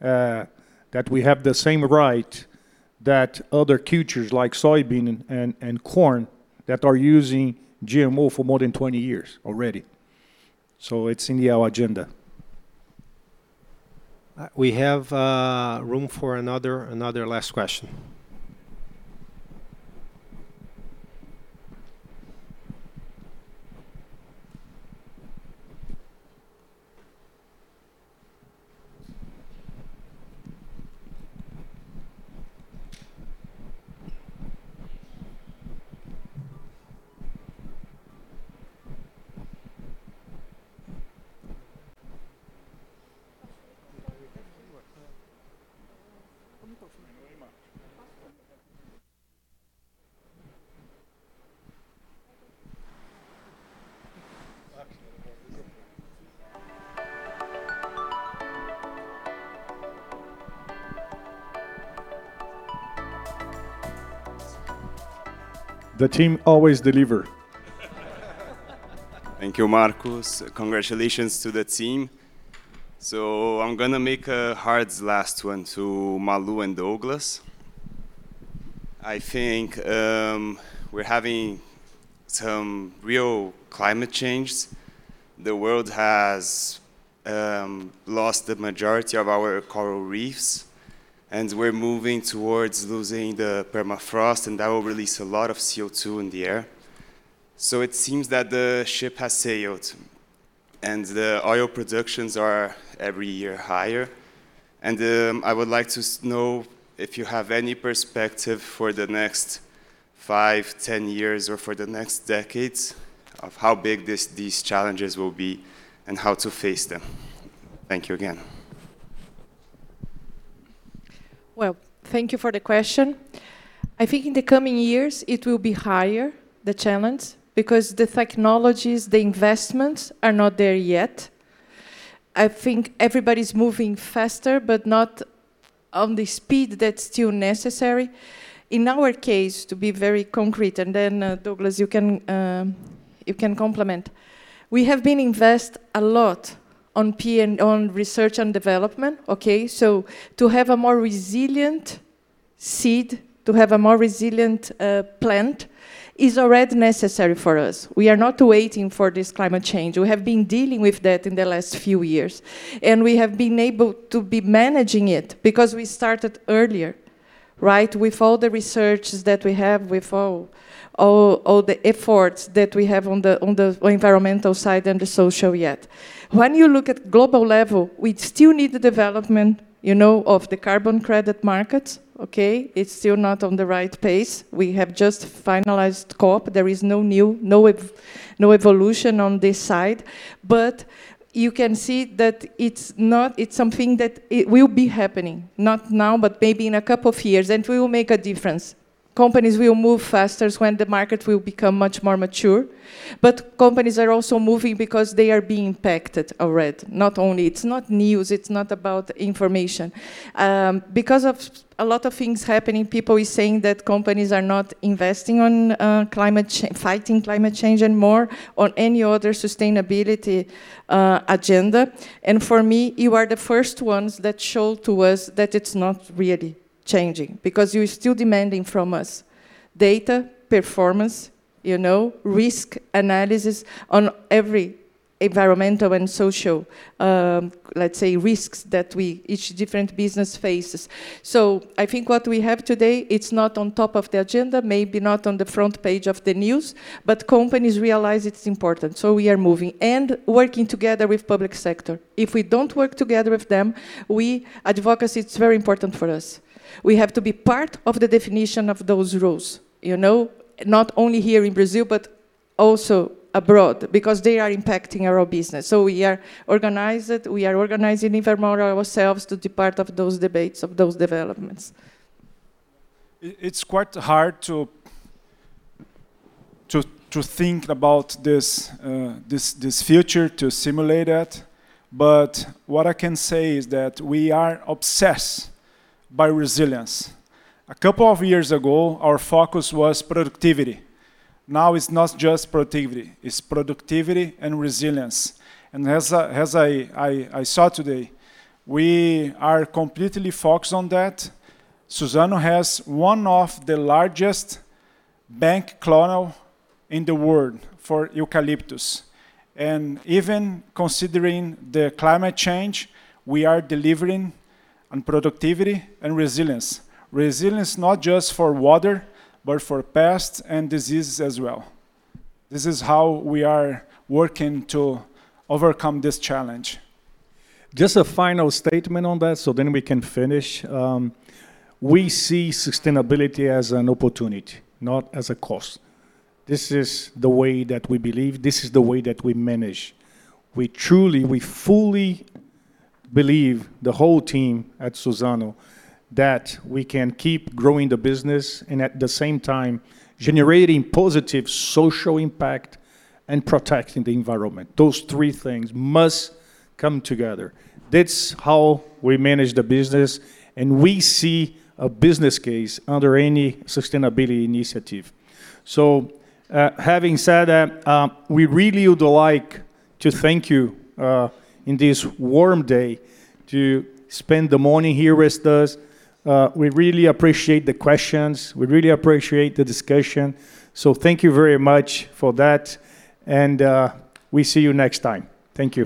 S7: that we have the same right that other cultures like soybean and corn that are using GMO for more than 20 years already. So it's in our agenda. We have room for another last question. The team always deliver. Thank you, Marcos. Congratulations to the team. I'm going to make her last one to Malu and Douglas. I think we're having some real climate change. The world has lost the majority of our coral reefs, and we're moving towards losing the permafrost, and that will release a lot of CO2 in the air. It seems that the ship has sailed, and the oil productions are every year higher. I would like to know if you have any perspective for the next five, 10 years, or for the next decades of how big these challenges will be and how to face them. Thank you again.
S6: Well, thank you for the question. I think in the coming years, it will be higher, the challenge, because the technologies, the investments are not there yet. I think everybody's moving faster, but not on the speed that's still necessary. In our case, to be very concrete, and then Douglas, you can complement. We have been investing a lot on research and development. So to have a more resilient seed, to have a more resilient plant is already necessary for us. We are not waiting for this climate change. We have been dealing with that in the last few years. And we have been able to be managing it because we started earlier, right, with all the research that we have, with all the efforts that we have on the environmental side and the social yet. When you look at global level, we still need the development of the carbon credit markets. It's still not on the right pace. We have just finalized COP. There is no new, no evolution on this side. But you can see that it's something that will be happening, not now, but maybe in a couple of years, and we will make a difference. Companies will move faster when the market will become much more mature, but companies are also moving because they are being impacted already. Not only it's not news, it's not about information. Because of a lot of things happening, people are saying that companies are not investing on fighting climate change and more on any other sustainability agenda, and for me, you are the first ones that showed to us that it's not really changing because you're still demanding from us data, performance, risk analysis on every environmental and social, let's say, risks that each different business faces. I think what we have today is not on top of the agenda, maybe not on the front page of the news, but companies realize it's important. We are moving and working together with the public sector. If we don't work together with them, advocacy is very important for us. We have to be part of the definition of those rules, not only here in Brazil, but also abroad because they are impacting our business. We are organized. We are organizing in Vermont ourselves to be part of those debates, of those developments.
S5: It's quite hard to think about this future, to simulate it. What I can say is that we are obsessed by resilience. A couple of years ago, our focus was productivity. Now it's not just productivity. It's productivity and resilience. As I saw today, we are completely focused on that. Suzano has one of the largest clonal bank in the world for eucalyptus. Even considering climate change, we are delivering on productivity and resilience. Resilience not just for water, but for pests and diseases as well. This is how we are working to overcome this challenge.
S2: Just a final statement on that, so then we can finish. We see sustainability as an opportunity, not as a cost. This is the way that we believe. This is the way that we manage. We truly, we fully believe, the whole team at Suzano, that we can keep growing the business and at the same time generating positive social impact and protecting the environment. Those three things must come together. That's how we manage the business, and we see a business case under any sustainability initiative. So, having said that, we really would like to thank you in this warm day to spend the morning here with us. We really appreciate the questions. We really appreciate the discussion. So thank you very much for that. And we see you next time. Thank you.